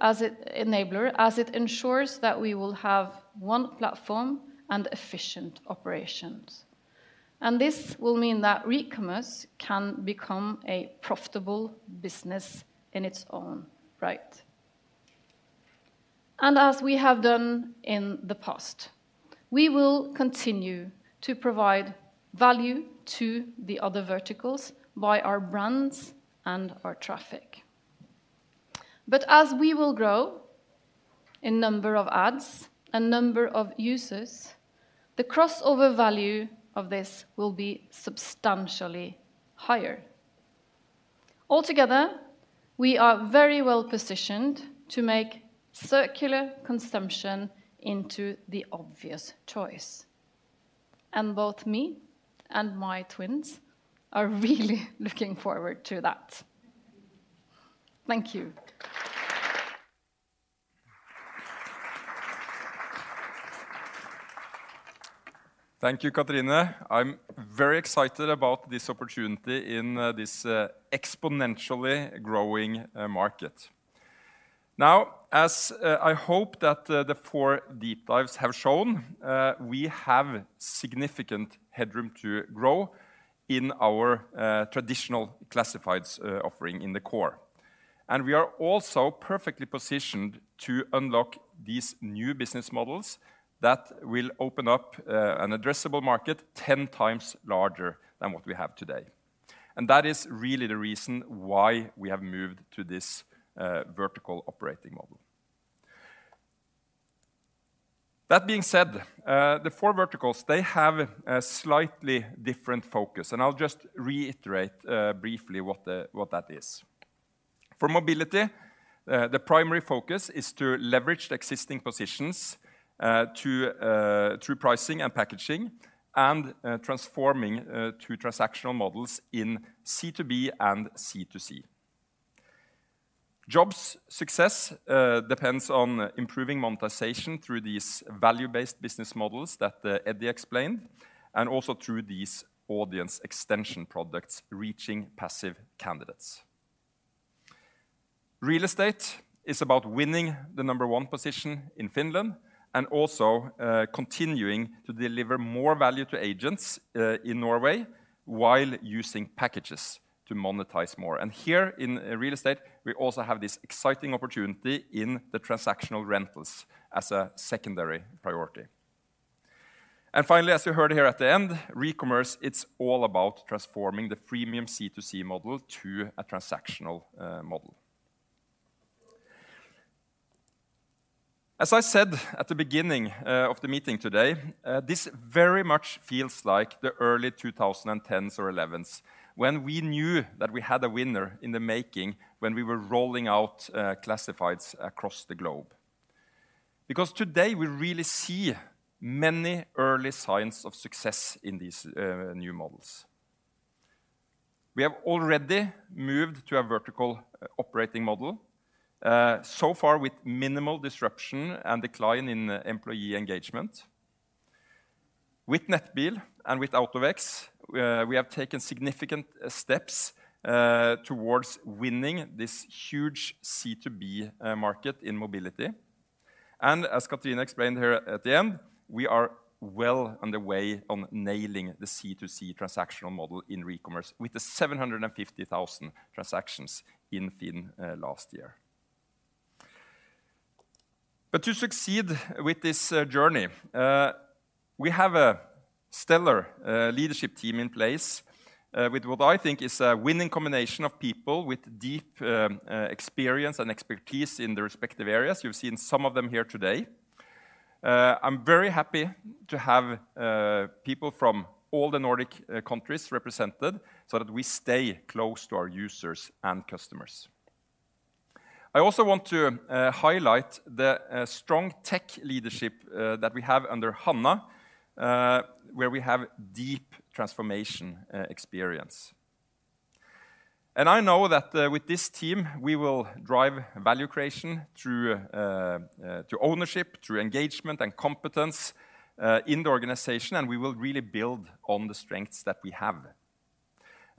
as it ensures that we will have one platform and efficient operations. This will mean that recommerce can become a profitable business in its own right. As we have done in the past, we will continue to provide value to the other verticals by our brands and our traffic. As we will grow in number of ads and number of users, the crossover value of this will be substantially higher. Altogether, we are very well positioned to make circular consumption into the obvious choice. Both me and my twins are really looking forward to that. Thank you. Thank you, Katrine. I'm very excited about this opportunity in this exponentially growing market. As I hope that the four deep dives have shown, we have significant headroom to grow in our traditional classifieds offering in the core. We are also perfectly positioned to unlock these new business models that will open up an addressable market 10 times larger than what we have today. That is really the reason why we have moved to this vertical operating model. That being said, the four verticals, they have a slightly different focus, and I'll just reiterate briefly what that is. For mobility, the primary focus is to leverage the existing positions to through pricing and packaging and transforming to transactional models in C2B and C2C. Jobs success depends on improving monetization through these value-based business models that Eddie explained, and also through these audience extension products reaching passive candidates. Real estate is about winning the number one position in Finland and also continuing to deliver more value to agents in Norway while using packages to monetize more. Here in real estate, we also have this exciting opportunity in the transactional rentals as a secondary priority. Finally, as you heard here at the end, recommerce, it's all about transforming the freemium C2C model to a transactional model. As I said at the beginning of the meeting today, this very much feels like the early 2010s or 2011s when we knew that we had a winner in the making when we were rolling out classifieds across the globe. Today we really see many early signs of success in these new models. We have already moved to a vertical operating model so far with minimal disruption and decline in employee engagement. With Nettbil and with AutoVex, we have taken significant steps towards winning this huge C2B market in mobility. As Katrine explained here at the end, we are well underway on nailing the C2C transactional model in recommerce with the 750,000 transactions in FINN.no last year. To succeed with this journey, we have a stellar leadership team in place with what I think is a winning combination of people with deep experience and expertise in their respective areas. You've seen some of them here today. I'm very happy to have people from all the Nordic countries represented so that we stay close to our users and customers. I also want to highlight the strong tech leadership that we have under Hanna, where we have deep transformation experience. I know that with this team, we will drive value creation through ownership, through engagement and competence in the organization, and we will really build on the strengths that we have.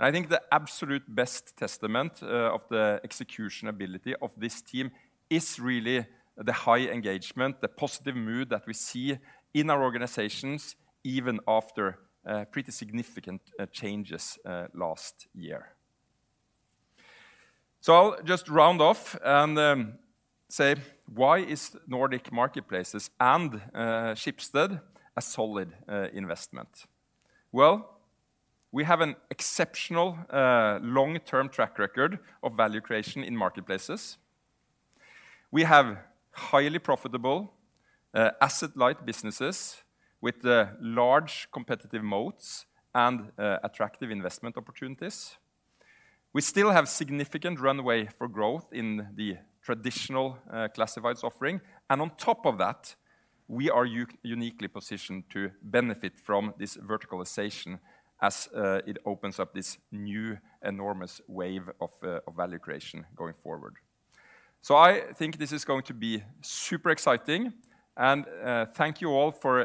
I think the absolute best testament of the execution ability of this team is really the high engagement, the positive mood that we see in our organizations even after pretty significant changes last year. I'll just round off and say, why is Nordic Marketplaces and Schibsted a solid investment? Well, we have an exceptional long-term track record of value creation in marketplaces. We have highly profitable asset-light businesses with large competitive moats and attractive investment opportunities. We still have significant runway for growth in the traditional classifieds offering. On top of that, we are uniquely positioned to benefit from this verticalization as it opens up this new enormous wave of value creation going forward. I think this is going to be super exciting, and thank you all for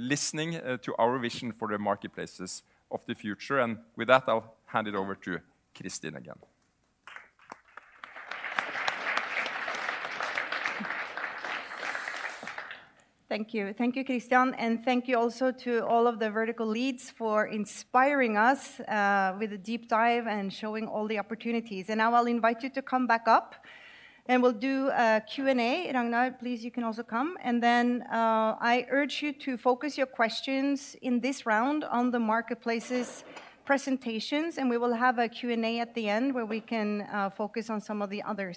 listening to our vision for the marketplaces of the future. With that, I'll hand it over to Kristin again. Thank you. Thank you, Christian. Thank you also to all of the vertical leads for inspiring us with a deep dive and showing all the opportunities. Now I'll invite you to come back up, and we'll do a Q&A. Ragnar, please, you can also come. Then I urge you to focus your questions in this round on the marketplaces presentations, and we will have a Q&A at the end where we can focus on some of the other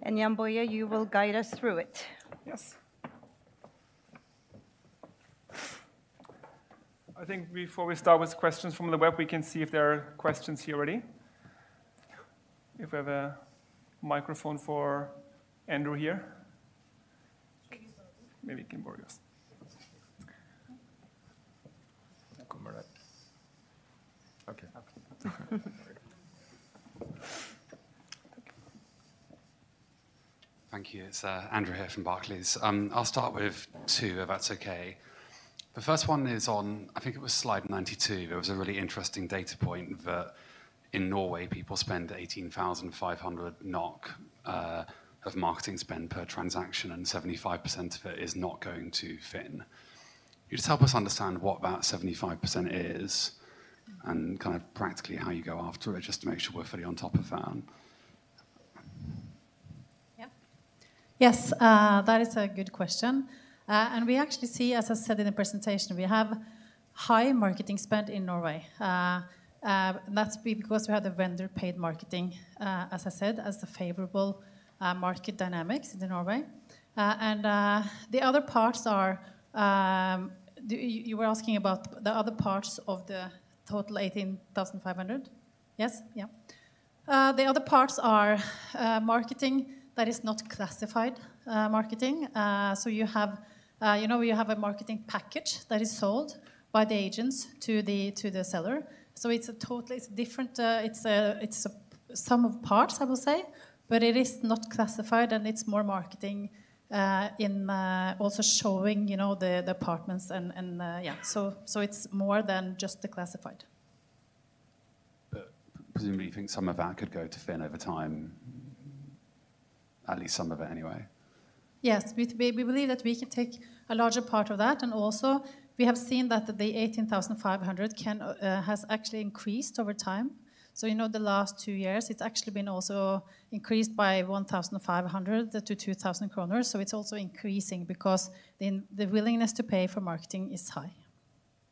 stuff. Jan-Boje, you will guide us through it. I think before we start with questions from the web, we can see if there are questions here already. If we have a microphone for Andrew here. Should we borrow one? Maybe we can borrow yours. Come around. Okay. Okay. Thank you. Thank you. It's Andrew here from Barclays. I'll start with two, if that's okay. The first one is on, I think it was slide 92. There was a really interesting data point that in Norway, people spend 18,500 NOK of marketing spend per transaction, and 75% of it is not going to FINN.no. Can you just help us understand what that 75% is and kind of practically how you go after it, just to make sure we're fully on top of that? Yeah. Yes. That is a good question. We actually see, as I said in the presentation, we have high marketing spend in Norway. That's because we have the vendor paid marketing, as I said, as the favorable market dynamics in Norway. The other parts are You, you were asking about the other parts of the total 18,500? Yes? Yeah. The other parts are marketing that is not classified marketing. You have, you know, you have a marketing package that is sold by the agents to the seller. It's different. It's a sum of parts, I will say, but it is not classified, and it's more marketing, also showing, you know, the apartments and, yeah. It's more than just the classified. Presumably, you think some of that could go to FINN.no over time, at least some of it anyway? Yes. We believe that we can take a larger part of that. Also, we have seen that the 18,500 has actually increased over time. You know, the last two years, it's actually been also increased by 1,500-2,000 kroner. It's also increasing because the willingness to pay for marketing is high.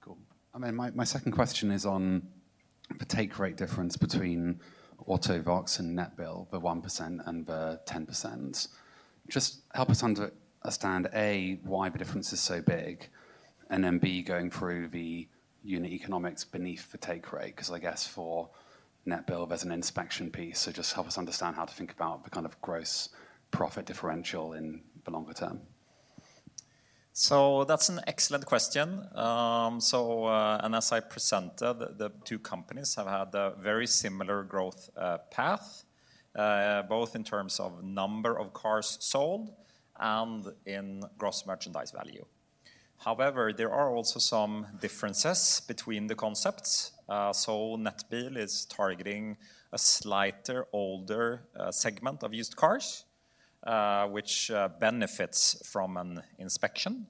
Cool. I mean, my second question is on the take rate difference between AutoVex and Nettbil, the 1% and the 10%. Just help us understand, A, why the difference is so big, and then, B, going through the unit economics beneath the take rate, 'cause I guess for Nettbil, there's an inspection piece. Just help us understand how to think about the kind of gross profit differential in the longer term. That's an excellent question. As I presented, the two companies have had a very similar growth path both in terms of number of cars sold and in gross merchandise value. However, there are also some differences between the concepts. Netbil is targeting a slighter older segment of used cars which benefits from an inspection.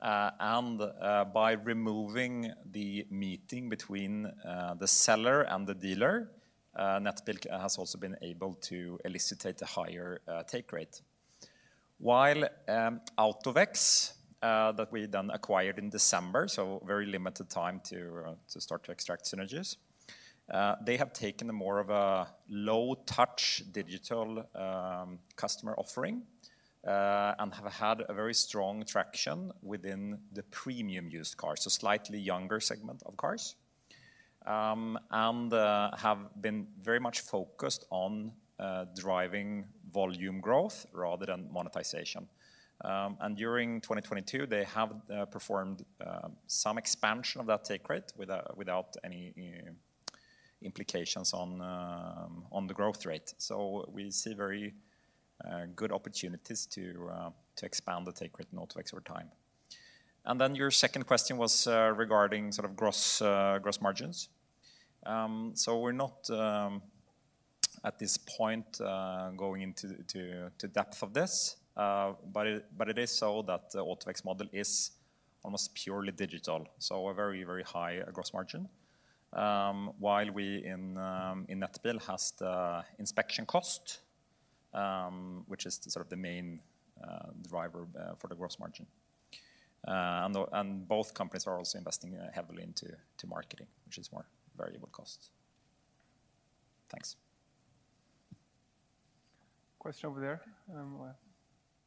By removing the meeting between the seller and the dealer, Netbil has also been able to elicitate a higher take rate. AutoVex, that we then acquired in December, so very limited time to start to extract synergies, they have taken a more of a low touch digital customer offering and have had a very strong traction within the premium used cars, so slightly younger segment of cars, and have been very much focused on driving volume growth rather than monetization. During 2022, they have performed some expansion of that take rate without any implications on the growth rate. We see very good opportunities to expand the take rate in AutoVex over time. Your second question was regarding sort of gross gross margins. We're not at this point going into depth of this, but it is so that the AutoVex model is almost purely digital, so a very, very high gross margin. While we in Nettbil has the inspection cost, which is sort of the main driver for the gross margin. Both companies are also investing heavily into marketing, which is more variable cost. Thanks. Question over there.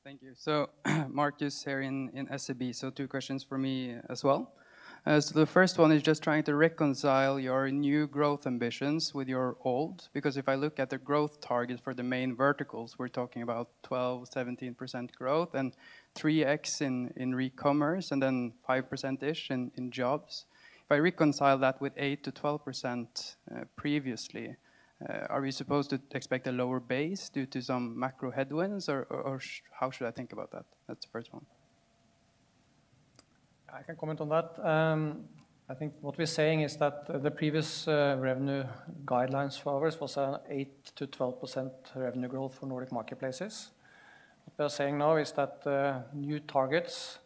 Thank you. Marcus here in SEB. Two questions for me as well. The first one is just trying to reconcile your new growth ambitions with your old. If I look at the growth target for the main verticals, we're talking about 12%, 17% growth and 3x in recommerce and then 5%-ish in jobs. If I reconcile that with 8%-12%, previously, are we supposed to expect a lower base due to some macro headwinds, or, how should I think about that? That's the first one. I can comment on that. I think what we're saying is that the previous revenue guidelines for us was 8%-12% revenue growth for Nordic Marketplaces. What we are saying now is that the new targets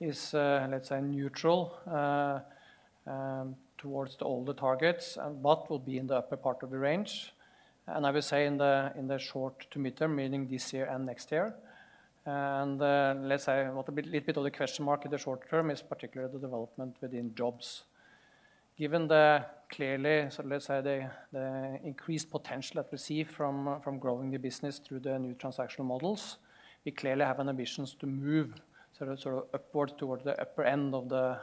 is let's say neutral towards the older targets and what will be in the upper part of the range. I will say in the short to midterm, meaning this year and next year. Let's say what a bit, little bit of the question mark in the short term is particularly the development within jobs. Given so let's say the increased potential that we see from growing the business through the new transactional models, we clearly have an ambitions to move sort of upwards towards the upper end of the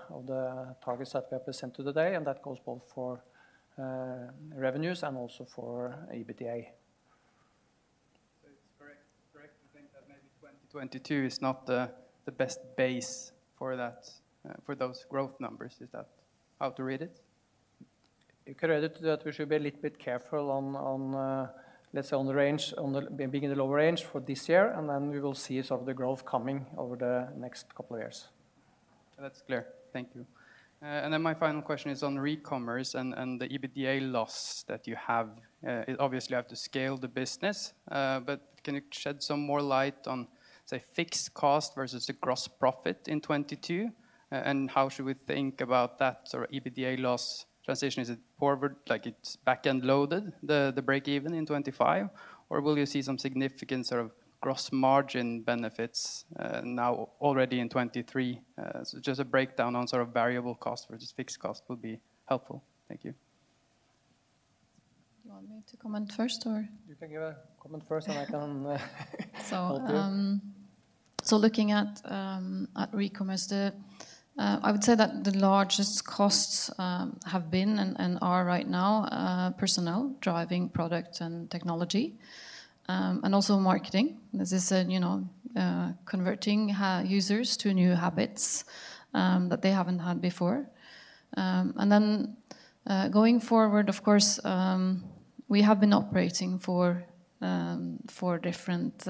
targets that we have presented today, and that goes both for revenues and also for EBITDA. It's correct to think that maybe 2022 is not the best base for that, for those growth numbers. Is that how to read it? You could add it to that. We should be a little bit careful on, let's say on the range, on the being in the lower range for this year, and then we will see some of the growth coming over the next couple of years. That's clear. Thank you. And then my final question is on recommerce and, and the EBITDA loss that you have. Uh, obviously you have to scale the business, uh, but can you shed some more light on, say, fixed cost versus the gross profit in twenty-two? And how should we think about that sort of EBITDA loss transition? Is it forward, like it's back-end loaded, the, the break even in twenty-five? Or will you see some significant sort of gross margin benefits, uh, now already in twenty-three? Uh, so just a breakdown on sort of variable cost versus fixed cost would be helpful. Thank you. Do you want me to comment first or? You can give a comment first, and I can help you. Looking at recommerce, the I would say that the largest costs have been and are right now, personnel driving product and technology, and also marketing. This is, you know, converting users to new habits that they haven't had before. Going forward, of course, we have been operating for four different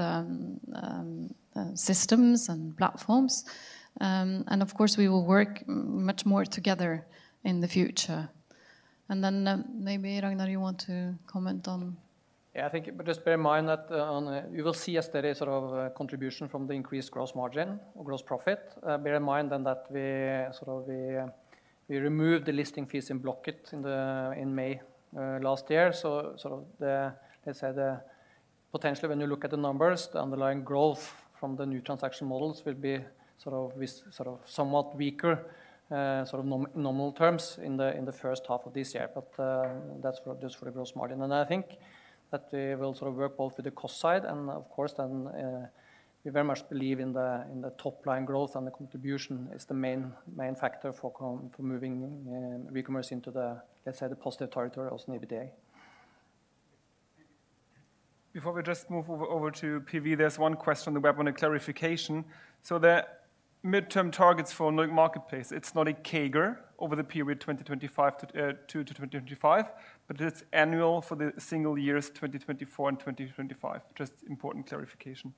systems and platforms. Of course, we will work much more together in the future. Maybe Ragnar, you want to comment on? I think just bear in mind that you will see a steady contribution from the increased gross margin or gross profit. Bear in mind then that we removed the listing fees in Blocket in May last year. Sort of the, let's say, the potentially when you look at the numbers, the underlying growth from the new transaction models will be somewhat weaker normal terms in the first half of this year. That's just for the gross margin. I think that we will sort of work both with the cost side and of course then, we very much believe in the, in the top line growth and the contribution is the main factor for moving recommerce into the, let's say, the positive territory also in EBITDA. Before we just move over to PV, there's one question on the web on a clarification. The midterm targets for Nordic Marketplaces, it's not a CAGR over the period 2 to 2025, but it's annual for the single years 2024 and 2025. Just important clarification.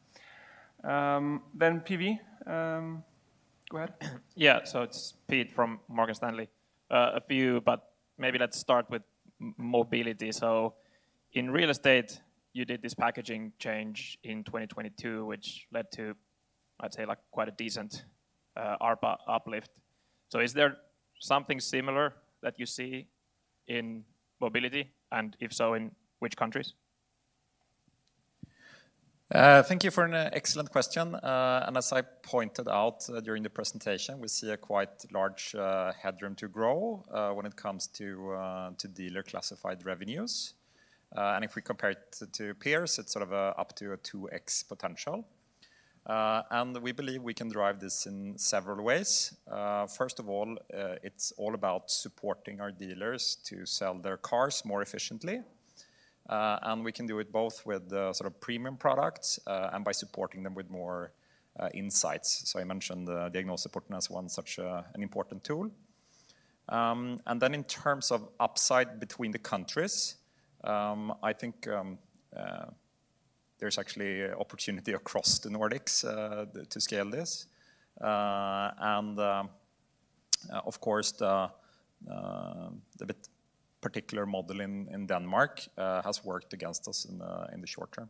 PV, go ahead. It's Pete from Morgan Stanley. A few, maybe let's start with mobility. In real estate, you did this packaging change in 2022, which led to, I'd say, like quite a decent ARPA uplift. Is there something similar that you see in mobility? If so, in which countries? Thank you for an excellent question. As I pointed out during the presentation, we see a quite large headroom to grow when it comes to to dealer classified revenues. If we compare it to peers, it's sort of up to a 2X potential. We believe we can drive this in several ways. First of all, it's all about supporting our dealers to sell their cars more efficiently. We can do it both with the sort of premium products and by supporting them with more insights. I mentioned the Diagnose support as one such an important tool. Then in terms of upside between the countries, I think there's actually opportunity across the Nordics to scale this. Of course, the bit particular model in Denmark has worked against us in the short term.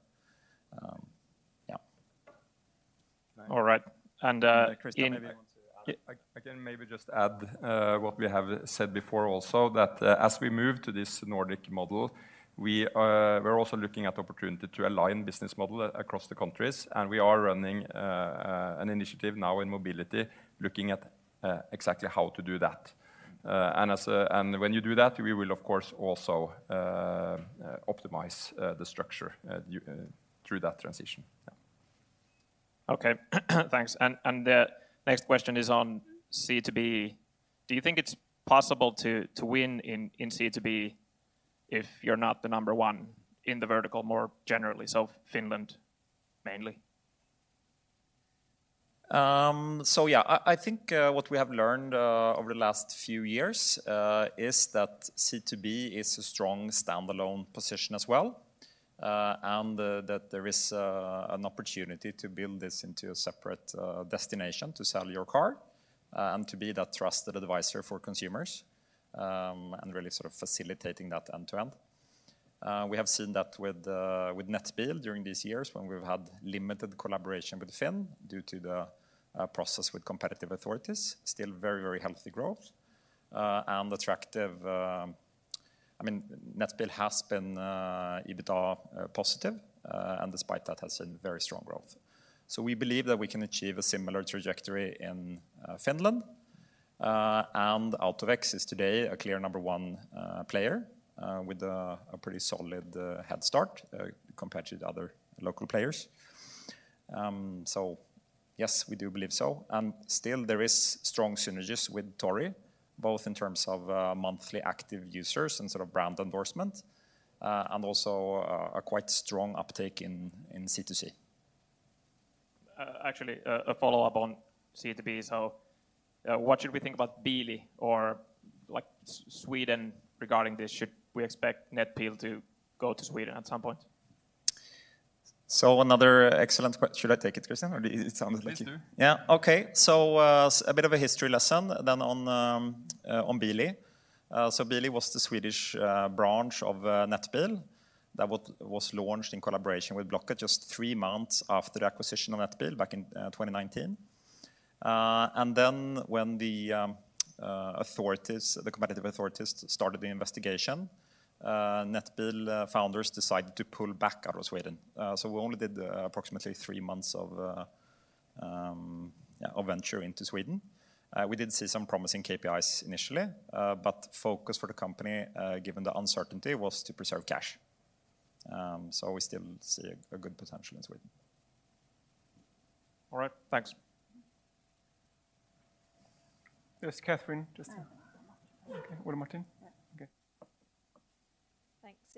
Yeah. All right. Chris, maybe I want to add. I can maybe just add what we have said before also that as we move to this Nordic model, we're also looking at opportunity to align business model across the countries, and we are running an initiative now in mobility looking at exactly how to do that. When you do that, we will of course also optimize the structure you through that transition. Yeah. Okay. Thanks. The next question is on C2B. Do you think it's possible to win in C2B if you're not the number one in the vertical more generally, so Finland mainly? Yeah. I think what we have learned over the last few years is that C2B is a strong standalone position as well, and that there is an opportunity to build this into a separate destination to sell your car and to be that trusted advisor for consumers, and really sort of facilitating that end-to-end. We have seen that with Nettbil during these years when we've had limited collaboration with FINN.no due to the process with competitive authorities. Still very, very healthy growth and attractive. I mean, Nettbil has been EBITDA positive, and despite that has seen very strong growth. We believe that we can achieve a similar trajectory in Finland, and AutoVex is today a clear number one player with a pretty solid head start compared to the other local players. Yes, we do believe so. Still there is strong synergies with Tori, both in terms of monthly active users and sort of brand endorsement, and also a quite strong uptake in C2C. Actually, a follow-up on C2B. What should we think about Bilia or like Sweden regarding this? Should we expect Nettbil to go to Sweden at some point? Another excellent should I take it, Christian? Or it sounded like. Please do. Okay. A bit of a history lesson then on Bilia. Bilia was the Swedish branch of Nettbil that was launched in collaboration with Blocket just three months after the acquisition of Nettbil back in 2019. When the authorities, the competitive authorities started the investigation, Nettbil founders decided to pull back out of Sweden. We only did approximately three months of, yeah, of venture into Sweden. We did see some promising KPIs initially, but focus for the company, given the uncertainty, was to preserve cash. We still see a good potential in Sweden. All right. Thanks. Yes, Catherine. Just... Oh. Okay. Ole Martin?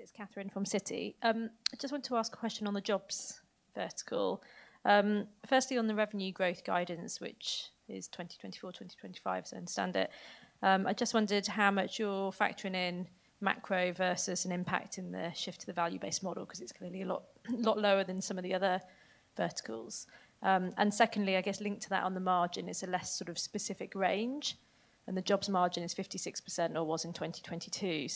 Yeah. Okay. Thanks. It's Catherine from Citi. I just want to ask a question on the Jobs vertical. Firstly on the revenue growth guidance, which is 2024/2025, so I understand it. I just wondered how much you're factoring in macro versus an impact in the shift to the value-based model, because it's clearly a lot lower than some of the other verticals. Secondly, I guess linked to that on the margin is a less sort of specific range, and the Jobs margin is 56%, or was in 2022.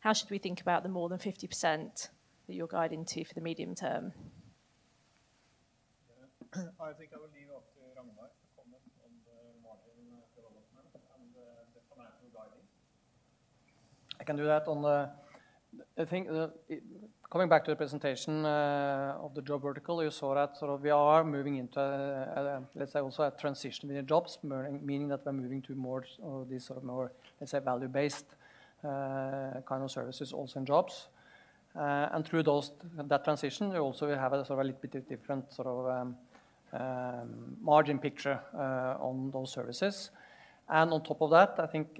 How should we think about the more than 50% that you're guiding to for the medium term? I think I will leave it up to Ragnar to comment on the margin development and the financial guiding. I can do that on the I think the Coming back to the presentation of the Jobs vertical, you saw that sort of we are moving into, let's say also a transition in Jobs, meaning that we're moving to more of these sort of more, let's say, value-based kind of services also in Jobs. Through those, that transition, we also will have a sort of a little bit of different sort of margin picture on those services. On top of that, I think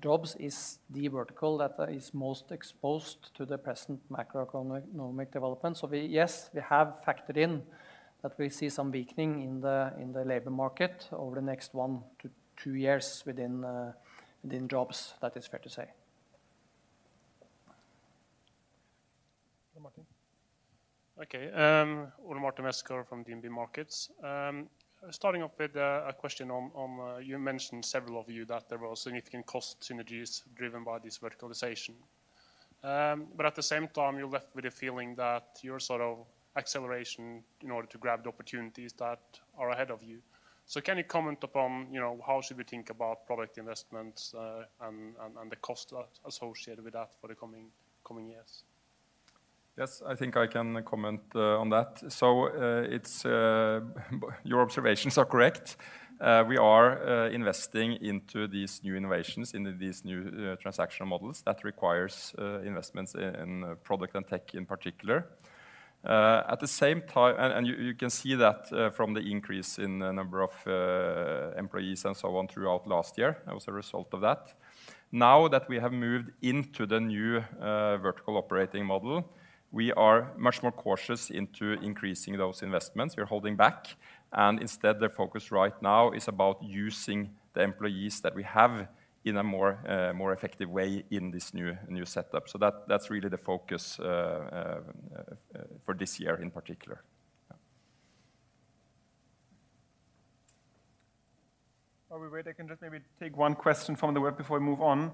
Jobs is the vertical that is most exposed to the present macroeconomic development. We, yes, we have factored in that we see some weakening in the, in the labor market over the next one to two years within Jobs. That is fair to say. Ole Martin. Okay. Ole-Martin Helland from DNB Markets. Starting off with a question on, you mentioned, several of you, that there were significant cost synergies driven by this verticalization. At the same time, you're left with a feeling that you're sort of acceleration in order to grab the opportunities that are ahead of you. Can you comment upon, you know, how should we think about product investments, and the cost associated with that for the coming years? Yes, I think I can comment on that. Your observations are correct. We are investing into these new innovations, into these new transactional models that requires investments in product and tech in particular. At the same time, you can see that from the increase in the number of employees and so on throughout last year. That was a result of that. Now that we have moved into the new vertical operating model, we are much more cautious into increasing those investments. We're holding back, and instead, the focus right now is about using the employees that we have in a more effective way in this new setup. That's really the focus for this year in particular. Yeah. While we wait, I can just maybe take one question from the web before we move on.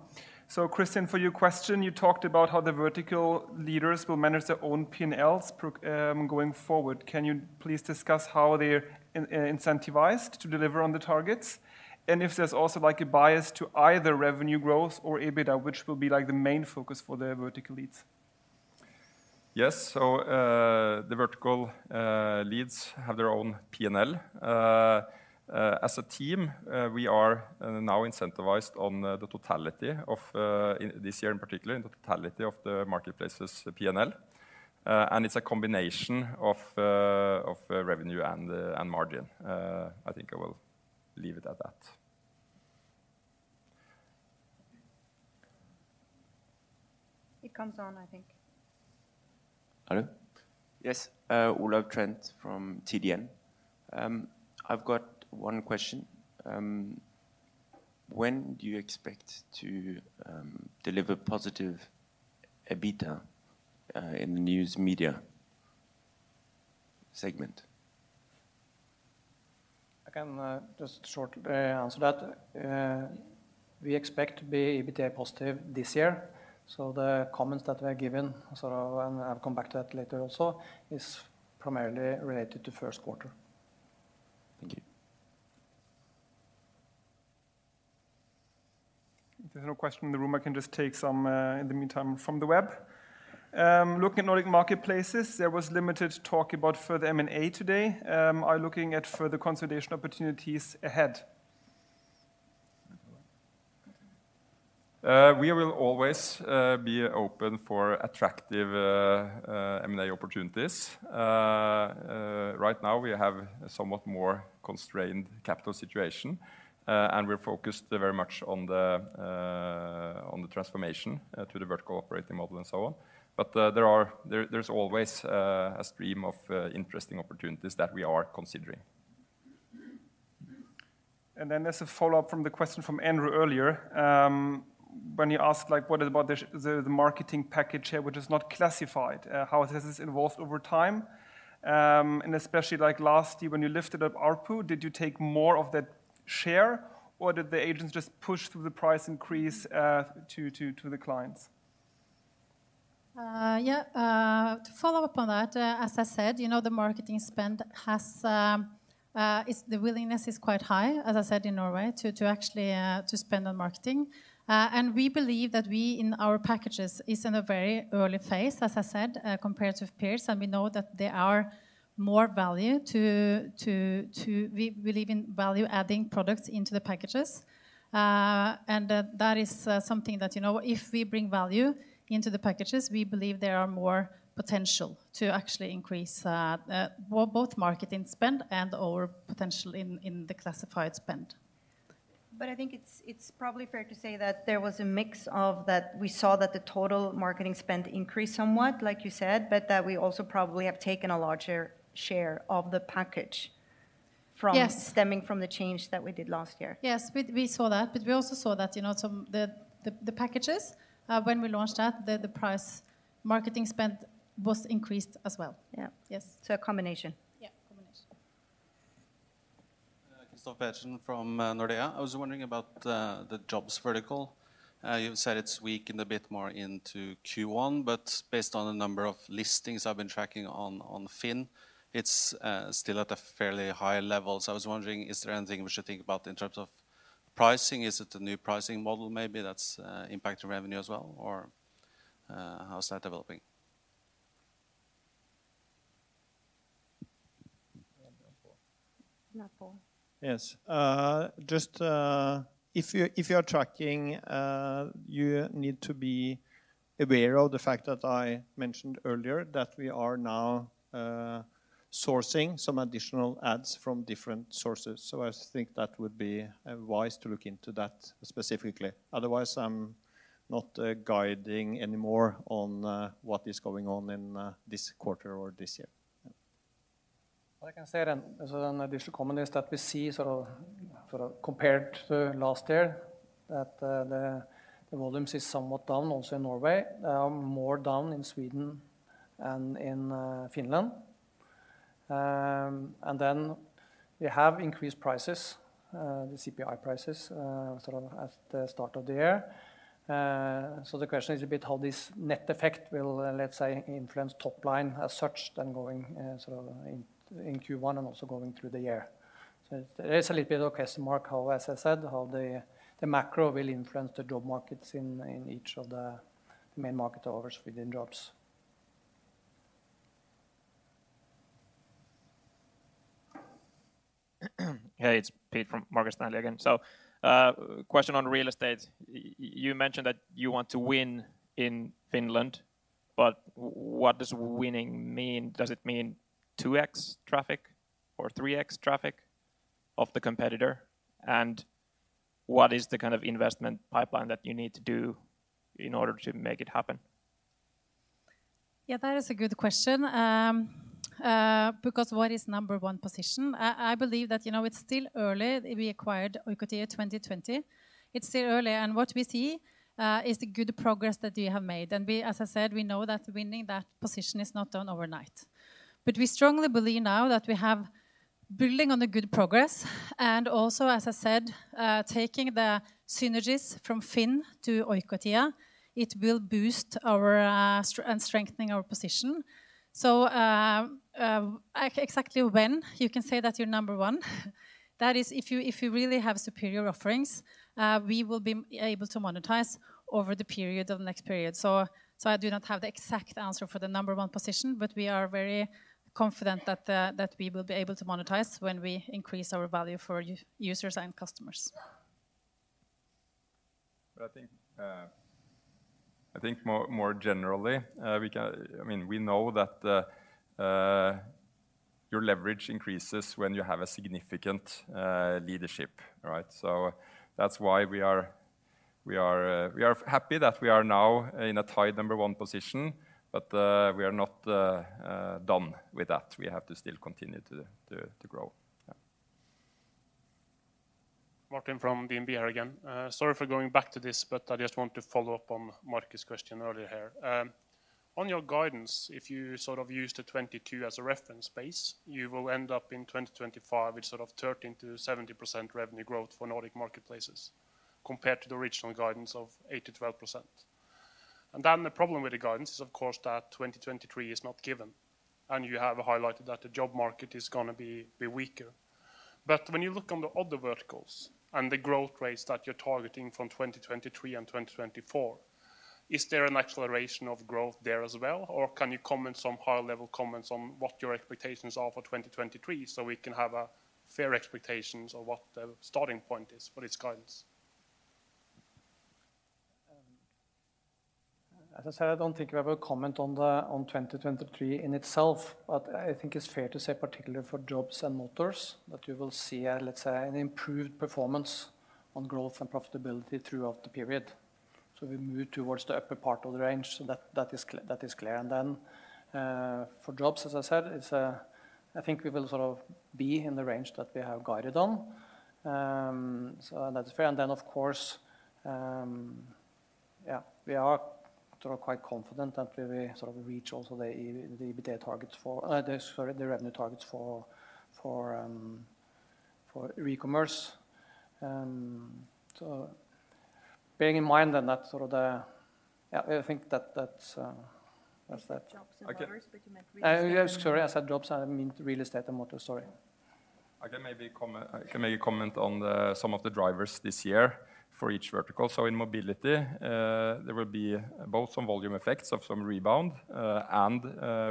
Christian, for your question, you talked about how the vertical leaders will manage their own P&Ls going forward. Can you please discuss how they're incentivized to deliver on the targets? If there's also like a bias to either revenue growth or EBITDA, which will be like the main focus for the vertical leads. The vertical leads have their own P&L. As a team, we are now incentivized on the totality of this year in particular, in the totality of the marketplace's P&L. It's a combination of of revenue and and margin. I think I will leave it at that. It comes on, I think. Hello? Yes, Olav Gram from TDN. I've got one question. When do you expect to deliver positive EBITDA in the News Media segment? I can, just shortly answer that. We expect to be EBITDA positive this year. The comments that we are giving, sort of, and I'll come back to that later also, is primarily related to first quarter. Thank you. If there's no question in the room, I can just take some in the meantime from the web. Looking at Nordic Marketplaces, there was limited talk about further M&A today. Are you looking at further consolidation opportunities ahead? We will always be open for attractive M&A opportunities. Right now we have a somewhat more constrained capital situation, and we're focused very much on the transformation to the vertical operating model and so on. There are, there's always a stream of interesting opportunities that we are considering. As a follow-up from the question from Andrew earlier, when you asked, like, what about the marketing package here which is not classified, how has this evolved over time? Especially like last year when you lifted up ARPU, did you take more of that share, or did the agents just push through the price increase, to the clients? Yeah. To follow up on that, as I said, you know, the marketing spend has, the willingness is quite high, as I said, in Norway to actually spend on marketing. We believe that we, in our packages, is in a very early phase, as I said, compared to peers, and we know that there are more value. We believe in value-adding products into the packages. That is something that, you know, if we bring value into the packages, we believe there are more potential to actually increase, both marketing spend and/or potential in the classified spend. I think it's probably fair to say that there was a mix of that. We saw that the total marketing spend increased somewhat, like you said, but that we also probably have taken a larger share of the package from. Yes. stemming from the change that we did last year. Yes. We saw that we also saw that, you know, some the packages, when we launched that, the price marketing spend was increased as well. Yeah. Yes. A combination. Yeah. Combination. Kristoffer Pedersen from Nordea. I was wondering about the jobs vertical. You said it's weakened a bit more into Q1, but based on the number of listings I've been tracking on FINN.no, it's still at a fairly high level. I was wondering, is there anything we should think about in terms of pricing? Is it a new pricing model maybe that's impacting revenue as well? How's that developing? Pål MacKenzie. Yes. just, if you're, if you're tracking, you need to be aware of the fact that I mentioned earlier that we are now, sourcing some additional ads from different sources. I think that would be wise to look into that specifically. Otherwise, I'm not, guiding any more on, what is going on in, this quarter or this year. Yeah. What I can say then as an additional comment is that we see sort of compared to last year that the volumes is somewhat down also in Norway. They are more down in Sweden and in Finland. Then we have increased prices, the CPI prices, sort of at the start of the year. The question is a bit how this net effect will, let's say, influence top line as such then going, sort of in Q1 and also going through the year. There's a little bit of question mark how, as I said, how the macro will influence the job markets in each of the main market offers within jobs. Hey, it's Pete from Morgan Stanley again. Question on real estate. You mentioned that you want to win in Finland, but what does winning mean? Does it mean 2x traffic or 3x traffic of the competitor? What is the kind of investment pipeline that you need to do in order to make it happen? Yeah, that is a good question, because what is number one position? I believe that, you know, it's still early. We acquired Oikotie.fi in 2020. It's still early, what we see is the good progress that we have made. We, as I said, we know that winning that position is not done overnight. We strongly believe now that we have building on the good progress and also, as I said, taking the synergies from FINN.no to Oikotie.fi, it will boost our strengthening our position. When you can say that you're number one, that is if you really have superior offerings, we will be able to monetize over the period of next period. I do not have the exact answer for the number one position, but we are very confident that we will be able to monetize when we increase our value for users and customers. I think more generally, I mean, we know that, your leverage increases when you have a significant leadership, right? That's why we are happy that we are now in a tied number one position. We are not done with that. We have to still continue to grow. Yeah. Martin from DNB again. Sorry for going back to this, I just want to follow up on Marcus's question earlier here. On your guidance, if you sort of use the 2022 as a reference base, you will end up in 2025 with sort of 13%-70% revenue growth for Nordic Marketplaces compared to the original guidance of 8%-12%. The problem with the guidance is of course that 2023 is not given, and you have highlighted that the job market is gonna be weaker. When you look on the other verticals and the growth rates that you're targeting from 2023 and 2024, is there an acceleration of growth there as well? Can you comment some high-level comments on what your expectations are for 2023 so we can have a fair expectations of what the starting point is for this guidance? As I said, I don't think we have a comment on the, on 2023 in itself. I think it's fair to say, particularly for jobs and motors, that you will see a, let's say, an improved performance on growth and profitability throughout the period. We move towards the upper part of the range, that is clear, that is clear. For jobs, as I said, it's, I think we will sort of be in the range that we have guided on. That's fair. Of course, yeah, we are sort of quite confident that we will sort of reach also the EBITDA targets for, the, sorry, the revenue targets for e-commerce. Bearing in mind then. Yeah, I think that's that. You said jobs and motors, but you meant real estate? Yes, sorry. I said jobs, I meant real estate and motor. Sorry. I can maybe comment on some of the drivers this year for each vertical. In mobility, there will be both some volume effects of some rebound and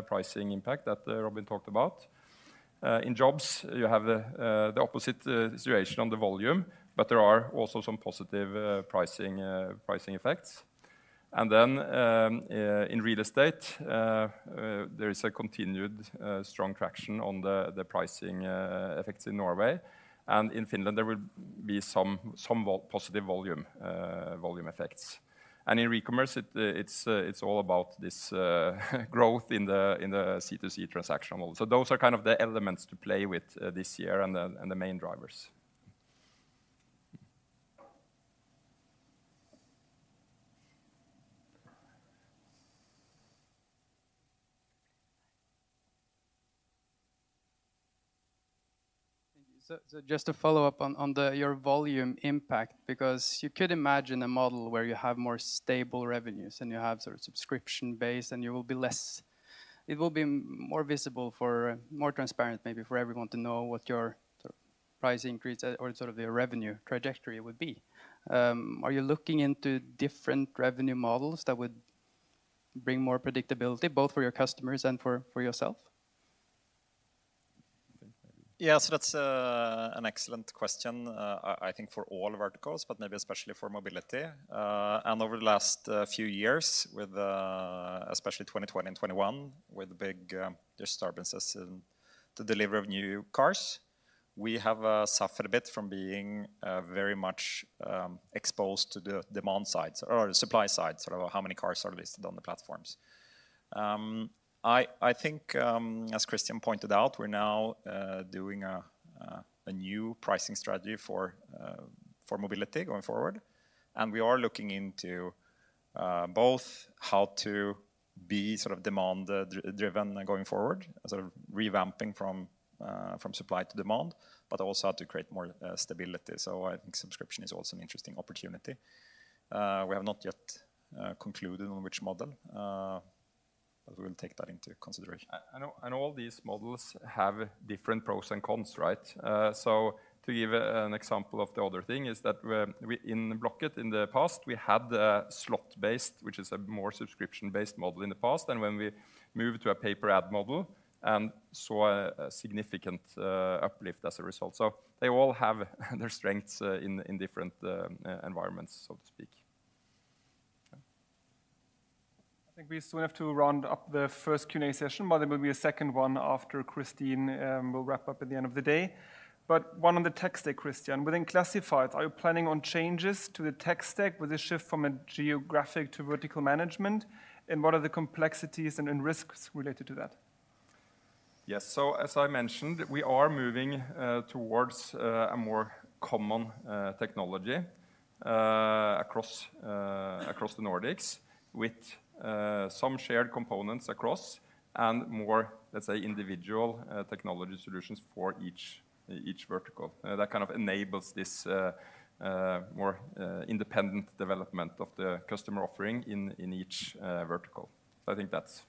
pricing impact that Robin talked about. In jobs, you have the opposite situation on the volume, there are also some positive pricing effects. In real estate, there is a continued strong traction on the pricing effects in Norway. In Finland, there will be some positive volume effects. In e-commerce, it's all about this growth in the C2C transaction model. Those are kind of the elements to play with this year and the main drivers. Thank you. Just to follow up on your volume, because you could imagine a model where you have more stable revenues, and you have sort of subscription base, and you will be less... It will be more visible, more transparent maybe for everyone to know what your sort of price increase or sort of the revenue trajectory would be. Are you looking into different revenue models that would bring more predictability both for your customers and for yourself? Yeah, that's an excellent question, I think for all verticals, but maybe especially for mobility. Over the last few years with especially 2020 and 2021, with big disturbances in the delivery of new cars, we have suffered a bit from being very much exposed to the demand side or supply side, sort of how many cars are listed on the platforms. I think as Christian pointed out, we're now doing a new pricing strategy for mobility going forward. We are looking into both how to be sort of demand-driven going forward as a revamping from supply to demand, but also how to create more stability. I think subscription is also an interesting opportunity. We have not yet concluded on which model, but we'll take that into consideration. All these models have different pros and cons, right? To give an example of the other thing is that we in Blocket in the past, we had the slot-based, which is a more subscription-based model in the past, and when we moved to a pay-per-ad model and saw a significant uplift as a result. They all have their strengths in different environments, so to speak. Yeah. I think we soon have to round up the first Q&A session. There will be a second one after Kristin will wrap up at the end of the day. One on the tech stack, Christian. Within classifieds, are you planning on changes to the tech stack with a shift from a geographic to vertical management? What are the complexities and risks related to that? Yes. As I mentioned, we are moving towards a more common technology across across the Nordics with some shared components across and more, let's say, individual technology solutions for each each vertical. That kind of enables this more independent development of the customer offering in in each vertical. I think that's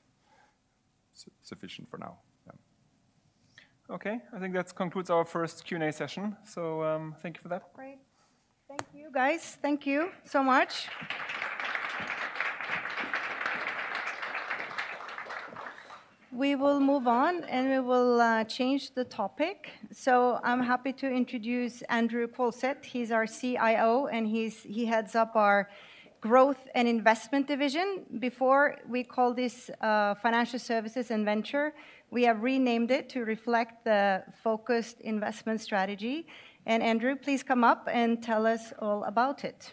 sufficient for now. Yeah. I think that concludes our first Q&A session. Thank you for that. Great. Thank you, guys. Thank you so much. We will move on, and we will change the topic. I'm happy to introduce Andrew Kolset. He's our CIO, and he heads up our growth and investment division. Before, we called this financial services and venture. We have renamed it to reflect the focused investment strategy. Andrew, please come up and tell us all about it.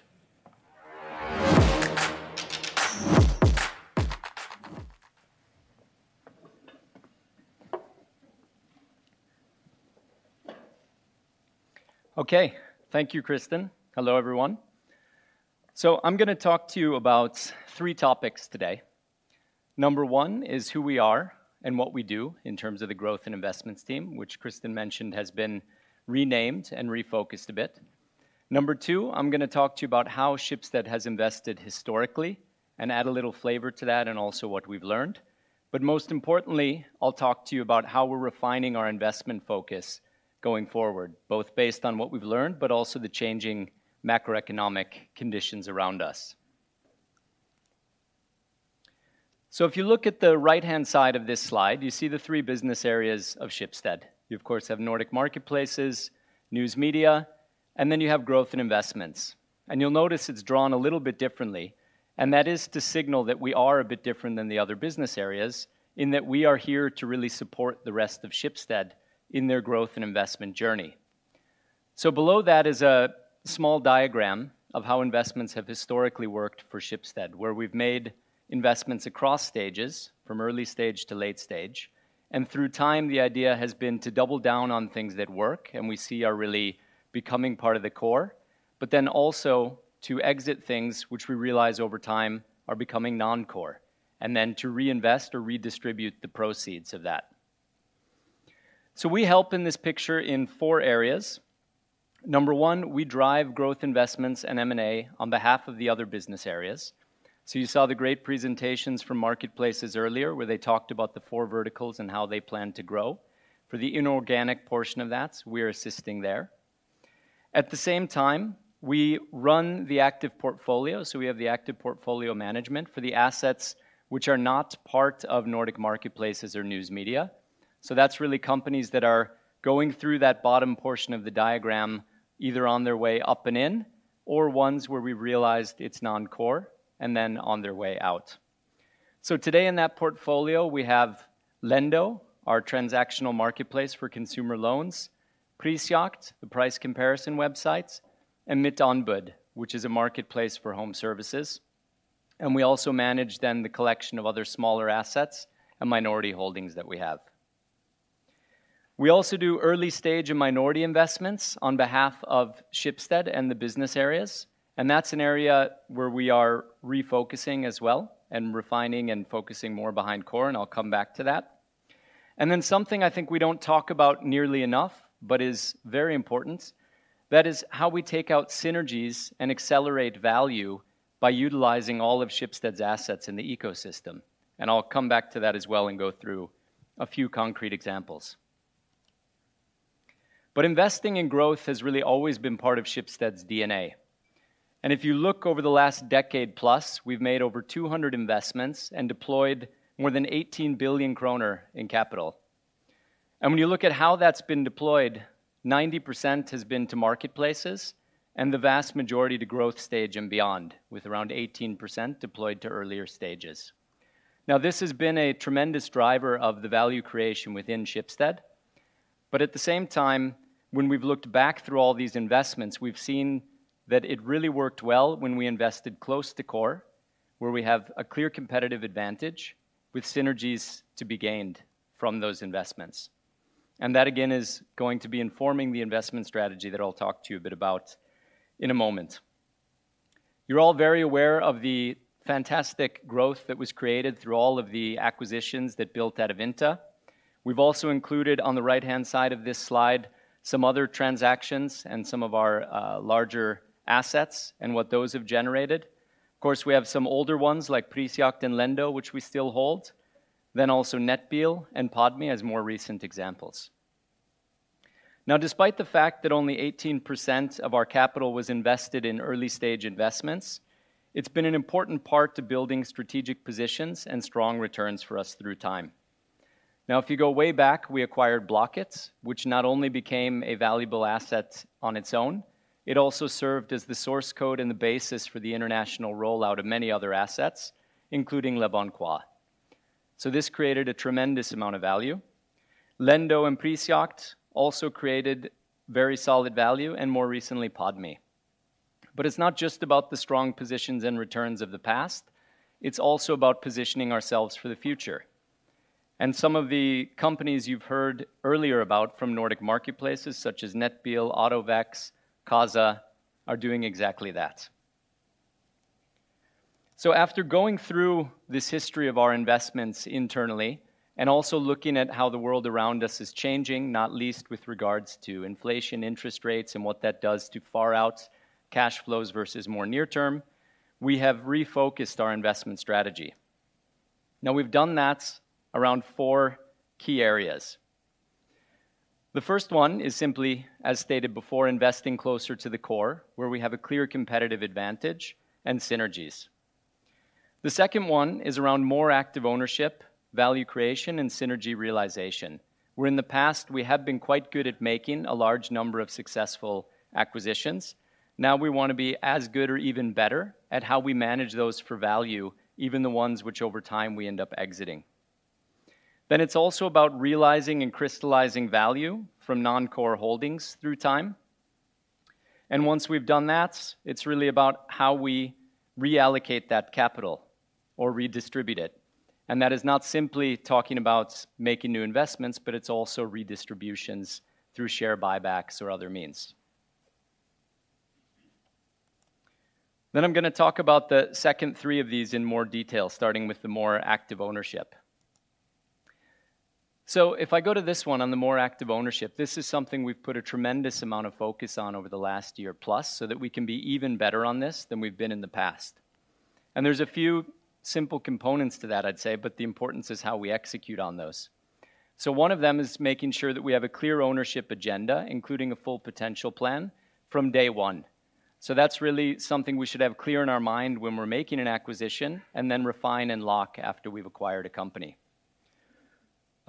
Okay. Thank you, Kristin. Hello, everyone. I'm gonna talk to you about three topics today. Number one is who we are and what we do in terms of the Growth and Investments team, which Kristin mentioned has been renamed and refocused a bit. Number two, I'm gonna talk to you about how Schibsted has invested historically and add a little flavor to that and also what we've learned. Most importantly, I'll talk to you about how we're refining our investment focus going forward, both based on what we've learned, but also the changing macroeconomic conditions around us. If you look at the right-hand side of this slide, you see the three business areas of Schibsted. You of course have Nordic Marketplaces, news media, and then you have Growth and Investments. You'll notice it's drawn a little bit differently, and that is to signal that we are a bit different than the other business areas in that we are here to really support the rest of Schibsted in their growth and investment journey. Below that is a small diagram of how investments have historically worked for Schibsted, where we've made investments across stages from early stage to late stage. Through time, the idea has been to double down on things that work, and we see are really becoming part of the core, but then also to exit things which we realize over time are becoming non-core, and then to reinvest or redistribute the proceeds of that. We help in this picture in four areas. Number one, we drive growth investments and M&A on behalf of the other business areas. You saw the great presentations from Marketplaces earlier, where they talked about the four verticals and how they plan to grow. For the inorganic portion of that, we're assisting there. At the same time, we run the active portfolio. We have the active portfolio management for the assets which are not part of Nordic Marketplaces or News Media. That's really companies that are going through that bottom portion of the diagram, either on their way up and in, or ones where we realized it's non-core and then on their way out. Today in that portfolio, we have Lendo, our transactional marketplace for consumer loans, Prisjakt, the price comparison websites, and Mittanbud, which is a marketplace for home services. We also manage then the collection of other smaller assets and minority holdings that we have. We also do early stage and minority investments on behalf of Schibsted and the business areas, and that's an area where we are refocusing as well and refining and focusing more behind core, and I'll come back to that. Something I think we don't talk about nearly enough, but is very important, that is how we take out synergies and accelerate value by utilizing all of Schibsted's assets in the ecosystem. I'll come back to that as well and go through a few concrete examples. Investing in growth has really always been part of Schibsted's DNA. If you look over the last decade plus, we've made over 200 investments and deployed more than 18 billion kroner in capital. When you look at how that's been deployed, 90% has been to marketplaces and the vast majority to growth stage and beyond, with around 18% deployed to earlier stages. This has been a tremendous driver of the value creation within Schibsted. At the same time, when we've looked back through all these investments, we've seen that it really worked well when we invested close to core, where we have a clear competitive advantage with synergies to be gained from those investments. That, again, is going to be informing the investment strategy that I'll talk to you a bit about in a moment. You're all very aware of the fantastic growth that was created through all of the acquisitions that built Adevinta. We've also included on the right-hand side of this slide some other transactions and some of our larger assets and what those have generated. Of course, we have some older ones like Prisjakt and Lendo, which we still hold. Also Nettbil and Podme as more recent examples. Despite the fact that only 18% of our capital was invested in early-stage investments, it's been an important part to building strategic positions and strong returns for us through time. If you go way back, we acquired Blocket, which not only became a valuable asset on its own, it also served as the source code and the basis for the international rollout of many other assets, including leboncoin. This created a tremendous amount of value. Lendo and Prisjakt also created very solid value, and more recently, Podme. It's not just about the strong positions and returns of the past, it's also about positioning ourselves for the future. Some of the companies you've heard earlier about from Nordic Marketplaces such as Nettbil, AutoVex, Kazza are doing exactly that. After going through this history of our investments internally and also looking at how the world around us is changing, not least with regards to inflation, interest rates, and what that does to far out cash flows versus more near-term, we have refocused our investment strategy. We've done that around four key areas. The first one is simply, as stated before, investing closer to the core, where we have a clear competitive advantage and synergies. The second one is around more active ownership, value creation, and synergy realization, where in the past we have been quite good at making a large number of successful acquisitions. We wanna be as good or even better at how we manage those for value, even the ones which over time we end up exiting. It's also about realizing and crystallizing value from non-core holdings through time. Once we've done that, it's really about how we reallocate that capital or redistribute it. That is not simply talking about making new investments, but it's also redistributions through share buybacks or other means. I'm gonna talk about the second three of these in more detail, starting with the more active ownership. If I go to this one on the more active ownership, this is something we've put a tremendous amount of focus on over the last year plus so that we can be even better on this than we've been in the past. There's a few simple components to that, I'd say, but the importance is how we execute on those. One of them is making sure that we have a clear ownership agenda, including a full potential plan from day one. That's really something we should have clear in our mind when we're making an acquisition and then refine and lock after we've acquired a company.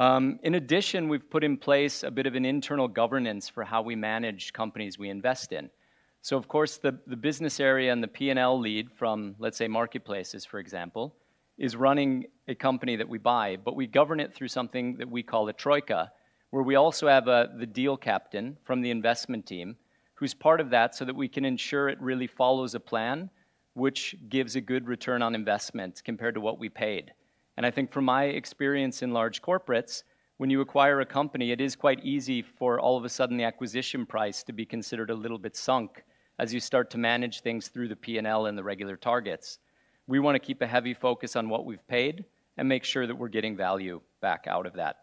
In addition, we've put in place a bit of an internal governance for how we manage companies we invest in. Of course, the business area and the P&L lead from, let's say, Marketplaces, for example, is running a company that we buy, but we govern it through something that we call a troika, where we also have a, the deal captain from the investment team who's part of that so that we can ensure it really follows a plan which gives a good return on investment compared to what we paid. I think from my experience in large corporates, when you acquire a company, it is quite easy for all of a sudden the acquisition price to be considered a little bit sunk as you start to manage things through the P&L and the regular targets. We wanna keep a heavy focus on what we've paid and make sure that we're getting value back out of that.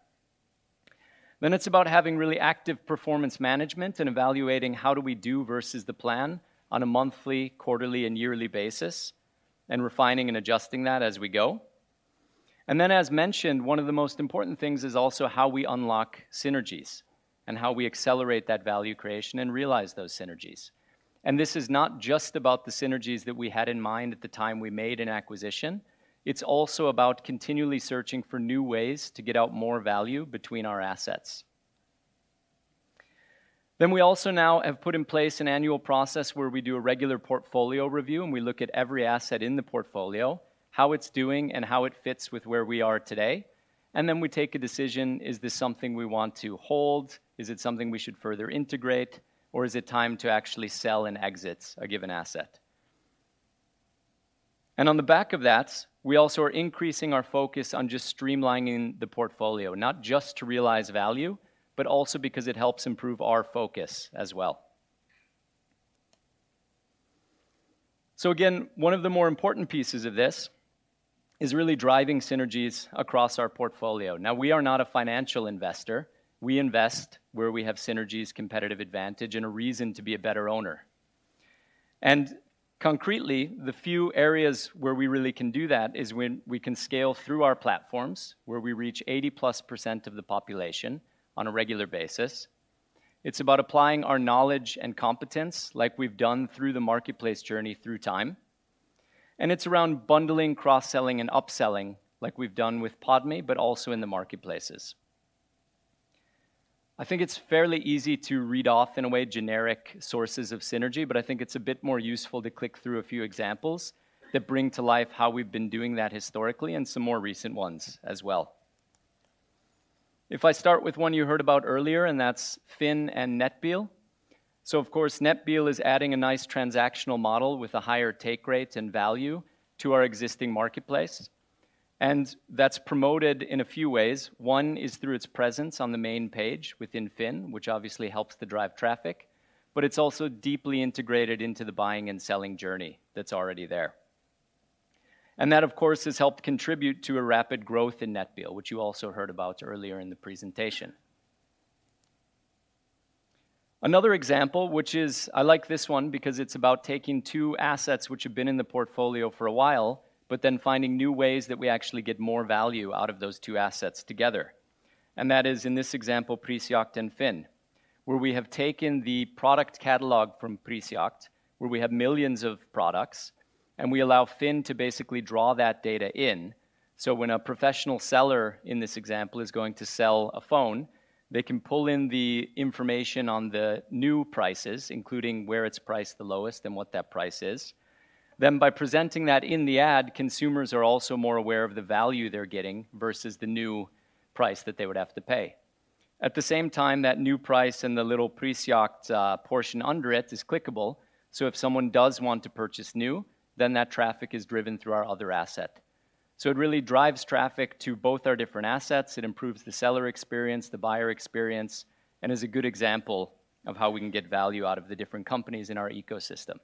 It's about having really active performance management and evaluating how do we do versus the plan on a monthly, quarterly, and yearly basis, and refining and adjusting that as we go. As mentioned, one of the most important things is also how we unlock synergies and how we accelerate that value creation and realize those synergies. This is not just about the synergies that we had in mind at the time we made an acquisition. It's also about continually searching for new ways to get out more value between our assets. We also now have put in place an annual process where we do a regular portfolio review. We look at every asset in the portfolio, how it's doing, and how it fits with where we are today. We take a decision, is this something we want to hold? Is it something we should further integrate, or is it time to actually sell and exit a given asset? On the back of that, we also are increasing our focus on just streamlining the portfolio, not just to realize value, but also because it helps improve our focus as well. Again, one of the more important pieces of this is really driving synergies across our portfolio. We are not a financial investor. We invest where we have synergies, competitive advantage, and a reason to be a better owner. Concretely, the few areas where we really can do that is when we can scale through our platforms, where we reach 80% plus of the population on a regular basis. It's about applying our knowledge and competence like we've done through the marketplace journey through time, and it's around bundling, cross-selling, and upselling like we've done with Podme, but also in the marketplaces. I think it's fairly easy to read off in a way generic sources of synergy, but I think it's a bit more useful to click through a few examples that bring to life how we've been doing that historically and some more recent ones as well. If I start with one you heard about earlier, and that's FINN.no and Nettbil. Of course, Nettbil is adding a nice transactional model with a higher take rate and value to our existing marketplace. That's promoted in a few ways. One is through its presence on the main page within Finn, which obviously helps to drive traffic, but it's also deeply integrated into the buying and selling journey that's already there. That, of course, has helped contribute to a rapid growth in Nettbil, which you also heard about earlier in the presentation. Another example, which is I like this one because it's about taking two assets which have been in the portfolio for a while, then finding new ways that we actually get more value out of those two assets together. That is, in this example, Prisjakt and Finn, where we have taken the product catalog from Prisjakt, where we have millions of products, and we allow Finn to basically draw that data in. When a professional seller in this example is going to sell a phone, they can pull in the information on the new prices, including where it's priced the lowest and what that price is. By presenting that in the ad, consumers are also more aware of the value they're getting versus the new price that they would have to pay. At the same time, that new price and the little Prisjakt portion under it is clickable, so if someone does want to purchase new, then that traffic is driven through our other asset. It really drives traffic to both our different assets. It improves the seller experience, the buyer experience, and is a good example of how we can get value out of the different companies in our ecosystem.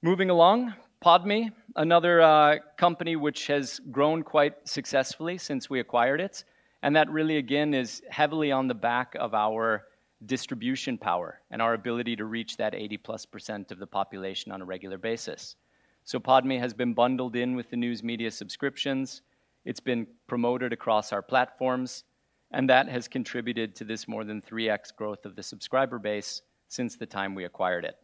Moving along, Podme, another company which has grown quite successfully since we acquired it. That really, again, is heavily on the back of our distribution power and our ability to reach that 80%+ of the population on a regular basis. Podme has been bundled in with the news media subscriptions. It's been promoted across our platforms, and that has contributed to this more than 3x growth of the subscriber base since the time we acquired it.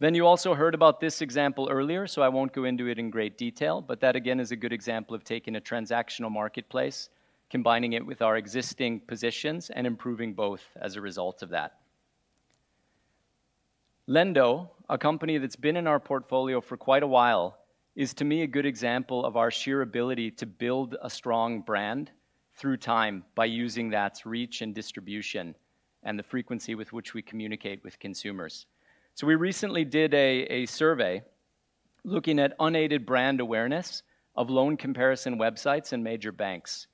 You also heard about this example earlier, so I won't go into it in great detail, but that again is a good example of taking a transactional marketplace, combining it with our existing positions, and improving both as a result of that. Lendo, a company that's been in our portfolio for quite a while, is to me a good example of our sheer ability to build a strong brand through time by using that reach and distribution and the frequency with which we communicate with consumers. We recently did a survey looking at unaided brand awareness of loan comparison websites and major banks.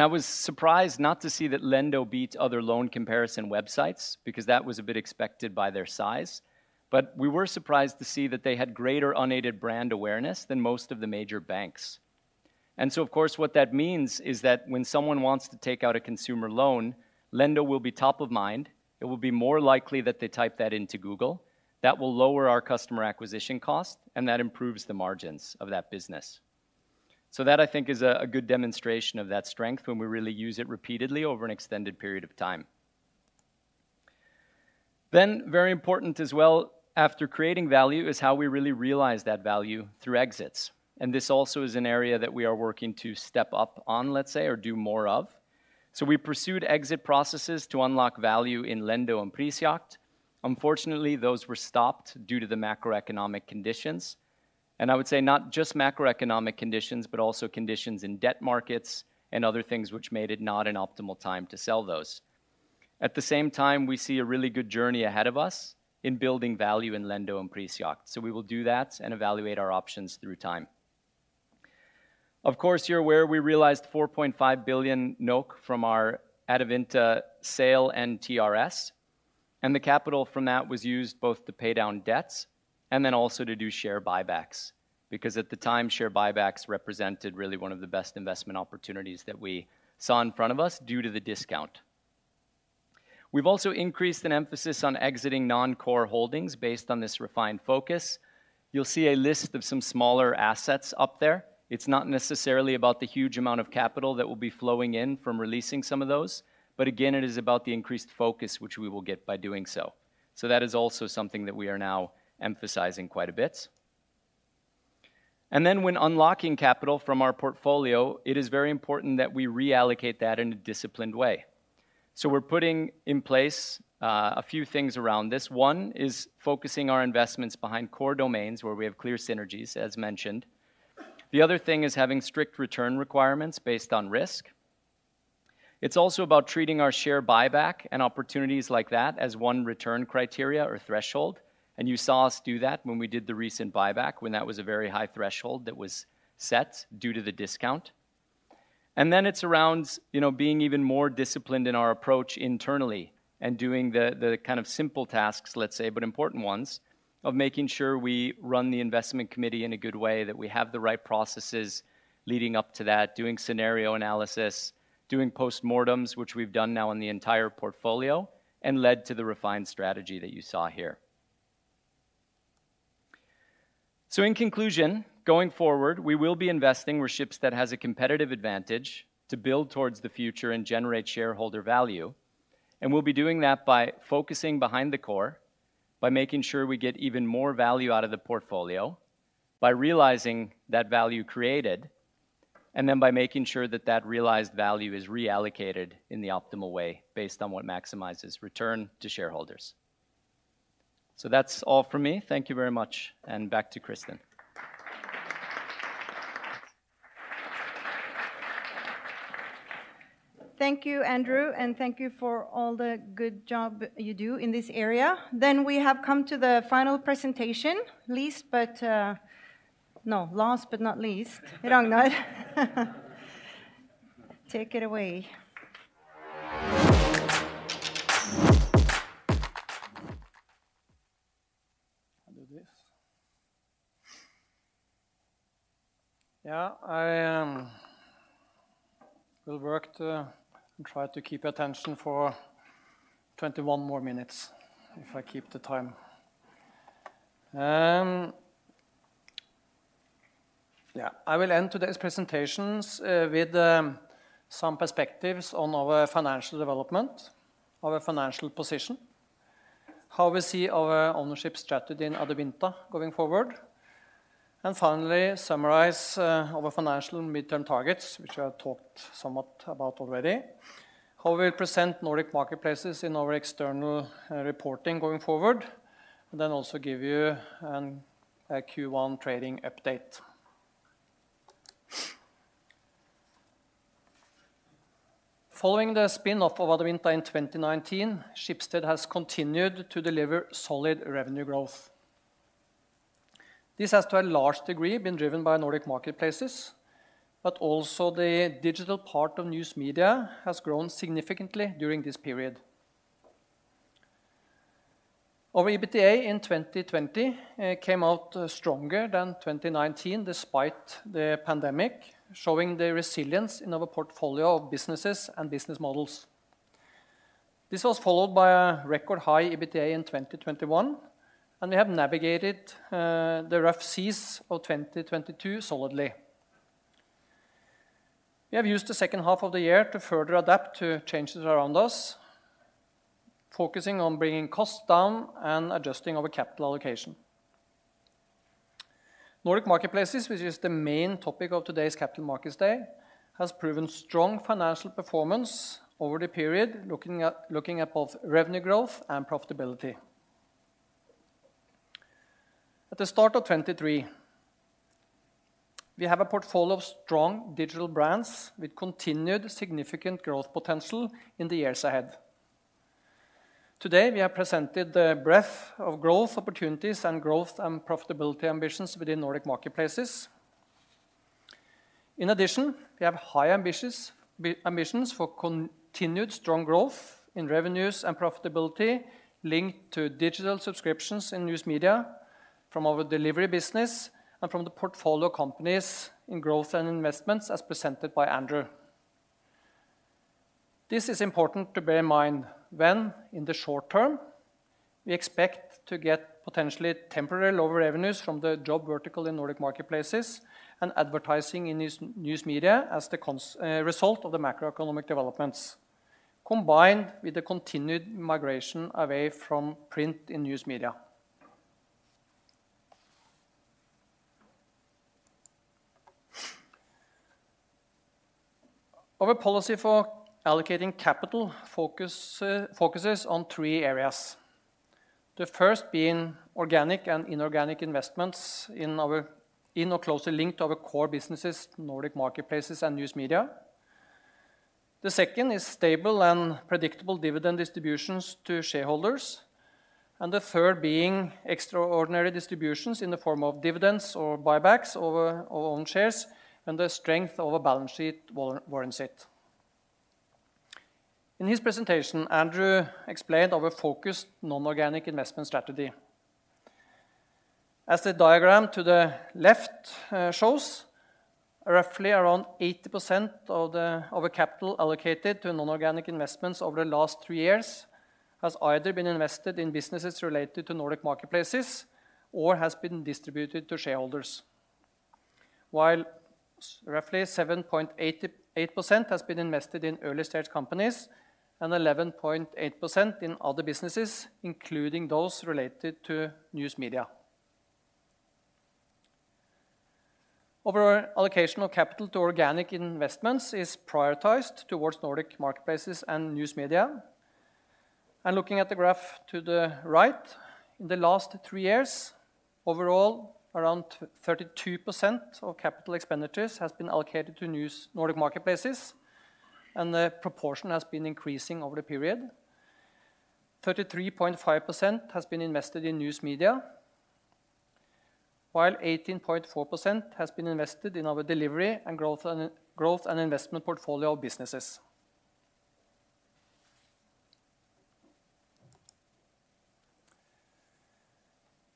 I was surprised not to see that Lendo beat other loan comparison websites because that was a bit expected by their size. We were surprised to see that they had greater unaided brand awareness than most of the major banks. Of course, what that means is that when someone wants to take out a consumer loan, Lendo will be top of mind. It will be more likely that they type that into Google. That will lower our customer acquisition cost, and that improves the margins of that business. That I think is a good demonstration of that strength when we really use it repeatedly over an extended period of time. Very important as well, after creating value is how we really realize that value through exits. This also is an area that we are working to step up on, let's say, or do more of. We pursued exit processes to unlock value in Lendo and Prisjakt. Unfortunately, those were stopped due to the macroeconomic conditions. I would say not just macroeconomic conditions, but also conditions in debt markets and other things which made it not an optimal time to sell those. At the same time, we see a really good journey ahead of us in building value in Lendo and Prisjakt. We will do that and evaluate our options through time. Of course, you're aware we realized 4.5 billion NOK from our Adevinta sale and TRS, and the capital from that was used both to pay down debts and then also to do share buybacks, because at the time, share buybacks represented really one of the best investment opportunities that we saw in front of us due to the discount. We've also increased an emphasis on exiting non-core holdings based on this refined focus. You'll see a list of some smaller assets up there. It's not necessarily about the huge amount of capital that will be flowing in from releasing some of those, but again, it is about the increased focus which we will get by doing so. That is also something that we are now emphasizing quite a bit. When unlocking capital from our portfolio, it is very important that we reallocate that in a disciplined way. We're putting in place a few things around this. One is focusing our investments behind core domains where we have clear synergies, as mentioned. The other thing is having strict return requirements based on risk. It's also about treating our share buyback and opportunities like that as one return criteria or threshold. You saw us do that when we did the recent buyback, when that was a very high threshold that was set due to the discount. It's around, you know, being even more disciplined in our approach internally and doing the kind of simple tasks, let's say, but important ones, of making sure we run the investment committee in a good way, that we have the right processes leading up to that, doing scenario analysis, doing postmortems, which we've done now in the entire portfolio and led to the refined strategy that you saw here. In conclusion, going forward, we will be investing where Schibsted has a competitive advantage to build towards the future and generate shareholder value. We'll be doing that by focusing behind the core, by making sure we get even more value out of the portfolio, by realizing that value created, by making sure that that realized value is reallocated in the optimal way based on what maximizes return to shareholders. That's all from me. Thank you very much. Back to Kristin. Thank you, Andrew, and thank you for all the good job you do in this area. We have come to the final presentation, last but not least, Ragnar. Take it away. I'll do this. Yeah, I will work to try to keep your attention for 21 more minutes if I keep the time. Yeah. I will end today's presentations with some perspectives on our financial development, our financial position, how we see our ownership strategy in Adevinta going forward, and finally summarize our financial midterm targets, which I have talked somewhat about already. How we will present Nordic Marketplaces in our external reporting going forward, and then also give you a Q1 trading update. Following the spin-off of Adevinta in 2019, Schibsted has continued to deliver solid revenue growth. This has to a large degree been driven by Nordic Marketplaces, but also the digital part of News Media has grown significantly during this period. Our EBITDA in 2020 came out stronger than 2019 despite the pandemic, showing the resilience in our portfolio of businesses and business models. This was followed by a record high EBITDA in 2021. We have navigated the rough seas of 2022 solidly. We have used the second half of the year to further adapt to changes around us, focusing on bringing costs down and adjusting our capital allocation. Nordic Marketplaces, which is the main topic of today's Capital Markets Day, has proven strong financial performance over the period, looking at both revenue growth and profitability. At the start of 2023, we have a portfolio of strong digital brands with continued significant growth potential in the years ahead. Today, we have presented the breadth of growth opportunities and growth and profitability ambitions within Nordic Marketplaces. We have high ambitions for continued strong growth in revenues and profitability linked to digital subscriptions in News Media from our delivery business and from the portfolio companies in growth and investments as presented by Andrew. This is important to bear in mind when, in the short term, we expect to get potentially temporary lower revenues from the job vertical in Nordic Marketplaces and advertising in News Media as the result of the macroeconomic developments, combined with the continued migration away from print in News Media. Our policy for allocating capital focus focuses on three areas. The first being organic and inorganic investments in or closely linked to our core businesses, Nordic Marketplaces and News Media. The second is stable and predictable dividend distributions to shareholders, the third being extraordinary distributions in the form of dividends or buybacks of our own shares when the strength of our balance sheet warrants it. In his presentation, Andrew explained our focused non-organic investment strategy. As the diagram to the left shows, roughly around 80% of our capital allocated to non-organic investments over the last three years has either been invested in businesses related to Nordic Marketplaces or has been distributed to shareholders. While roughly 7.88% has been invested in early-stage companies and 11.8% in other businesses, including those related to News Media. Our allocation of capital to organic investments is prioritized towards Nordic Marketplaces and News Media. Looking at the graph to the right, in the last three years, overall, around 32% of capital expenditures has been allocated to Nordic Marketplaces, and the proportion has been increasing over the period. 33.5% has been invested in News Media, while 18.4% has been invested in our delivery and growth and investment portfolio of businesses.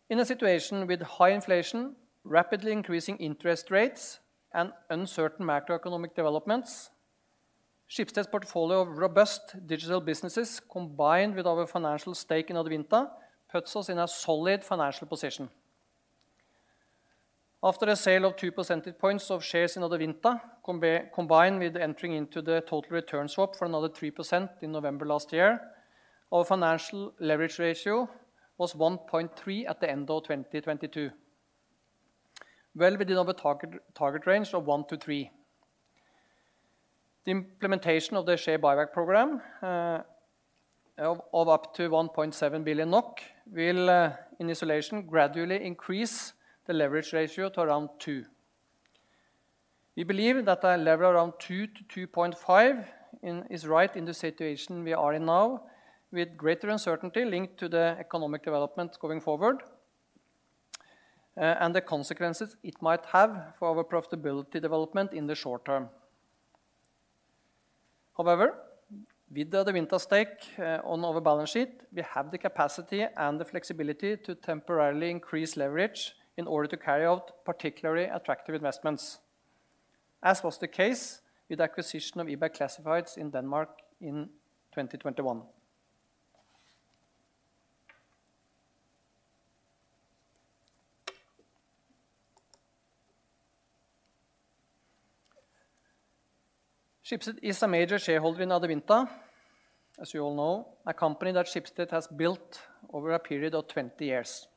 In a situation with high inflation, rapidly increasing interest rates, and uncertain macroeconomic developments, Schibsted's portfolio of robust digital businesses, combined with our financial stake in Adevinta, puts us in a solid financial position. After a sale of 2 percentage points of shares in Adevinta, combi-combined with entering into the total return swap for another 3% in November last year, our financial leverage ratio was 1.3 at the end of 2022, well within our target range of 1-3. The implementation of the share buyback program of up to 1.7 billion NOK will in isolation, gradually increase the leverage ratio to around 2. We believe that a level around 2-2.5 is right in the situation we are in now, with greater uncertainty linked to the economic development going forward, and the consequences it might have for our profitability development in the short term. With the Adevinta stake on our balance sheet, we have the capacity and the flexibility to temporarily increase leverage in order to carry out particularly attractive investments, as was the case with the acquisition of eBay Classifieds in Denmark in 2021. Schibsted is a major shareholder in Adevinta, as you all know, a company that Schibsted has built over a period of 20 years.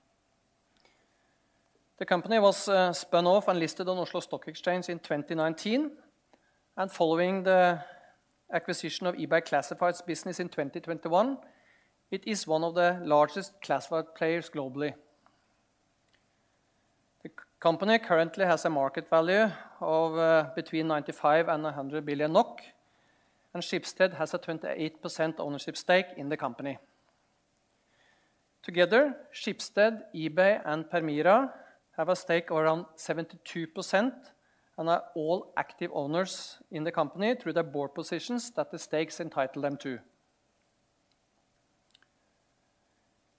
The company was spun off and listed on Oslo Stock Exchange in 2019. Following the acquisition of eBay Classifieds business in 2021, it is one of the largest classified players globally. The company currently has a market value of between 95 billion NOK and 100 billion NOK. Schibsted has a 28% ownership stake in the company. Together, Schibsted, eBay and Permira have a stake of around 72% and are all active owners in the company through their board positions that the stakes entitle them to.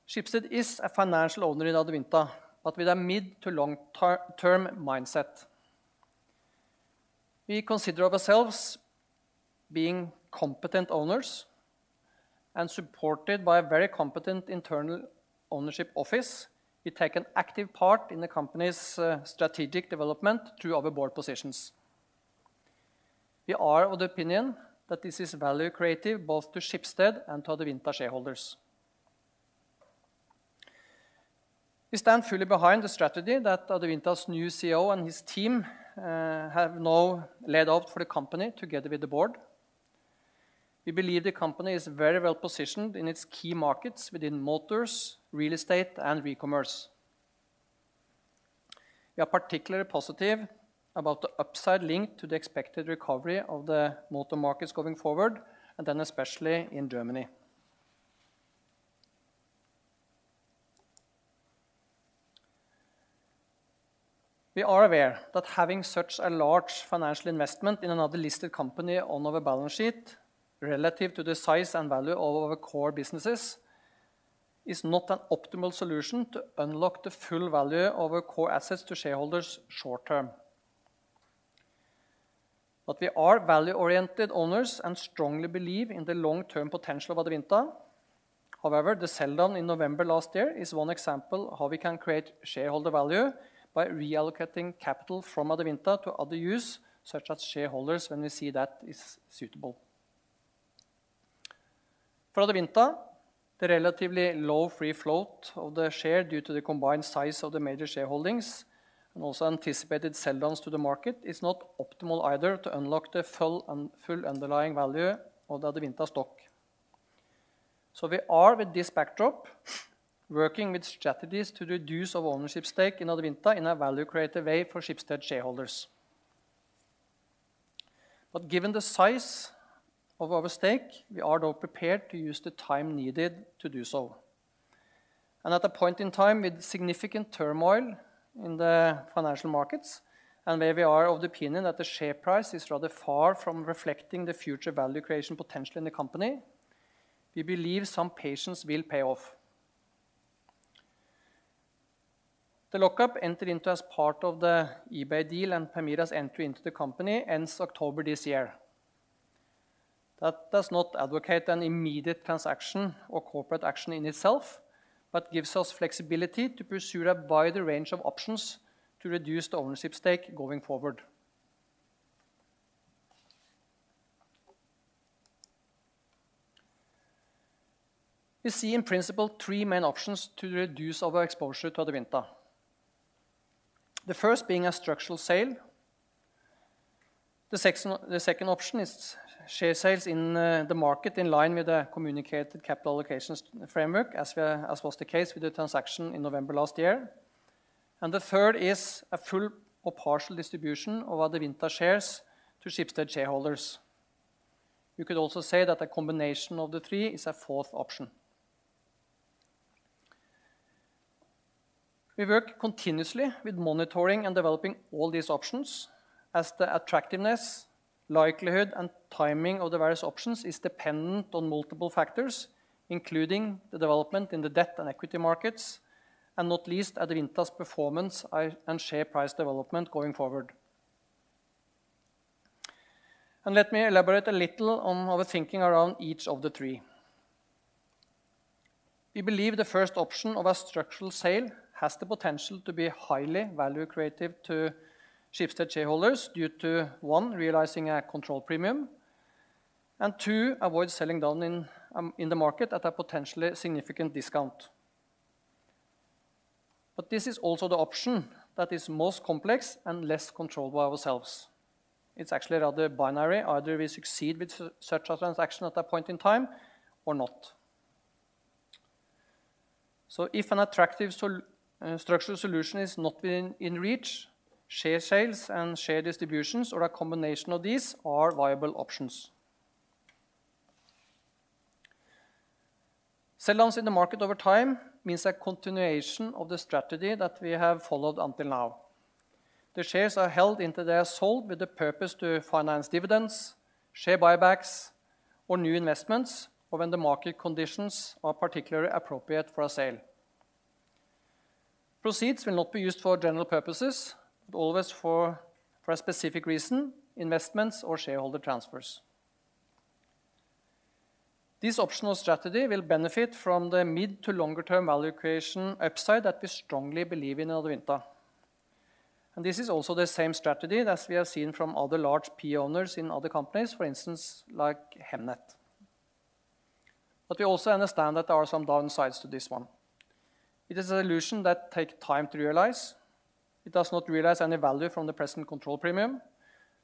Schibsted is a financial owner in Adevinta, but with a mid to long-term mindset. We consider ourselves being competent owners and supported by a very competent internal ownership office. We take an active part in the company's strategic development through our board positions. We are of the opinion that this is value creative both to Schibsted and to Adevinta shareholders. We stand fully behind the strategy that Adevinta's new CEO and his team have now laid out for the company together with the board. We believe the company is very well positioned in its key markets within motors, real estate and recommerce. We are particularly positive about the upside link to the expected recovery of the motor markets going forward, especially in Germany. We are aware that having such a large financial investment in another listed company on our balance sheet relative to the size and value of our core businesses is not an optimal solution to unlock the full value of our core assets to shareholders short term. We are value-oriented owners and strongly believe in the long-term potential of Adevinta. However, the sell-down in November last year is one example of how we can create shareholder value by reallocating capital from Adevinta to other use such as shareholders when we see that is suitable. For Adevinta, the relatively low free float of the share due to the combined size of the major shareholdings and also anticipated sell downs to the market is not optimal either to unlock the full underlying value of the Adevinta stock. We are with this backdrop working with strategies to reduce our ownership stake in Adevinta in a value creative way for Schibsted shareholders. Given the size of our stake, we are now prepared to use the time needed to do so. At a point in time with significant turmoil in the financial markets and where we are of the opinion that the share price is rather far from reflecting the future value creation potential in the company, we believe some patience will pay off. The lock-up entered into as part of the eBay deal and Permira's entry into the company ends October this year. That does not advocate an immediate transaction or corporate action in itself, but gives us flexibility to pursue a wider range of options to reduce the ownership stake going forward. We see in principle three main options to reduce our exposure to Adevinta. The first being a structural sale. The second option is share sales in the market in line with the communicated capital allocations framework as was the case with the transaction in November last year. The third is a full or partial distribution of Adevinta shares to Schibsted shareholders. You could also say that a combination of the three is a fourth option. We work continuously with monitoring and developing all these options as the attractiveness, likelihood and timing of the various options is dependent on multiple factors, including the development in the debt and equity markets, and not least Adevinta's performance and share price development going forward. Let me elaborate a little on our thinking around each of the three. We believe the first option of a structural sale has the potential to be highly value creative to Schibsted shareholders due to, one, realizing a control premium, and two, avoid selling down in the market at a potentially significant discount. This is also the option that is most complex and less controllable ourselves. It's actually rather binary. Either we succeed with such a transaction at that point in time or not. If an attractive structural solution is not within reach, share sales and share distributions or a combination of these are viable options. Sell downs in the market over time means a continuation of the strategy that we have followed until now. The shares are held until they are sold with the purpose to finance dividends, share buybacks or new investments, or when the market conditions are particularly appropriate for a sale. Proceeds will not be used for general purposes, but always for a specific reason, investments or shareholder transfers. This optional strategy will benefit from the mid to longer term value creation upside that we strongly believe in Adevinta. This is also the same strategy as we have seen from other large PE owners in other companies, for instance, like Hemnet. We also understand that there are some downsides to this one. It is a solution that take time to realize. It does not realize any value from the present control premium.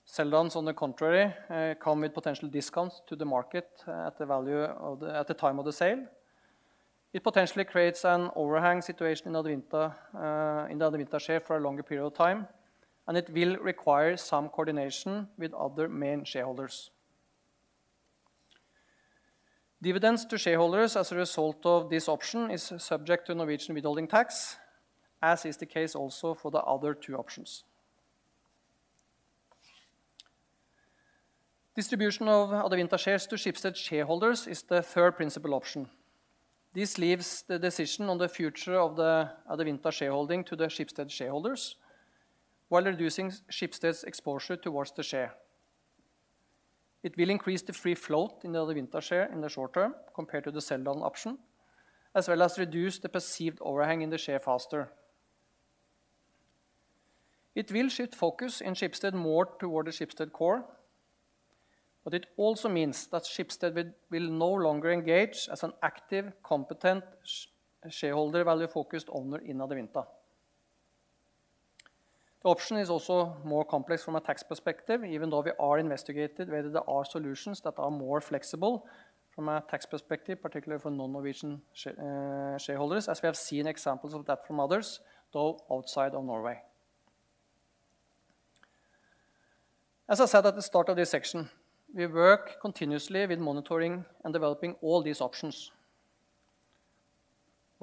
Sell downs, on the contrary, come with potential discounts to the market at the time of the sale. It potentially creates an overhang situation in Adevinta, in the Adevinta share for a longer period of time, and it will require some coordination with other main shareholders. Dividends to shareholders as a result of this option is subject to Norwegian withholding tax, as is the case also for the other two options. Distribution of Adevinta shares to Schibsted shareholders is the third principle option. This leaves the decision on the future of the Adevinta shareholding to the Schibsted shareholders while reducing Schibsted's exposure towards the share. It will increase the free float in the Adevinta share in the short term compared to the sell down option, as well as reduce the perceived overhang in the share faster. It will shift focus in Schibsted more toward the Schibsted core. It also means that Schibsted will no longer engage as an active, competent shareholder value focused owner in Adevinta. The option is also more complex from a tax perspective, even though we are investigating whether there are solutions that are more flexible from a tax perspective, particularly for non-Norwegian shareholders, as we have seen examples of that from others, though outside of Norway. As I said at the start of this section, we work continuously with monitoring and developing all these options.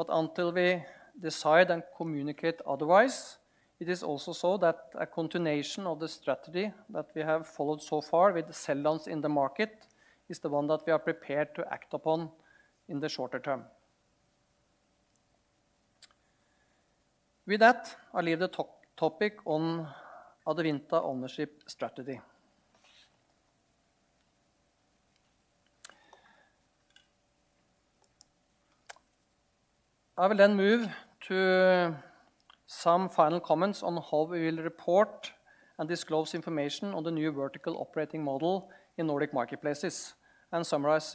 Until we decide and communicate otherwise, it is also so that a continuation of the strategy that we have followed so far with sell downs in the market is the one that we are prepared to act upon in the shorter term. With that, I leave the top-topic on Adevinta ownership strategy. I will move to some final comments on how we will report and disclose information on the new vertical operating model in Nordic Marketplaces and summarize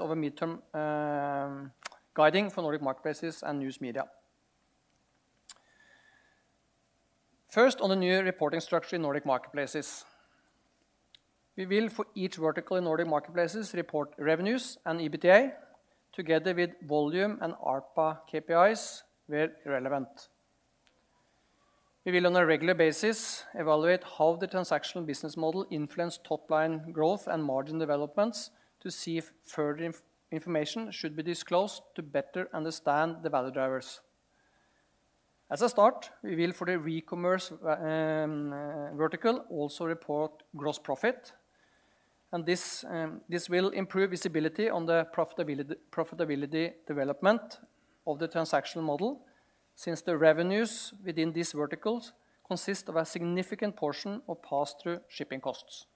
our midterm guiding for Nordic Marketplaces and News Media. On the new reporting structure in Nordic Marketplaces. We will, for each vertical in Nordic Marketplaces, report revenues and EBITDA together with volume and ARPA KPIs where relevant. We will, on a regular basis, evaluate how the transactional business model influence top line growth and margin developments to see if further information should be disclosed to better understand the value drivers. As a start, we will for the recommerce vertical also report gross profit and this will improve visibility on the profitability development of the transactional model since the revenues within these verticals consist of a significant portion of passthrough shipping costs.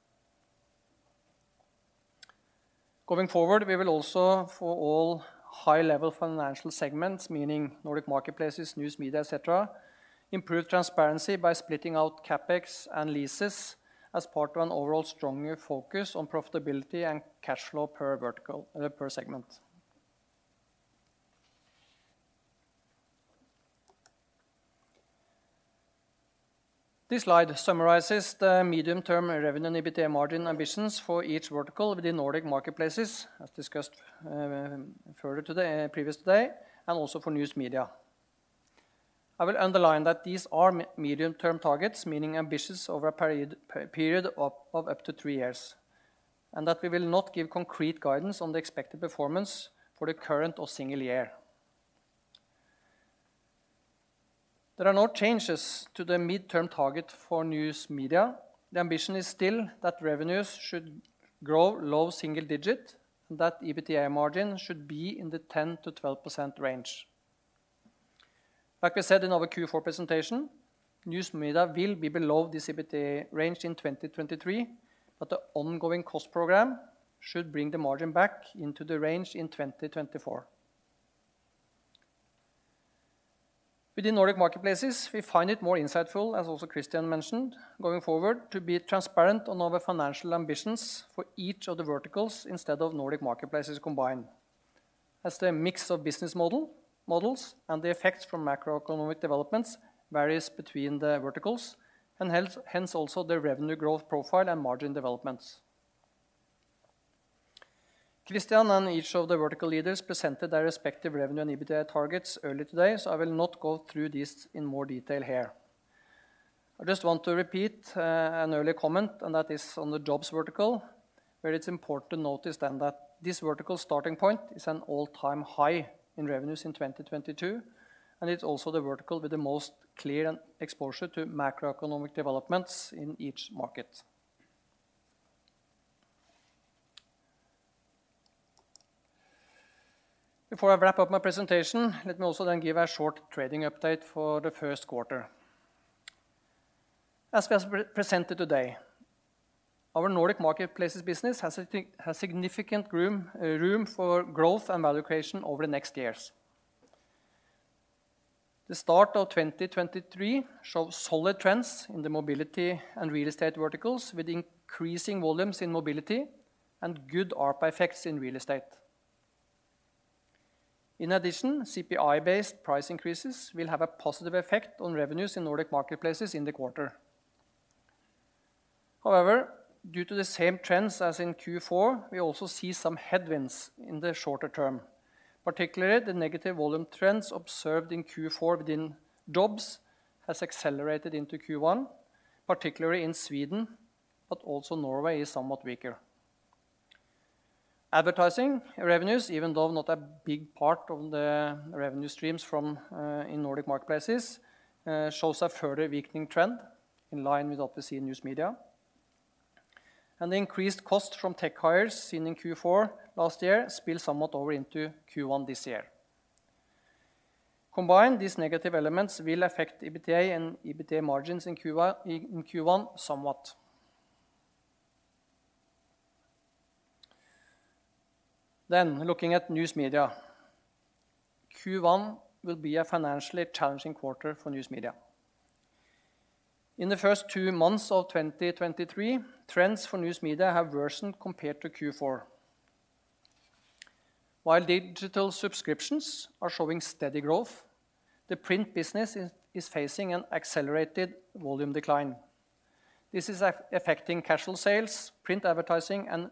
Going forward, we will also for all high-level financial segments, meaning Nordic Marketplaces, News Media, et cetera, improve transparency by splitting out CapEx and leases as part of an overall stronger focus on profitability and cash flow per vertical or per segment. This slide summarizes the medium-term revenue and EBITDA margin ambitions for each vertical within Nordic Marketplaces, as discussed previous today, and also for News Media. I will underline that these are medium-term targets, meaning ambitious over a period of up to three years, and that we will not give concrete guidance on the expected performance for the current or single year. There are no changes to the midterm target for News Media. The ambition is still that revenues should grow low single digit, and that EBITDA margin should be in the 10%-12% range. Like we said in our Q4 presentation, News Media will be below this EBITDA range in 2023, but the ongoing cost program should bring the margin back into the range in 2024. Within Nordic Marketplaces, we find it more insightful, as also Christian mentioned, going forward to be transparent on our financial ambitions for each of the verticals instead of Nordic Marketplaces combined, as the mix of business models and the effects from macroeconomic developments varies between the verticals and hence also the revenue growth profile and margin developments. Christian and each of the vertical leaders presented their respective revenue and EBITDA targets early today. I will not go through this in more detail here. I just want to repeat an early comment, that is on the Jobs vertical, where it's important to notice then that this vertical starting point is an all-time high in revenues in 2022, and it's also the vertical with the most clear exposure to macroeconomic developments in each market. Before I wrap up my presentation, let me also then give a short trading update for the first quarter. As we has presented today, our Nordic Marketplaces business has significant room for growth and valuation over the next years. The start of 2023 shows solid trends in the Mobility and Real Estate verticals, with increasing volumes in Mobility and good ARPA effects in Real Estate. In addition, CPI-based price increases will have a positive effect on revenues in Nordic Marketplaces in the quarter. Due to the same trends as in Q4, we also see some headwinds in the shorter term. Particularly, the negative volume trends observed in Q4 within Jobs has accelerated into Q1, particularly in Sweden, but also Norway is somewhat weaker. Advertising revenues, even though not a big part of the revenue streams from in Nordic Marketplaces, shows a further weakening trend in line with that we see in News Media. The increased cost from tech hires seen in Q4 last year spill somewhat over into Q1 this year. Combined, these negative elements will affect EBITDA and EBITDA margins in Q1 somewhat. Looking at News Media. Q1 will be a financially challenging quarter for News Media. In the first 2 months of 2023, trends for News Media have worsened compared to Q4. While digital subscriptions are showing steady growth, the print business is facing an accelerated volume decline. This is affecting casual sales, print advertising and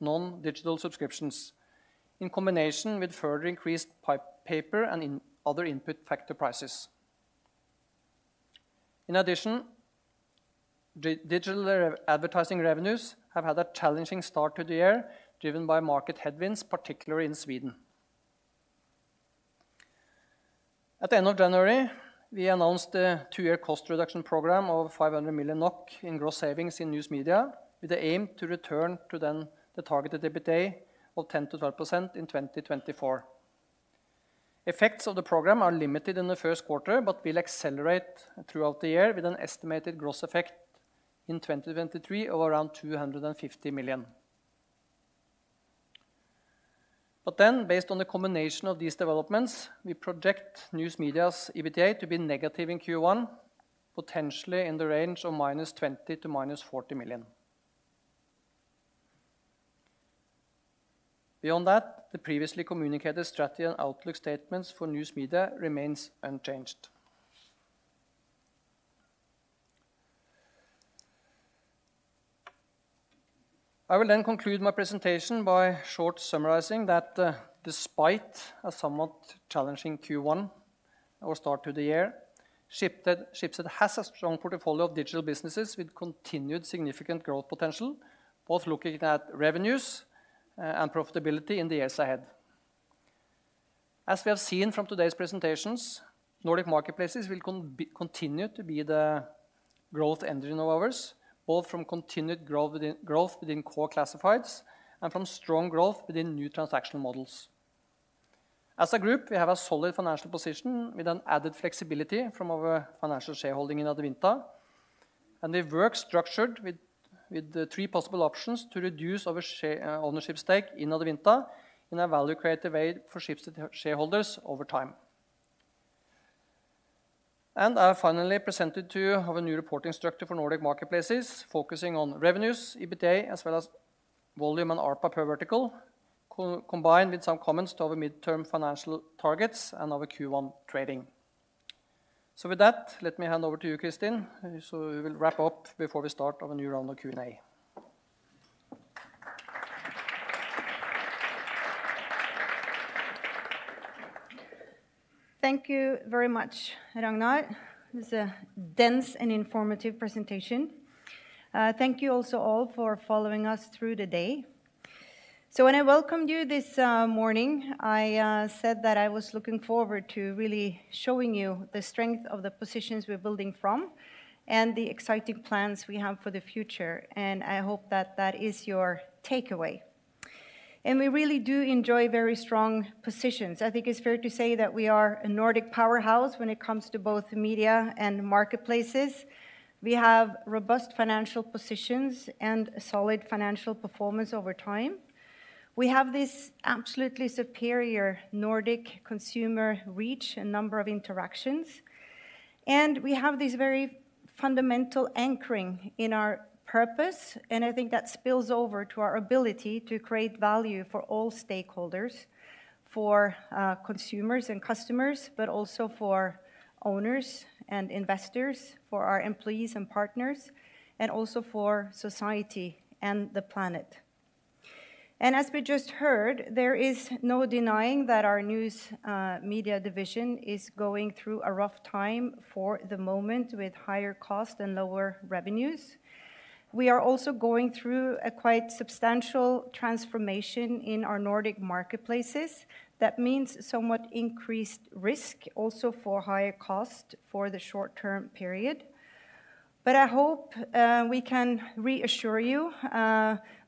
non-digital subscriptions in combination with further increased paper and in other input factor prices. In addition, digital advertising revenues have had a challenging start to the year, driven by market headwinds, particularly in Sweden. At the end of January, we announced a 2-year cost reduction program of 500 million NOK in gross savings in News Media, with the aim to return to then the targeted EBITDA of 10%-12% in 2024. Effects of the program are limited in the first quarter, but will accelerate throughout the year with an estimated gross effect in 2023 of around 250 million. Based on the combination of these developments, we project News Media's EBITDA to be negative in Q1, potentially in the range of -20 million to -40 million. Beyond that, the previously communicated strategy and outlook statements for News Media remains unchanged. I will then conclude my presentation by short summarizing that, despite a somewhat challenging Q1 or start to the year, Schibsted has a strong portfolio of digital businesses with continued significant growth potential, both looking at revenues and profitability in the years ahead. As we have seen from today's presentations, Nordic Marketplaces will continue to be the growth engine of ours, both from continued growth within core classifieds and from strong growth within new transactional models. As a group, we have a solid financial position with an added flexibility from our financial shareholding in Adevinta. We work structured with the three possible options to reduce our ownership stake in Adevinta in a value creative way for Schibsted shareholders over time. I finally presented to you our new reporting structure for Nordic Marketplaces focusing on revenues, EBITDA, as well as volume and ARPA per vertical, co-combine with some comments to our midterm financial targets and our Q1 trading. With that, let me hand over to you, Kristin, we will wrap up before we start our new round of Q&A. Thank you very much, Ragnar. It was a dense and informative presentation. Thank you also all for following us through the day. When I welcomed you this morning, I said that I was looking forward to really showing you the strength of the positions we're building from and the exciting plans we have for the future. I hope that that is your takeaway. We really do enjoy very strong positions. I think it's fair to say that we are a Nordic powerhouse when it comes to both media and marketplaces. We have robust financial positions and a solid financial performance over time. We have this absolutely superior Nordic consumer reach and number of interactions, and we have this very fundamental anchoring in our purpose, and I think that spills over to our ability to create value for all stakeholders, for consumers and customers, but also for owners and investors, for our employees and partners, and also for society and the planet. As we just heard, there is no denying that our News Media division is going through a rough time for the moment with higher cost and lower revenues. We are also going through a quite substantial transformation in our Nordic Marketplaces. That means somewhat increased risk, also for higher cost for the short-term period. I hope we can reassure you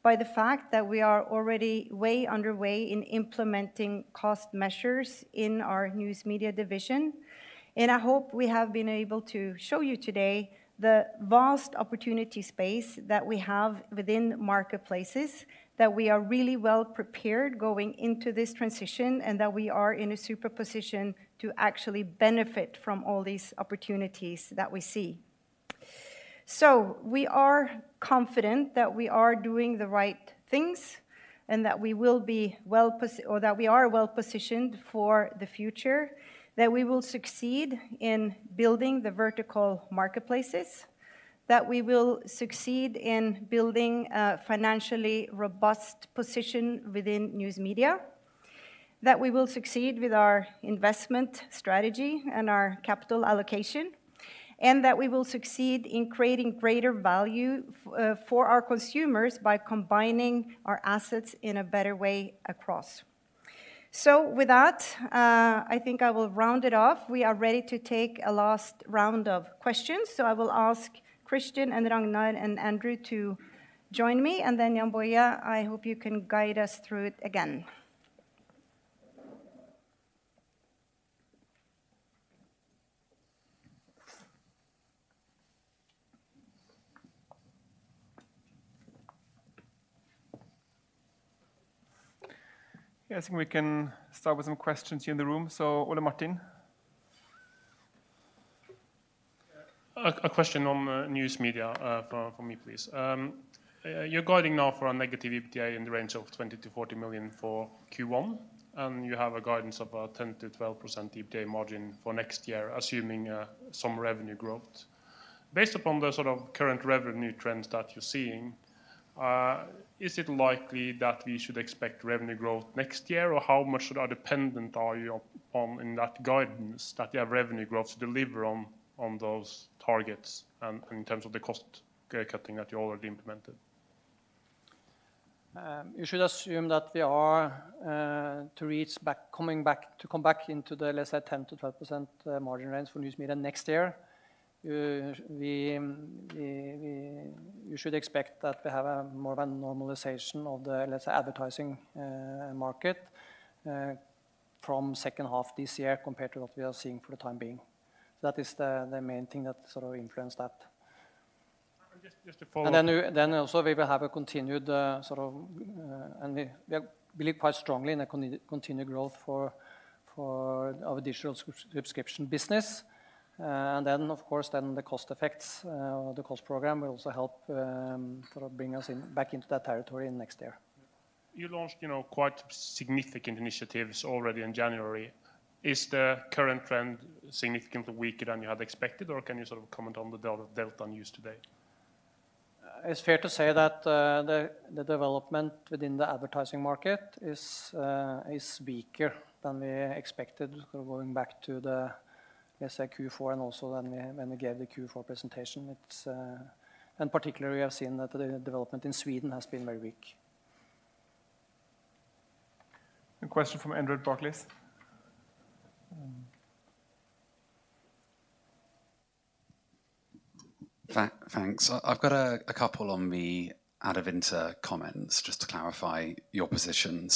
by the fact that we are already way underway in implementing cost measures in our News Media division. I hope we have been able to show you today the vast opportunity space that we have within Marketplaces, that we are really well prepared going into this transition, and that we are in a super position to actually benefit from all these opportunities that we see. We are confident that we are doing the right things and that we are well-positioned for the future, that we will succeed in building the vertical marketplaces, that we will succeed in building a financially robust position within News Media, that we will succeed with our investment strategy and our capital allocation, and that we will succeed in creating greater value for our consumers by combining our assets in a better way across. With that, I think I will round it off. We are ready to take a last round of questions. I will ask Christian and Ragnar and Andrew to join me. Jan Boye, I hope you can guide us through it again. Yeah, I think we can start with some questions here in the room. Ole Martin. Yeah. A question on News Media for me, please. You're guiding now for a negative EBITDA in the range of 20 million-40 million for Q1, and you have a guidance of 10%-12% EBITDA margin for next year, assuming some revenue growth. Based upon the sort of current revenue trends that you're seeing, is it likely that we should expect revenue growth next year? Or how much dependent are you on in that guidance that you have revenue growth to deliver on those targets and in terms of the cost cutting that you already implemented? You should assume that we are to come back into the, let's say, 10%-12% margin range for News Media next year. You should expect that we have a more of a normalization of the, let's say, advertising market from second half this year compared to what we are seeing for the time being. That is the main thing that sort of influence that. Just to follow- Then also we believe quite strongly in a continued growth for our digital subscription business. Then of course then the cost effects, or the cost program will also help, sort of bring us in, back into that territory in next year. You launched, you know, quite significant initiatives already in January. Is the current trend significantly weaker than you had expected, or can you sort of comment on the delta news today? It's fair to say that, the development within the advertising market is weaker than we expected. Sort of going back to the, let's say Q4 and also when we gave the Q4 presentation. Particularly we have seen that the development in Sweden has been very weak. A question from Andrew at Barclays. Thanks. I've got a couple on the Adevinta comments, just to clarify your position.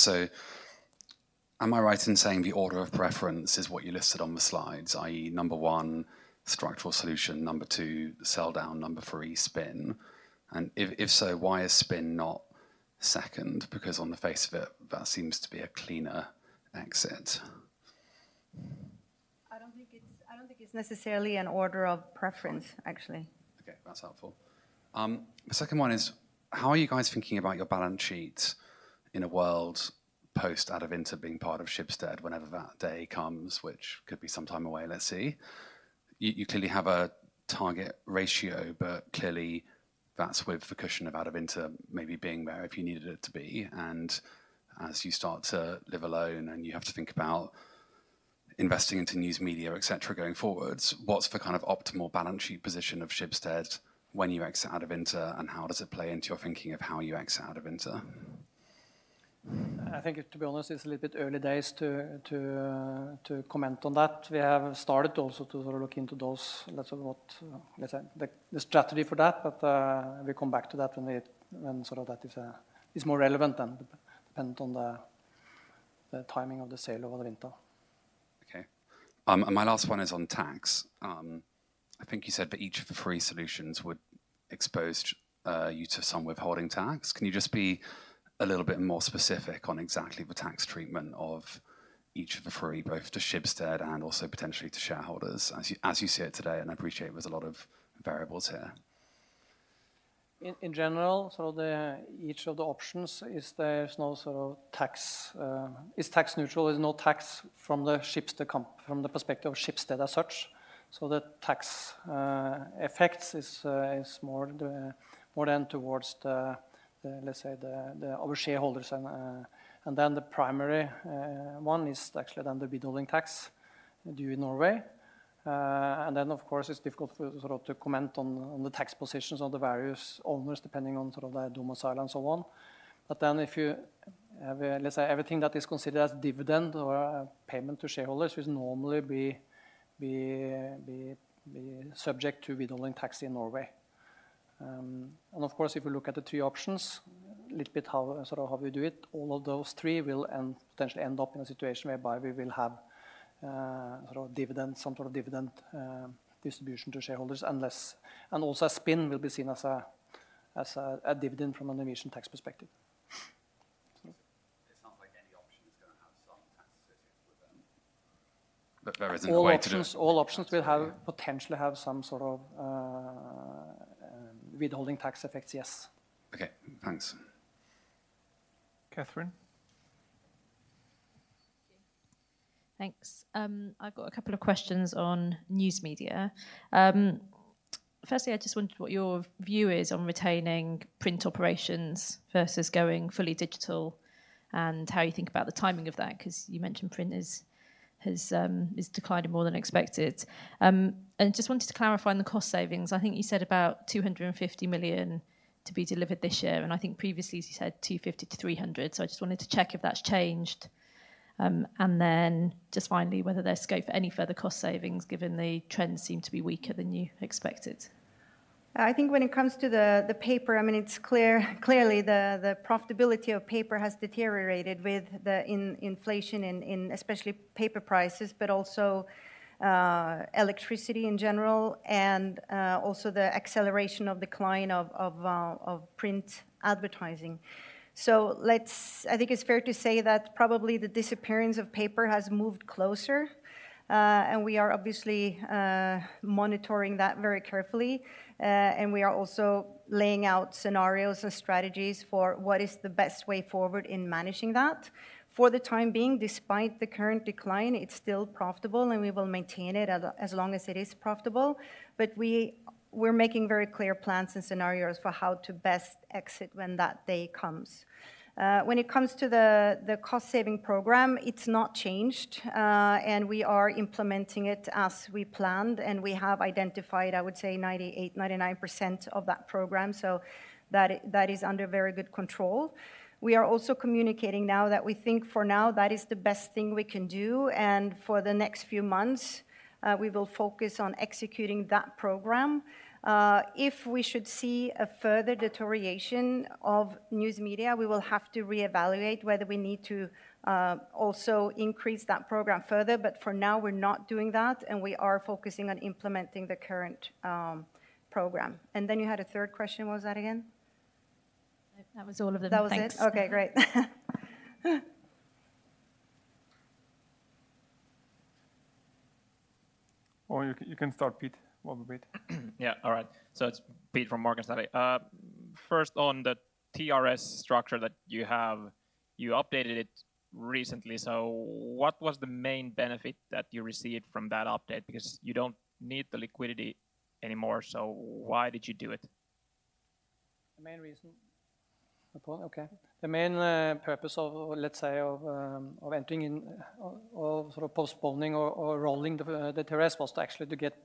Am I right in saying the order of preference is what you listed on the slides, i.e. one, structural solution, two, sell down, three, spin? If so, why is spin not second? On the face of it, that seems to be a cleaner exit. I don't think it's necessarily an order of preference, actually. Okay, that's helpful. The second one is: How are you guys thinking about your balance sheet in a world post Adevinta being part of Schibsted, whenever that day comes, which could be some time away, let's say? You, you clearly have a target ratio, but clearly that's with the cushion of Adevinta maybe being there if you need it to be. As you start to live alone and you have to think about investing into News Media, et cetera, going forwards, what's the kind of optimal balance sheet position of Schibsted when you exit Adevinta, and how does it play into your thinking of how you exit Adevinta? I think to be honest, it's a little bit early days to comment on that. We have started also to sort of look into those. Let's say the strategy for that, but we come back to that when sort of that is more relevant and dependent on the timing of the sale of Adevinta. Okay. My last one is on tax. I think you said that each of the three solutions would expose you to some withholding tax. Can you just be a little bit more specific on exactly the tax treatment of each of the three, both to Schibsted and also potentially to shareholders as you, as you see it today? I appreciate there's a lot of variables here. In general, the each of the options is there's no sort of tax, is tax neutral. There's no tax from the perspective of Schibsted as such. The tax effects is more than towards the, let's say the, our shareholders, the primary one is actually then the withholding tax due in Norway. Of course it's difficult for, sort of to comment on the tax positions of the various owners, depending on sort of their domicile and so on. If you, let's say everything that is considered as dividend or a payment to shareholders would normally be subject to withholding tax in Norway. Of course, if you look at the three options, little bit how, sort of how we do it, all of those three will end, potentially end up in a situation whereby we will have, some sort of dividend, distribution to shareholders unless. Also a spin will be seen as a dividend from a Norwegian tax perspective. It sounds like any option is gonna have some tax associated with them. There isn't a way to- All options potentially have some sort of withholding tax effects, yes. Okay, thanks. Catherine? Thanks. I've got a couple of questions on News Media. Firstly, I just wondered what your view is on retaining print operations versus going fully digital and how you think about the timing of that, 'cause you mentioned print is declining more than expected. I just wanted to clarify on the cost savings. I think you said about 250 million to be delivered this year, and I think previously you said 250 million-300 million. I just wanted to check if that's changed? Then just finally, whether there's scope for any further cost savings given the trends seem to be weaker than you expected? I think when it comes to the paper, I mean, it's clearly the profitability of paper has deteriorated with the inflation in especially paper prices, but also electricity in general and also the acceleration of decline of print advertising. I think it's fair to say that probably the disappearance of paper has moved closer. We are obviously monitoring that very carefully. We are also laying out scenarios and strategies for what is the best way forward in managing that. For the time being, despite the current decline, it's still profitable, and we will maintain it as long as it is profitable. We're making very clear plans and scenarios for how to best exit when that day comes. When it comes to the cost saving program, it's not changed. We are implementing it as we planned, and we have identified, I would say, 98, 99% of that program, so that is under very good control. We are also communicating now that we think for now that is the best thing we can do, and for the next few months, we will focus on executing that program. If we should see a further deterioration of News Media, we will have to reevaluate whether we need to also increase that program further. For now, we're not doing that, and we are focusing on implementing the current program. You had a third question. What was that again? That was all of them. Thanks. That was it? Okay, great. You can start, Pete. We'll wait. Yeah. All right. It's Pete from Morgan Stanley. First on the TRS structure that you have, you updated it recently. What was the main benefit that you received from that update? Because you don't need the liquidity anymore, why did you do it? The main reason. Okay. The main purpose of, let's say, of entering in, of sort of postponing or rolling the TRS was to actually to get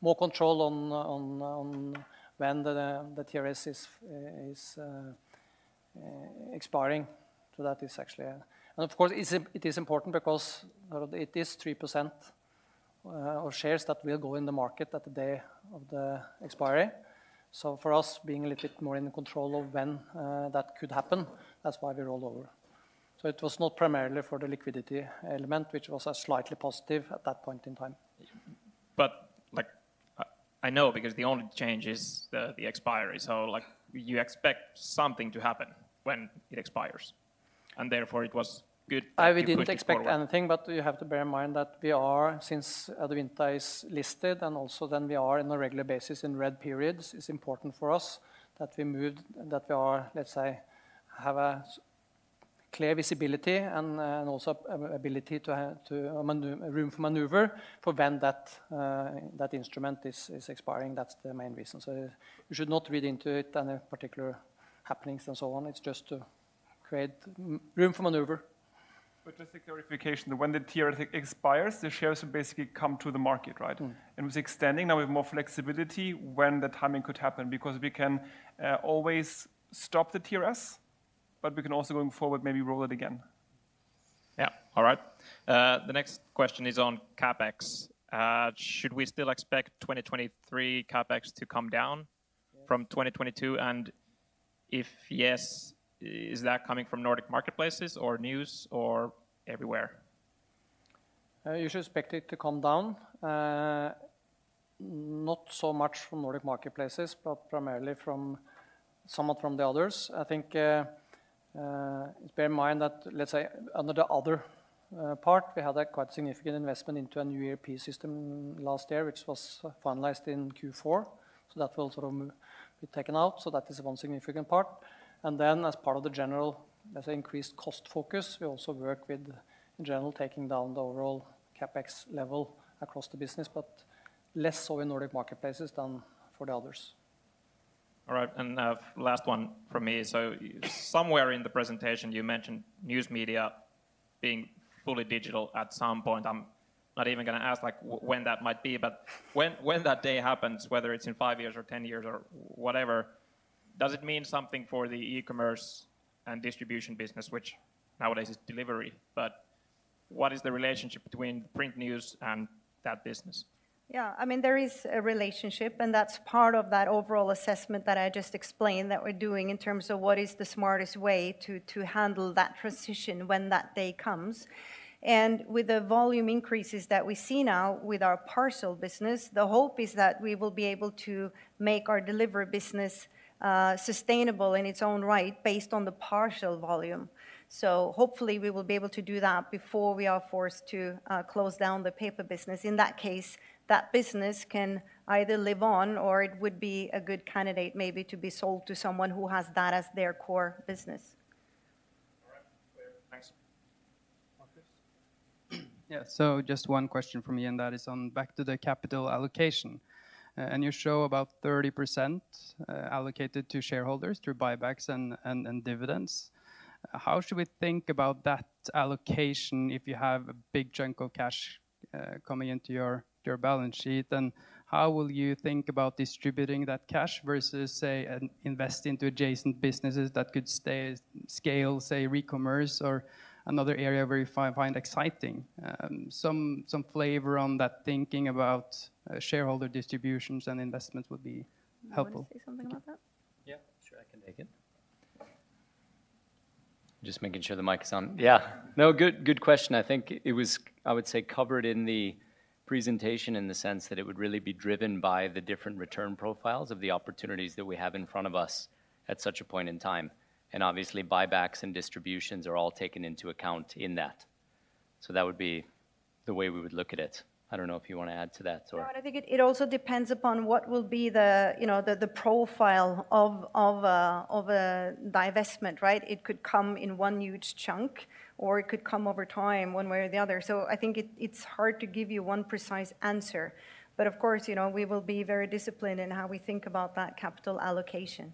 more control on when the TRS is expiring. That is actually. Of course, it is important because it is 3% of shares that will go in the market at the day of the expiry. For us, being a little bit more in control of when that could happen, that's why we roll over. It was not primarily for the liquidity element, which was slightly positive at that point in time. Like, I know because the only change is the expiry. Like, you expect something to happen when it expires, and therefore it was good that you put it forward. You have to bear in mind that we are, since Adevinta is listed and also we are on a regular basis in red periods, it's important for us that we move, that we are, let's say, have a clear visibility and also a ability to, a room for maneuver for when that instrument is expiring. That's the main reason. You should not read into it any particular happenings and so on. It's just to create room for maneuver. Just a clarification. When the TRS expires, the shares basically come to the market, right? Mm-hmm. With extending, now we have more flexibility when the timing could happen, because we can always stop the TRS, but we can also, going forward, maybe roll it again. Yeah. All right. The next question is on CapEx. Should we still expect 2023 CapEx to come down from 2022? If yes, is that coming from Nordic Marketplaces or news or everywhere? You should expect it to come down. Not so much from Nordic Marketplaces, but primarily from, somewhat from the others. I think, bear in mind that, let's say, under the other part, we had a quite significant investment into a new AP system last year, which was finalized in Q4. That will sort of be taken out. That is one significant part. As part of the general, let's say, increased cost focus, we also work with, in general, taking down the overall CapEx level across the business, but less so in Nordic Marketplaces than for the others. All right. Last one from me. Somewhere in the presentation, you mentioned news media being fully digital at some point. I'm not even gonna ask, like, when that might be, but when that day happens, whether it's in five years or 10 years or whatever, does it mean something for the e-commerce and distribution business, which nowadays is delivery? What is the relationship between print news and that business? Yeah. I mean, there is a relationship, that's part of that overall assessment that I just explained that we're doing in terms of what is the smartest way to handle that transition when that day comes. With the volume increases that we see now with our parcel business, the hope is that we will be able to make our delivery business sustainable in its own right based on the parcel volume. Hopefully we will be able to do that before we are forced to close down the paper business. In that case, that business can either live on or it would be a good candidate maybe to be sold to someone who has that as their core business. All right. Thanks. Marcus. Just one question from me, and that is on back to the capital allocation. You show about 30% allocated to shareholders through buybacks and dividends. How should we think about that allocation if you have a big chunk of cash coming into your balance sheet? How will you think about distributing that cash versus, say, invest into adjacent businesses that could scale, say, recommerce or another area where you find exciting? Some flavor on that thinking about shareholder distributions and investments would be helpful. You want to say something about that? Yeah, sure. I can take it. Just making sure the mic is on. Yeah. No, good question. I think it was, I would say, covered in the presentation in the sense that it would really be driven by the different return profiles of the opportunities that we have in front of us at such a point in time. Obviously, buybacks and distributions are all taken into account in that. That would be the way we would look at it. I don't know if you want to add to that or... No, I think it also depends upon what will be the, you know, the profile of a divestment, right? It could come in one huge chunk, or it could come over time one way or the other. I think it's hard to give you one precise answer. Of course, you know, we will be very disciplined in how we think about that capital allocation.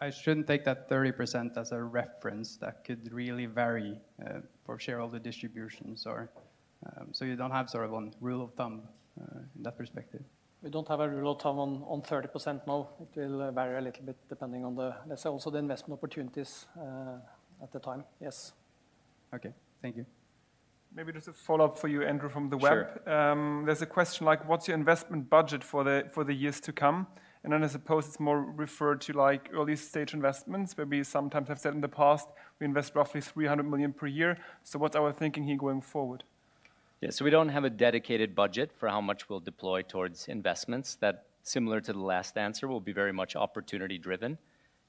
I shouldn't take that 30% as a reference. That could really vary for shareholder distributions or, so you don't have sort of one rule of thumb in that perspective. We don't have a rule of thumb on 30%, no. It will vary a little bit depending on the, let's say, also the investment opportunities at the time. Yes. Okay. Thank you. Maybe just a follow-up for you, Andrew, from the web. Sure. There's a question like what's your investment budget for the years to come? I suppose it's more referred to like early stage investments, where we sometimes have said in the past we invest roughly 300 million per year. What's our thinking here going forward? Yeah, we don't have a dedicated budget for how much we'll deploy towards investments. That similar to the last answer will be very much opportunity-driven,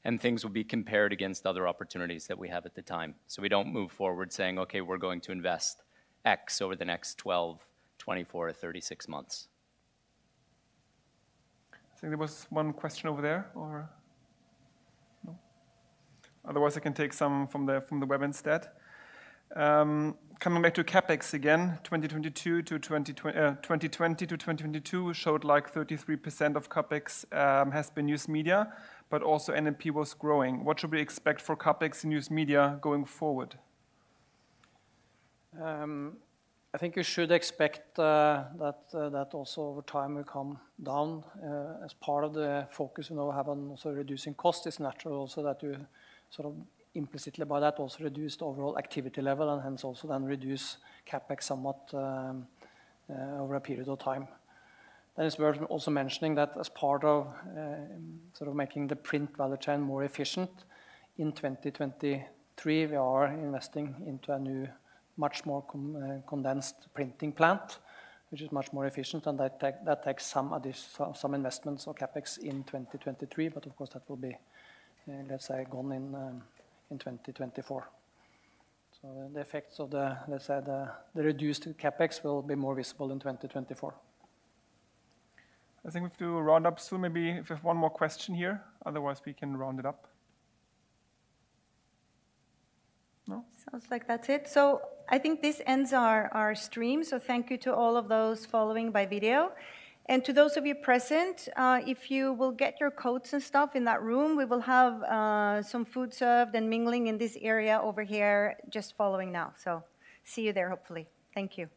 and things will be compared against other opportunities that we have at the time. We don't move forward saying, "Okay, we're going to invest X over the next 12, 24 to 36 months. I think there was one question over there or no? Otherwise, I can take some from the web instead. Coming back to CapEx again, 2020 to 2022 showed like 33% of CapEx has been news media, but also NMP was growing. What should we expect for CapEx news media going forward? I think you should expect that also over time will come down as part of the focus we now have on also reducing cost. It's natural also that you sort of implicitly by that also reduce the overall activity level and hence also then reduce CapEx somewhat over a period of time. It's worth also mentioning that as part of sort of making the print value chain more efficient, in 2023, we are investing into a new much more condensed printing plant, which is much more efficient, and that takes some investments or CapEx in 2023. Of course, that will be let's say gone in 2024. The effects of the, let's say the reduced CapEx will be more visible in 2024. I think we have to round up soon. Maybe if we have one more question here, otherwise we can round it up. No? Sounds like that's it. I think this ends our stream. Thank you to all of those following by video. To those of you present, if you will get your coats and stuff in that room, we will have some food served and mingling in this area over here just following now. See you there, hopefully. Thank you.